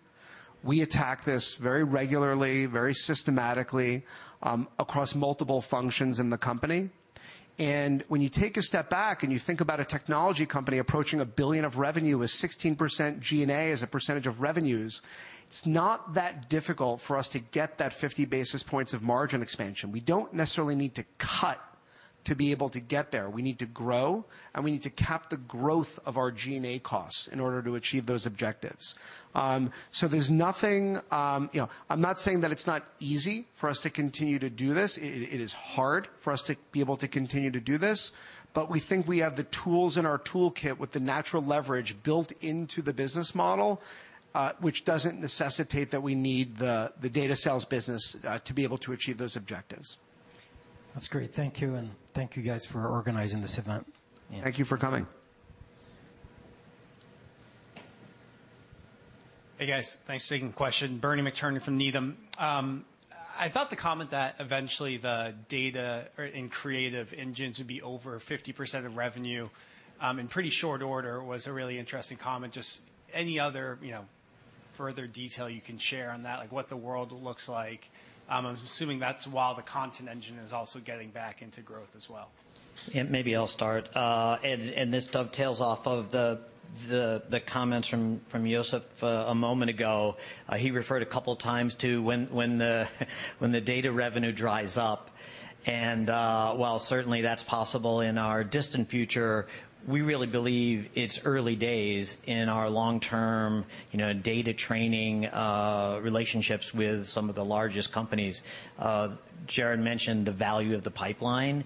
Speaker 7: We attack this very regularly, very systematically across multiple functions in the company. When you take a step back and you think about a technology company approaching $1 billion of revenue with 16% G&A as a percentage of revenues, it's not that difficult for us to get that 50 basis points of margin expansion. We don't necessarily need to cut to be able to get there. We need to grow, and we need to cap the growth of our G&A costs in order to achieve those objectives. You know, I'm not saying that it's not easy for us to continue to do this. It is hard for us to be able to continue to do this, but we think we have the tools in our toolkit with the natural leverage built into the business model, which doesn't necessitate that we need the data sales business to be able to achieve those objectives.
Speaker 10: That's great. Thank you, and thank you guys for organizing this event.
Speaker 7: Thank you for coming.
Speaker 11: Hey, guys. Thanks for taking the question. Bernie McTernan from Needham. I thought the comment that eventually the data or in Creative Engines would be over 50% of revenue, in pretty short order was a really interesting comment. Just any other, you know, further detail you can share on that, like what the world looks like? I'm assuming that's while the content engine is also getting back into growth as well.
Speaker 1: Yeah, maybe I'll start. This dovetails off of the, the comments from Youssef a moment ago. He referred a couple of times to when the, when the data revenue dries up. While certainly that's possible in our distant future, we really believe it's early days in our long-term, you know, data training, relationships with some of the largest companies. Jarrod mentioned the value of the pipeline,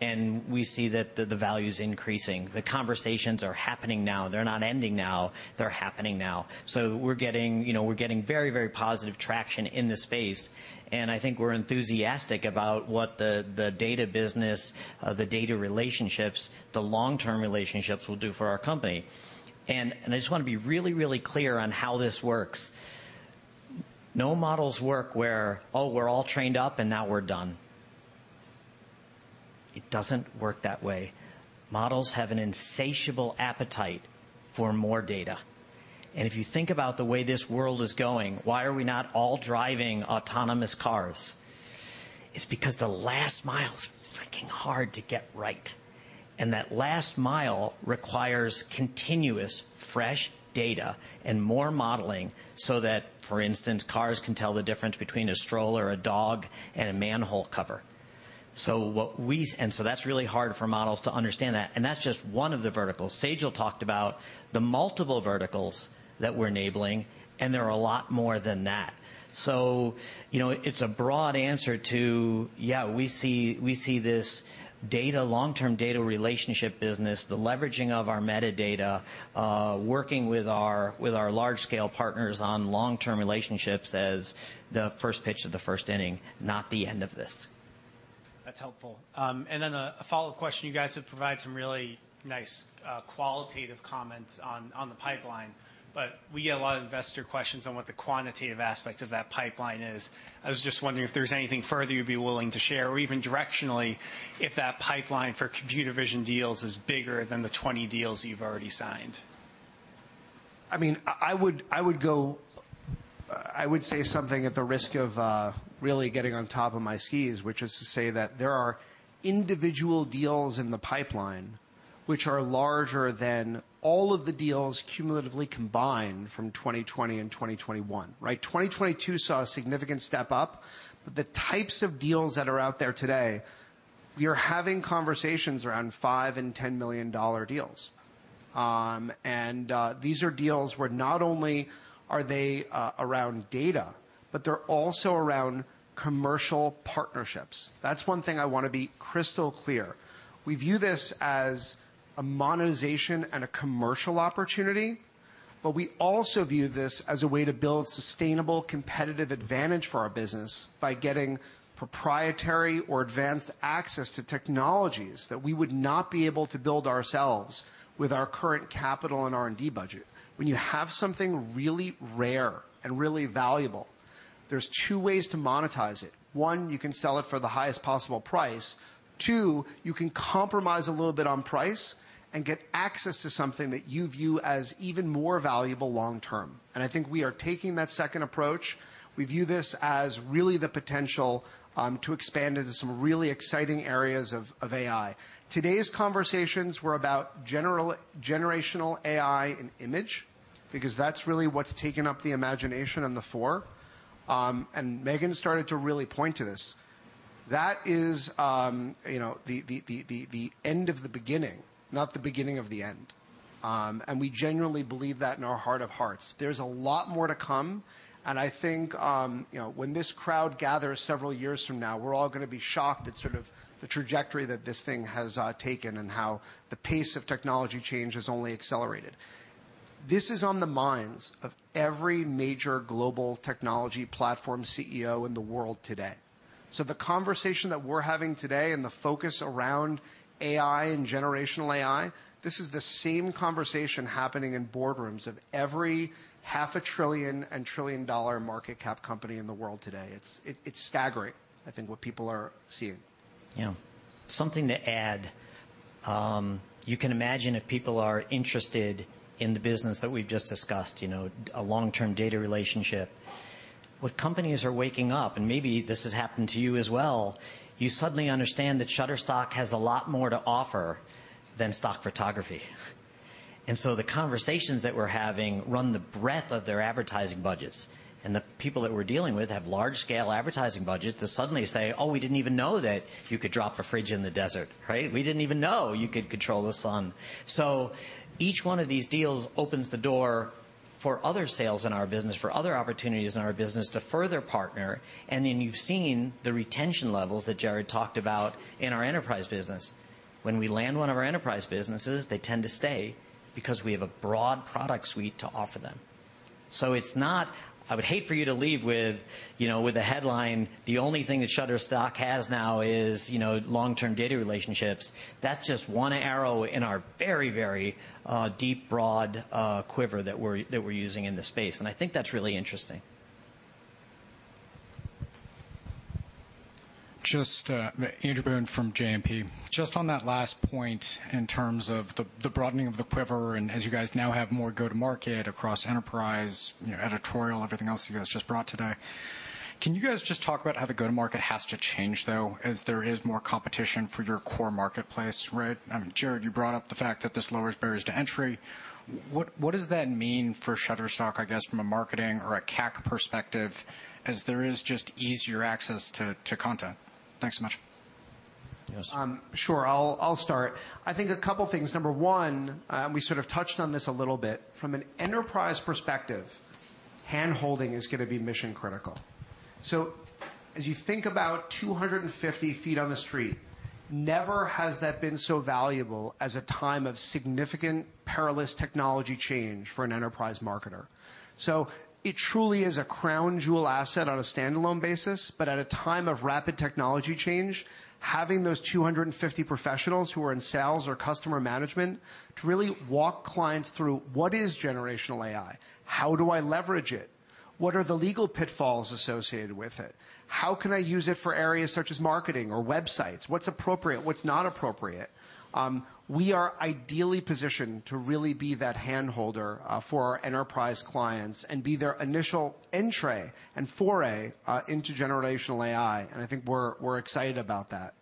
Speaker 1: and we see that the value is increasing. The conversations are happening now. They're not ending now, they're happening now. We're getting, you know, we're getting very, very positive traction in this space, and I think we're enthusiastic about what the data business, the data relationships, the long-term relationships will do for our company. I just wanna be really, really clear on how this works. No models work where we're all trained up and now we're done. It doesn't work that way. Models have an insatiable appetite for more data. If you think about the way this world is going, why are we not all driving autonomous cars? It's because the last mile is freaking hard to get right, and that last mile requires continuous fresh data and more modeling so that, for instance, cars can tell the difference between a stroller, a dog, and a manhole cover. That's really hard for models to understand that, and that's just one of the verticals. Sejal talked about the multiple verticals that we're enabling, and there are a lot more than that. You know, it's a broad answer to, yeah, we see this data, long-term data relationship business, the leveraging of our metadata, working with our large-scale partners on long-term relationships as the first pitch of the first inning, not the end of this.
Speaker 11: That's helpful. Then a follow-up question. You guys have provided some really nice qualitative comments on the pipeline, but we get a lot of investor questions on what the quantitative aspects of that pipeline is. I was just wondering if there's anything further you'd be willing to share or even directionally if that pipeline for computer vision deals is bigger than the 20 deals you've already signed.
Speaker 7: I mean, I would say something at the risk of really getting on top of my skis, which is to say that there are individual deals in the pipeline which are larger than all of the deals cumulatively combined from 2020 and 2021, right? 2022 saw a significant step up. The types of deals that are out there today, we are having conversations around $5 million and $10 million deals. These are deals where not only are they around data, but they're also around commercial partnerships. That's one thing I wanna be crystal clear. We view this as a monetization and a commercial opportunity, but we also view this as a way to build sustainable competitive advantage for our business by getting proprietary or advanced access to technologies that we would not be able to build ourselves with our current capital and R&D budget. When you have something really rare and really valuable, there's two ways to monetize it. One, you can sell it for the highest possible price. Two, you can compromise a little bit on price and get access to something that you view as even more valuable long term. I think we are taking that second approach. We view this as really the potential to expand into some really exciting areas of AI. Today's conversations were about generational AI and image because that's really what's taken up the imagination and the fore. Meghan started to really point to this. That is, you know, the end of the beginning, not the beginning of the end. We genuinely believe that in our heart of hearts. There's a lot more to come, and I think, you know, when this crowd gathers several years from now, we're all gonna be shocked at sort of the trajectory that this thing has taken and how the pace of technology change has only accelerated. This is on the minds of every major global technology platform CEO in the world today. The conversation that we're having today and the focus around AI and generative AI, this is the same conversation happening in boardrooms of every $500 billion and trillion-dollar market cap company in the world today. It's staggering, I think what people are seeing.
Speaker 1: Yeah. Something to add, you can imagine if people are interested in the business that we've just discussed, you know, a long-term data relationship. What companies are waking up, and maybe this has happened to you as well, you suddenly understand that Shutterstock has a lot more to offer than stock photography. The conversations that we're having run the breadth of their advertising budgets, and the people that we're dealing with have large scale advertising budgets to suddenly say, "Oh, we didn't even know that you could drop a fridge in the desert." Right? "We didn't even know you could control the sun." Each one of these deals opens the door for other sales in our business, for other opportunities in our business to further partner, and then you've seen the retention levels that Jarrod talked about in our enterprise business. When we land one of our enterprise businesses, they tend to stay because we have a broad product suite to offer them. It's not... I would hate for you to leave with, you know, with a headline, "The only thing that Shutterstock has now is, you know, long-term data relationships." That's just one arrow in our very, very deep, broad quiver that we're using in the space, and I think that's really interesting.
Speaker 12: Just, Andrew Boone from JMP. Just on that last point in terms of the broadening of the quiver and as you guys now have more go-to-market across enterprise, you know, editorial, everything else you guys just brought today, can you guys just talk about how the go-to-market has to change, though, as there is more competition for your core marketplace, right? I mean, Jarrod, you brought up the fact that this lowers barriers to entry. What does that mean for Shutterstock, I guess, from a marketing or a CAC perspective as there is just easier access to content? Thanks so much.
Speaker 7: Yes. Sure. I'll start. I think a couple things. Number one, and we sort of touched on this a little bit. From an enterprise perspective, handholding is gonna be mission critical. As you think about 250 feet on the street, never has that been so valuable as a time of significant perilous technology change for an enterprise marketer. It truly is a crown jewel asset on a standalone basis, but at a time of rapid technology change, having those 250 professionals who are in sales or customer management to really walk clients through what is generational AI? How do I leverage it? What are the legal pitfalls associated with it? How can I use it for areas such as marketing or websites? What's appropriate? What's not appropriate? We are ideally positioned to really be that handholder for our enterprise clients and be their initial entree and foray into generational AI. I think we're excited about that.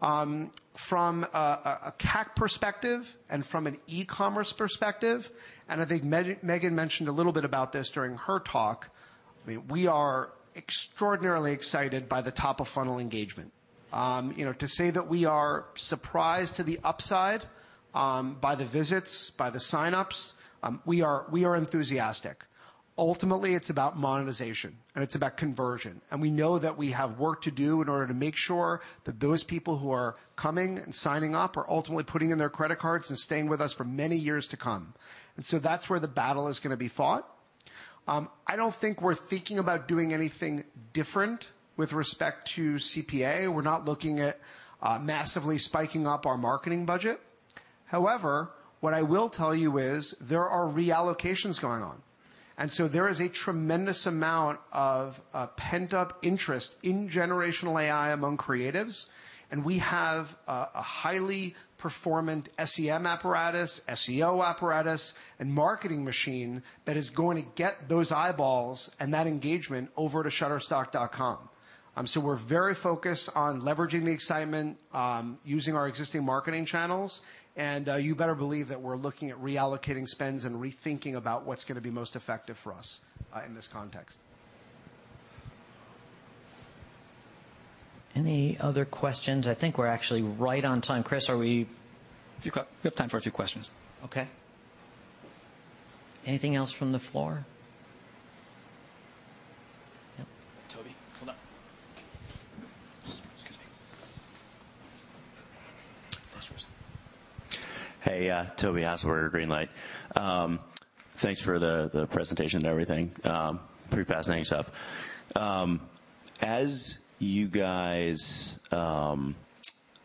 Speaker 7: From a CAC perspective and from an e-commerce perspective, I think Meghan mentioned a little bit about this during her talk. I mean, we are extraordinarily excited by the top-of-funnel engagement. You know, to say that we are surprised to the upside by the visits, by the sign-ups, we are enthusiastic. Ultimately, it's about monetization. It's about conversion. We know that we have work to do in order to make sure that those people who are coming and signing up are ultimately putting in their credit cards and staying with us for many years to come. That's where the battle is going to be fought. I don't think we're thinking about doing anything different with respect to CPA. We're not looking at massively spiking up our marketing budget. What I will tell you is there are reallocations going on, there is a tremendous amount of pent-up interest in generative AI among creatives, and we have a highly performant SEM apparatus, SEO apparatus, and marketing machine that is going to get those eyeballs and that engagement over to Shutterstock.com. We're very focused on leveraging the excitement, using our existing marketing channels, you better believe that we're looking at reallocating spends and rethinking about what's going to be most effective for us in this context.
Speaker 1: Any other questions? I think we're actually right on time. Chris, are we?
Speaker 13: We have time for a few questions.
Speaker 1: Okay. Anything else from the floor? Yep.
Speaker 13: Toby, hold on. Excuse me.
Speaker 14: Hey, Toby Haselberger, Greenlight. Thanks for the presentation and everything. Pretty fascinating stuff. As you guys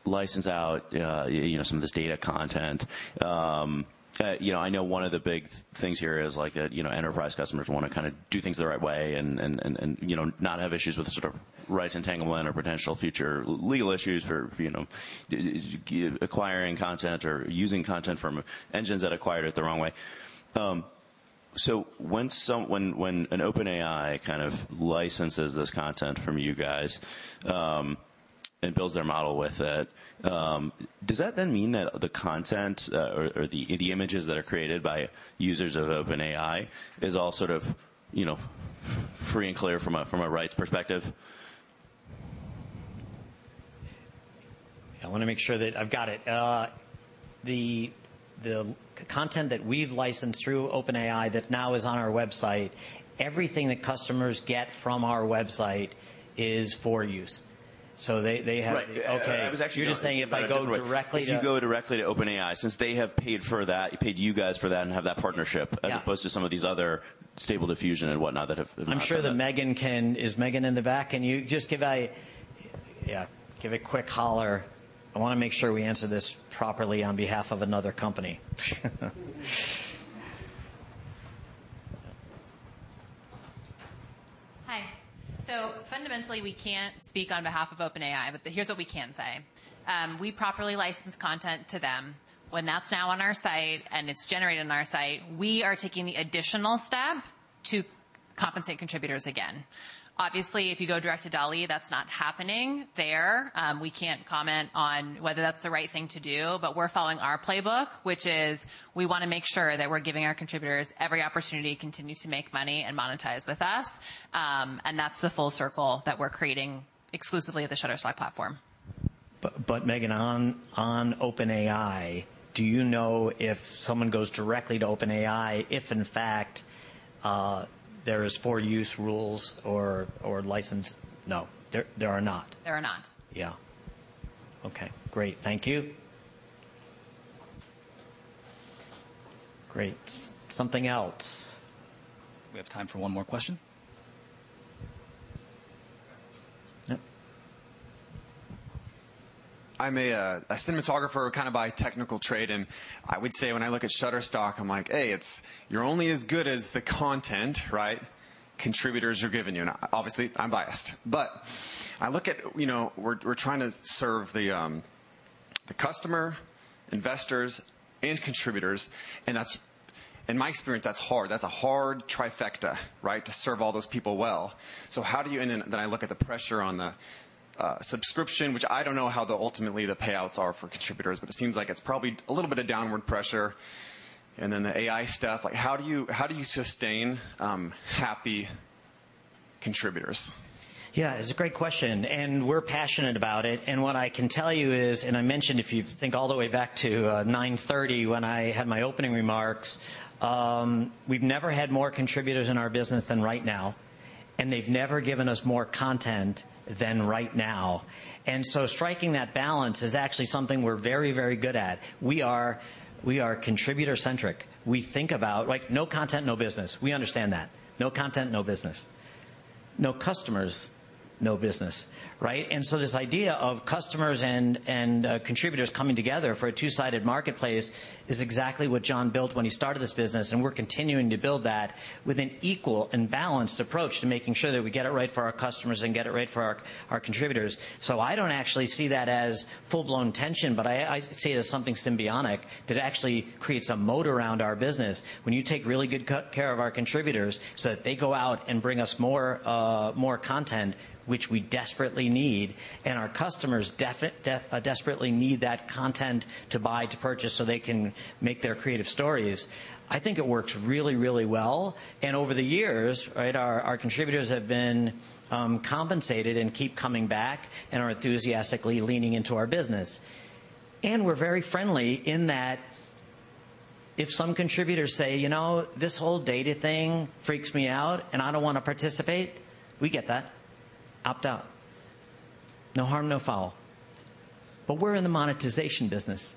Speaker 14: license out, you know, some of this data content, you know, I know one of the big things here is, like, you know, enterprise customers wanna kinda do things the right way and, you know, not have issues with sort of rights entanglement or potential future legal issues for, you know, acquiring content or using content from engines that acquired it the wrong way. When an OpenAI kind of licenses this content from you guys, and builds their model with it, does that then mean that the content, or the images that are created by users of OpenAI is all sort of, you know, free and clear from a, from a rights perspective?
Speaker 1: I wanna make sure that I've got it. The content that we've licensed through OpenAI that now is on our website, everything that customers get from our website is for use. They have-
Speaker 14: Right. Okay. I was actually-
Speaker 1: You're just saying if I go directly to-
Speaker 14: If you go directly to OpenAI, since they have paid for that, paid you guys for that and have that partnership-
Speaker 1: Yeah.
Speaker 14: As opposed to some of these other Stable Diffusion and whatnot that have not.
Speaker 1: Is Meghan in the back? Can you just yeah, give a quick holler. I wanna make sure we answer this properly on behalf of another company.
Speaker 4: Hi. Fundamentally, we can't speak on behalf of OpenAI, but here's what we can say. We properly license content to them. When that's now on our site, and it's generated on our site, we are taking the additional step to compensate contributors again. Obviously, if you go direct to DALL-E, that's not happening there. We can't comment on whether that's the right thing to do, but we're following our playbook, which is we wanna make sure that we're giving our contributors every opportunity to continue to make money and monetize with us. That's the full circle that we're creating exclusively at the Shutterstock platform.
Speaker 1: Meghan, OpenAI, do you know if someone goes directly to OpenAI, if in fact, there is for use rules or license? No. There are not.
Speaker 4: There are not.
Speaker 1: Yeah. Okay, great. Thank you. Great. Something else?
Speaker 13: We have time for one more question. Yep.
Speaker 15: I'm a cinematographer kinda by technical trade, I would say when I look at Shutterstock, I'm like, "Hey, it's you're only as good as the content," right, "contributors are giving you." Obviously, I'm biased. I look at, you know, we're trying to serve the customer, investors, and contributors, that's in my experience, that's hard. That's a hard trifecta, right? To serve all those people well. How do you then I look at the pressure on the subscription, which I don't know how ultimately the payouts are for contributors, it seems like it's probably a little bit of downward pressure. The AI stuff, like, how do you sustain happy contributors?
Speaker 1: Yeah, it's a great question. We're passionate about it. What I can tell you is, I mentioned if you think all the way back to 9:30 when I had my opening remarks, we've never had more contributors in our business than right now, and they've never given us more content than right now. Striking that balance is actually something we're very, very good at. We are contributor-centric. We think about, like, no content, no business. We understand that. No content, no business. No customers, no business, right? This idea of customers and contributors coming together for a two-sided marketplace is exactly what Jon built when he started this business, and we're continuing to build that with an equal and balanced approach to making sure that we get it right for our customers and get it right for our contributors. So I don't actually see that as full-blown tension, but I see it as something symbiotic that actually creates a moat around our business when you take really good care of our contributors so that they go out and bring us more, more content, which we desperately need, and our customers desperately need that content to buy to purchase so they can make their creative stories. I think it works really, really well. Over the years, right, our contributors have been compensated and keep coming back and are enthusiastically leaning into our business. We're very friendly in that if some contributors say, "You know, this whole data thing freaks me out, and I don't wanna participate," we get that. Opt out. No harm, no foul. We're in the monetization business.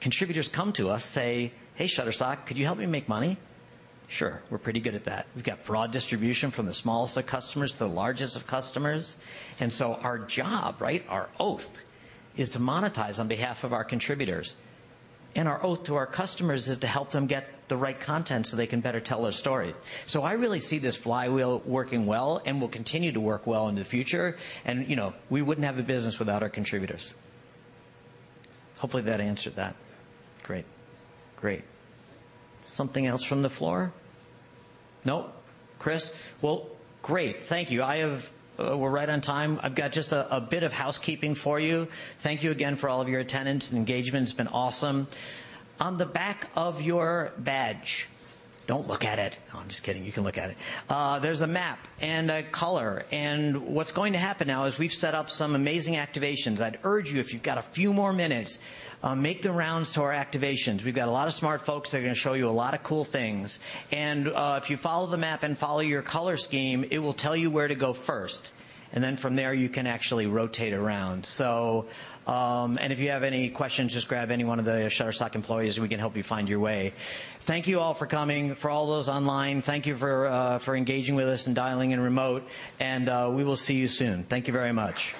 Speaker 1: Contributors come to us, say, "Hey, Shutterstock, could you help me make money?" Sure. We're pretty good at that. We've got broad distribution from the smallest of customers to the largest of customers. Our job, right, our oath, is to monetize on behalf of our contributors. Our oath to our customers is to help them get the right content so they can better tell their story. I really see this flywheel working well and will continue to work well in the future. You know, we wouldn't have a business without our contributors. Hopefully that answered that. Great. Great. Something else from the floor? No? Chris? Well, great. Thank you. We're right on time. I've got just a bit of housekeeping for you. Thank you again for all of your attendance and engagement. It's been awesome. On the back of your badge, don't look at it. No, I'm just kidding. You can look at it. There's a map and a color, and what's going to happen now is we've set up some amazing activations. I'd urge you, if you've got a few more minutes, make the rounds to our activations. We've got a lot of smart folks that are gonna show you a lot of cool things. If you follow the map and follow your color scheme, it will tell you where to go first. Then from there, you can actually rotate around. If you have any questions, just grab any one of the Shutterstock employees, and we can help you find your way. Thank you all for coming. For all those online, thank you for engaging with us and dialing in remote. We will see you soon. Thank you very much.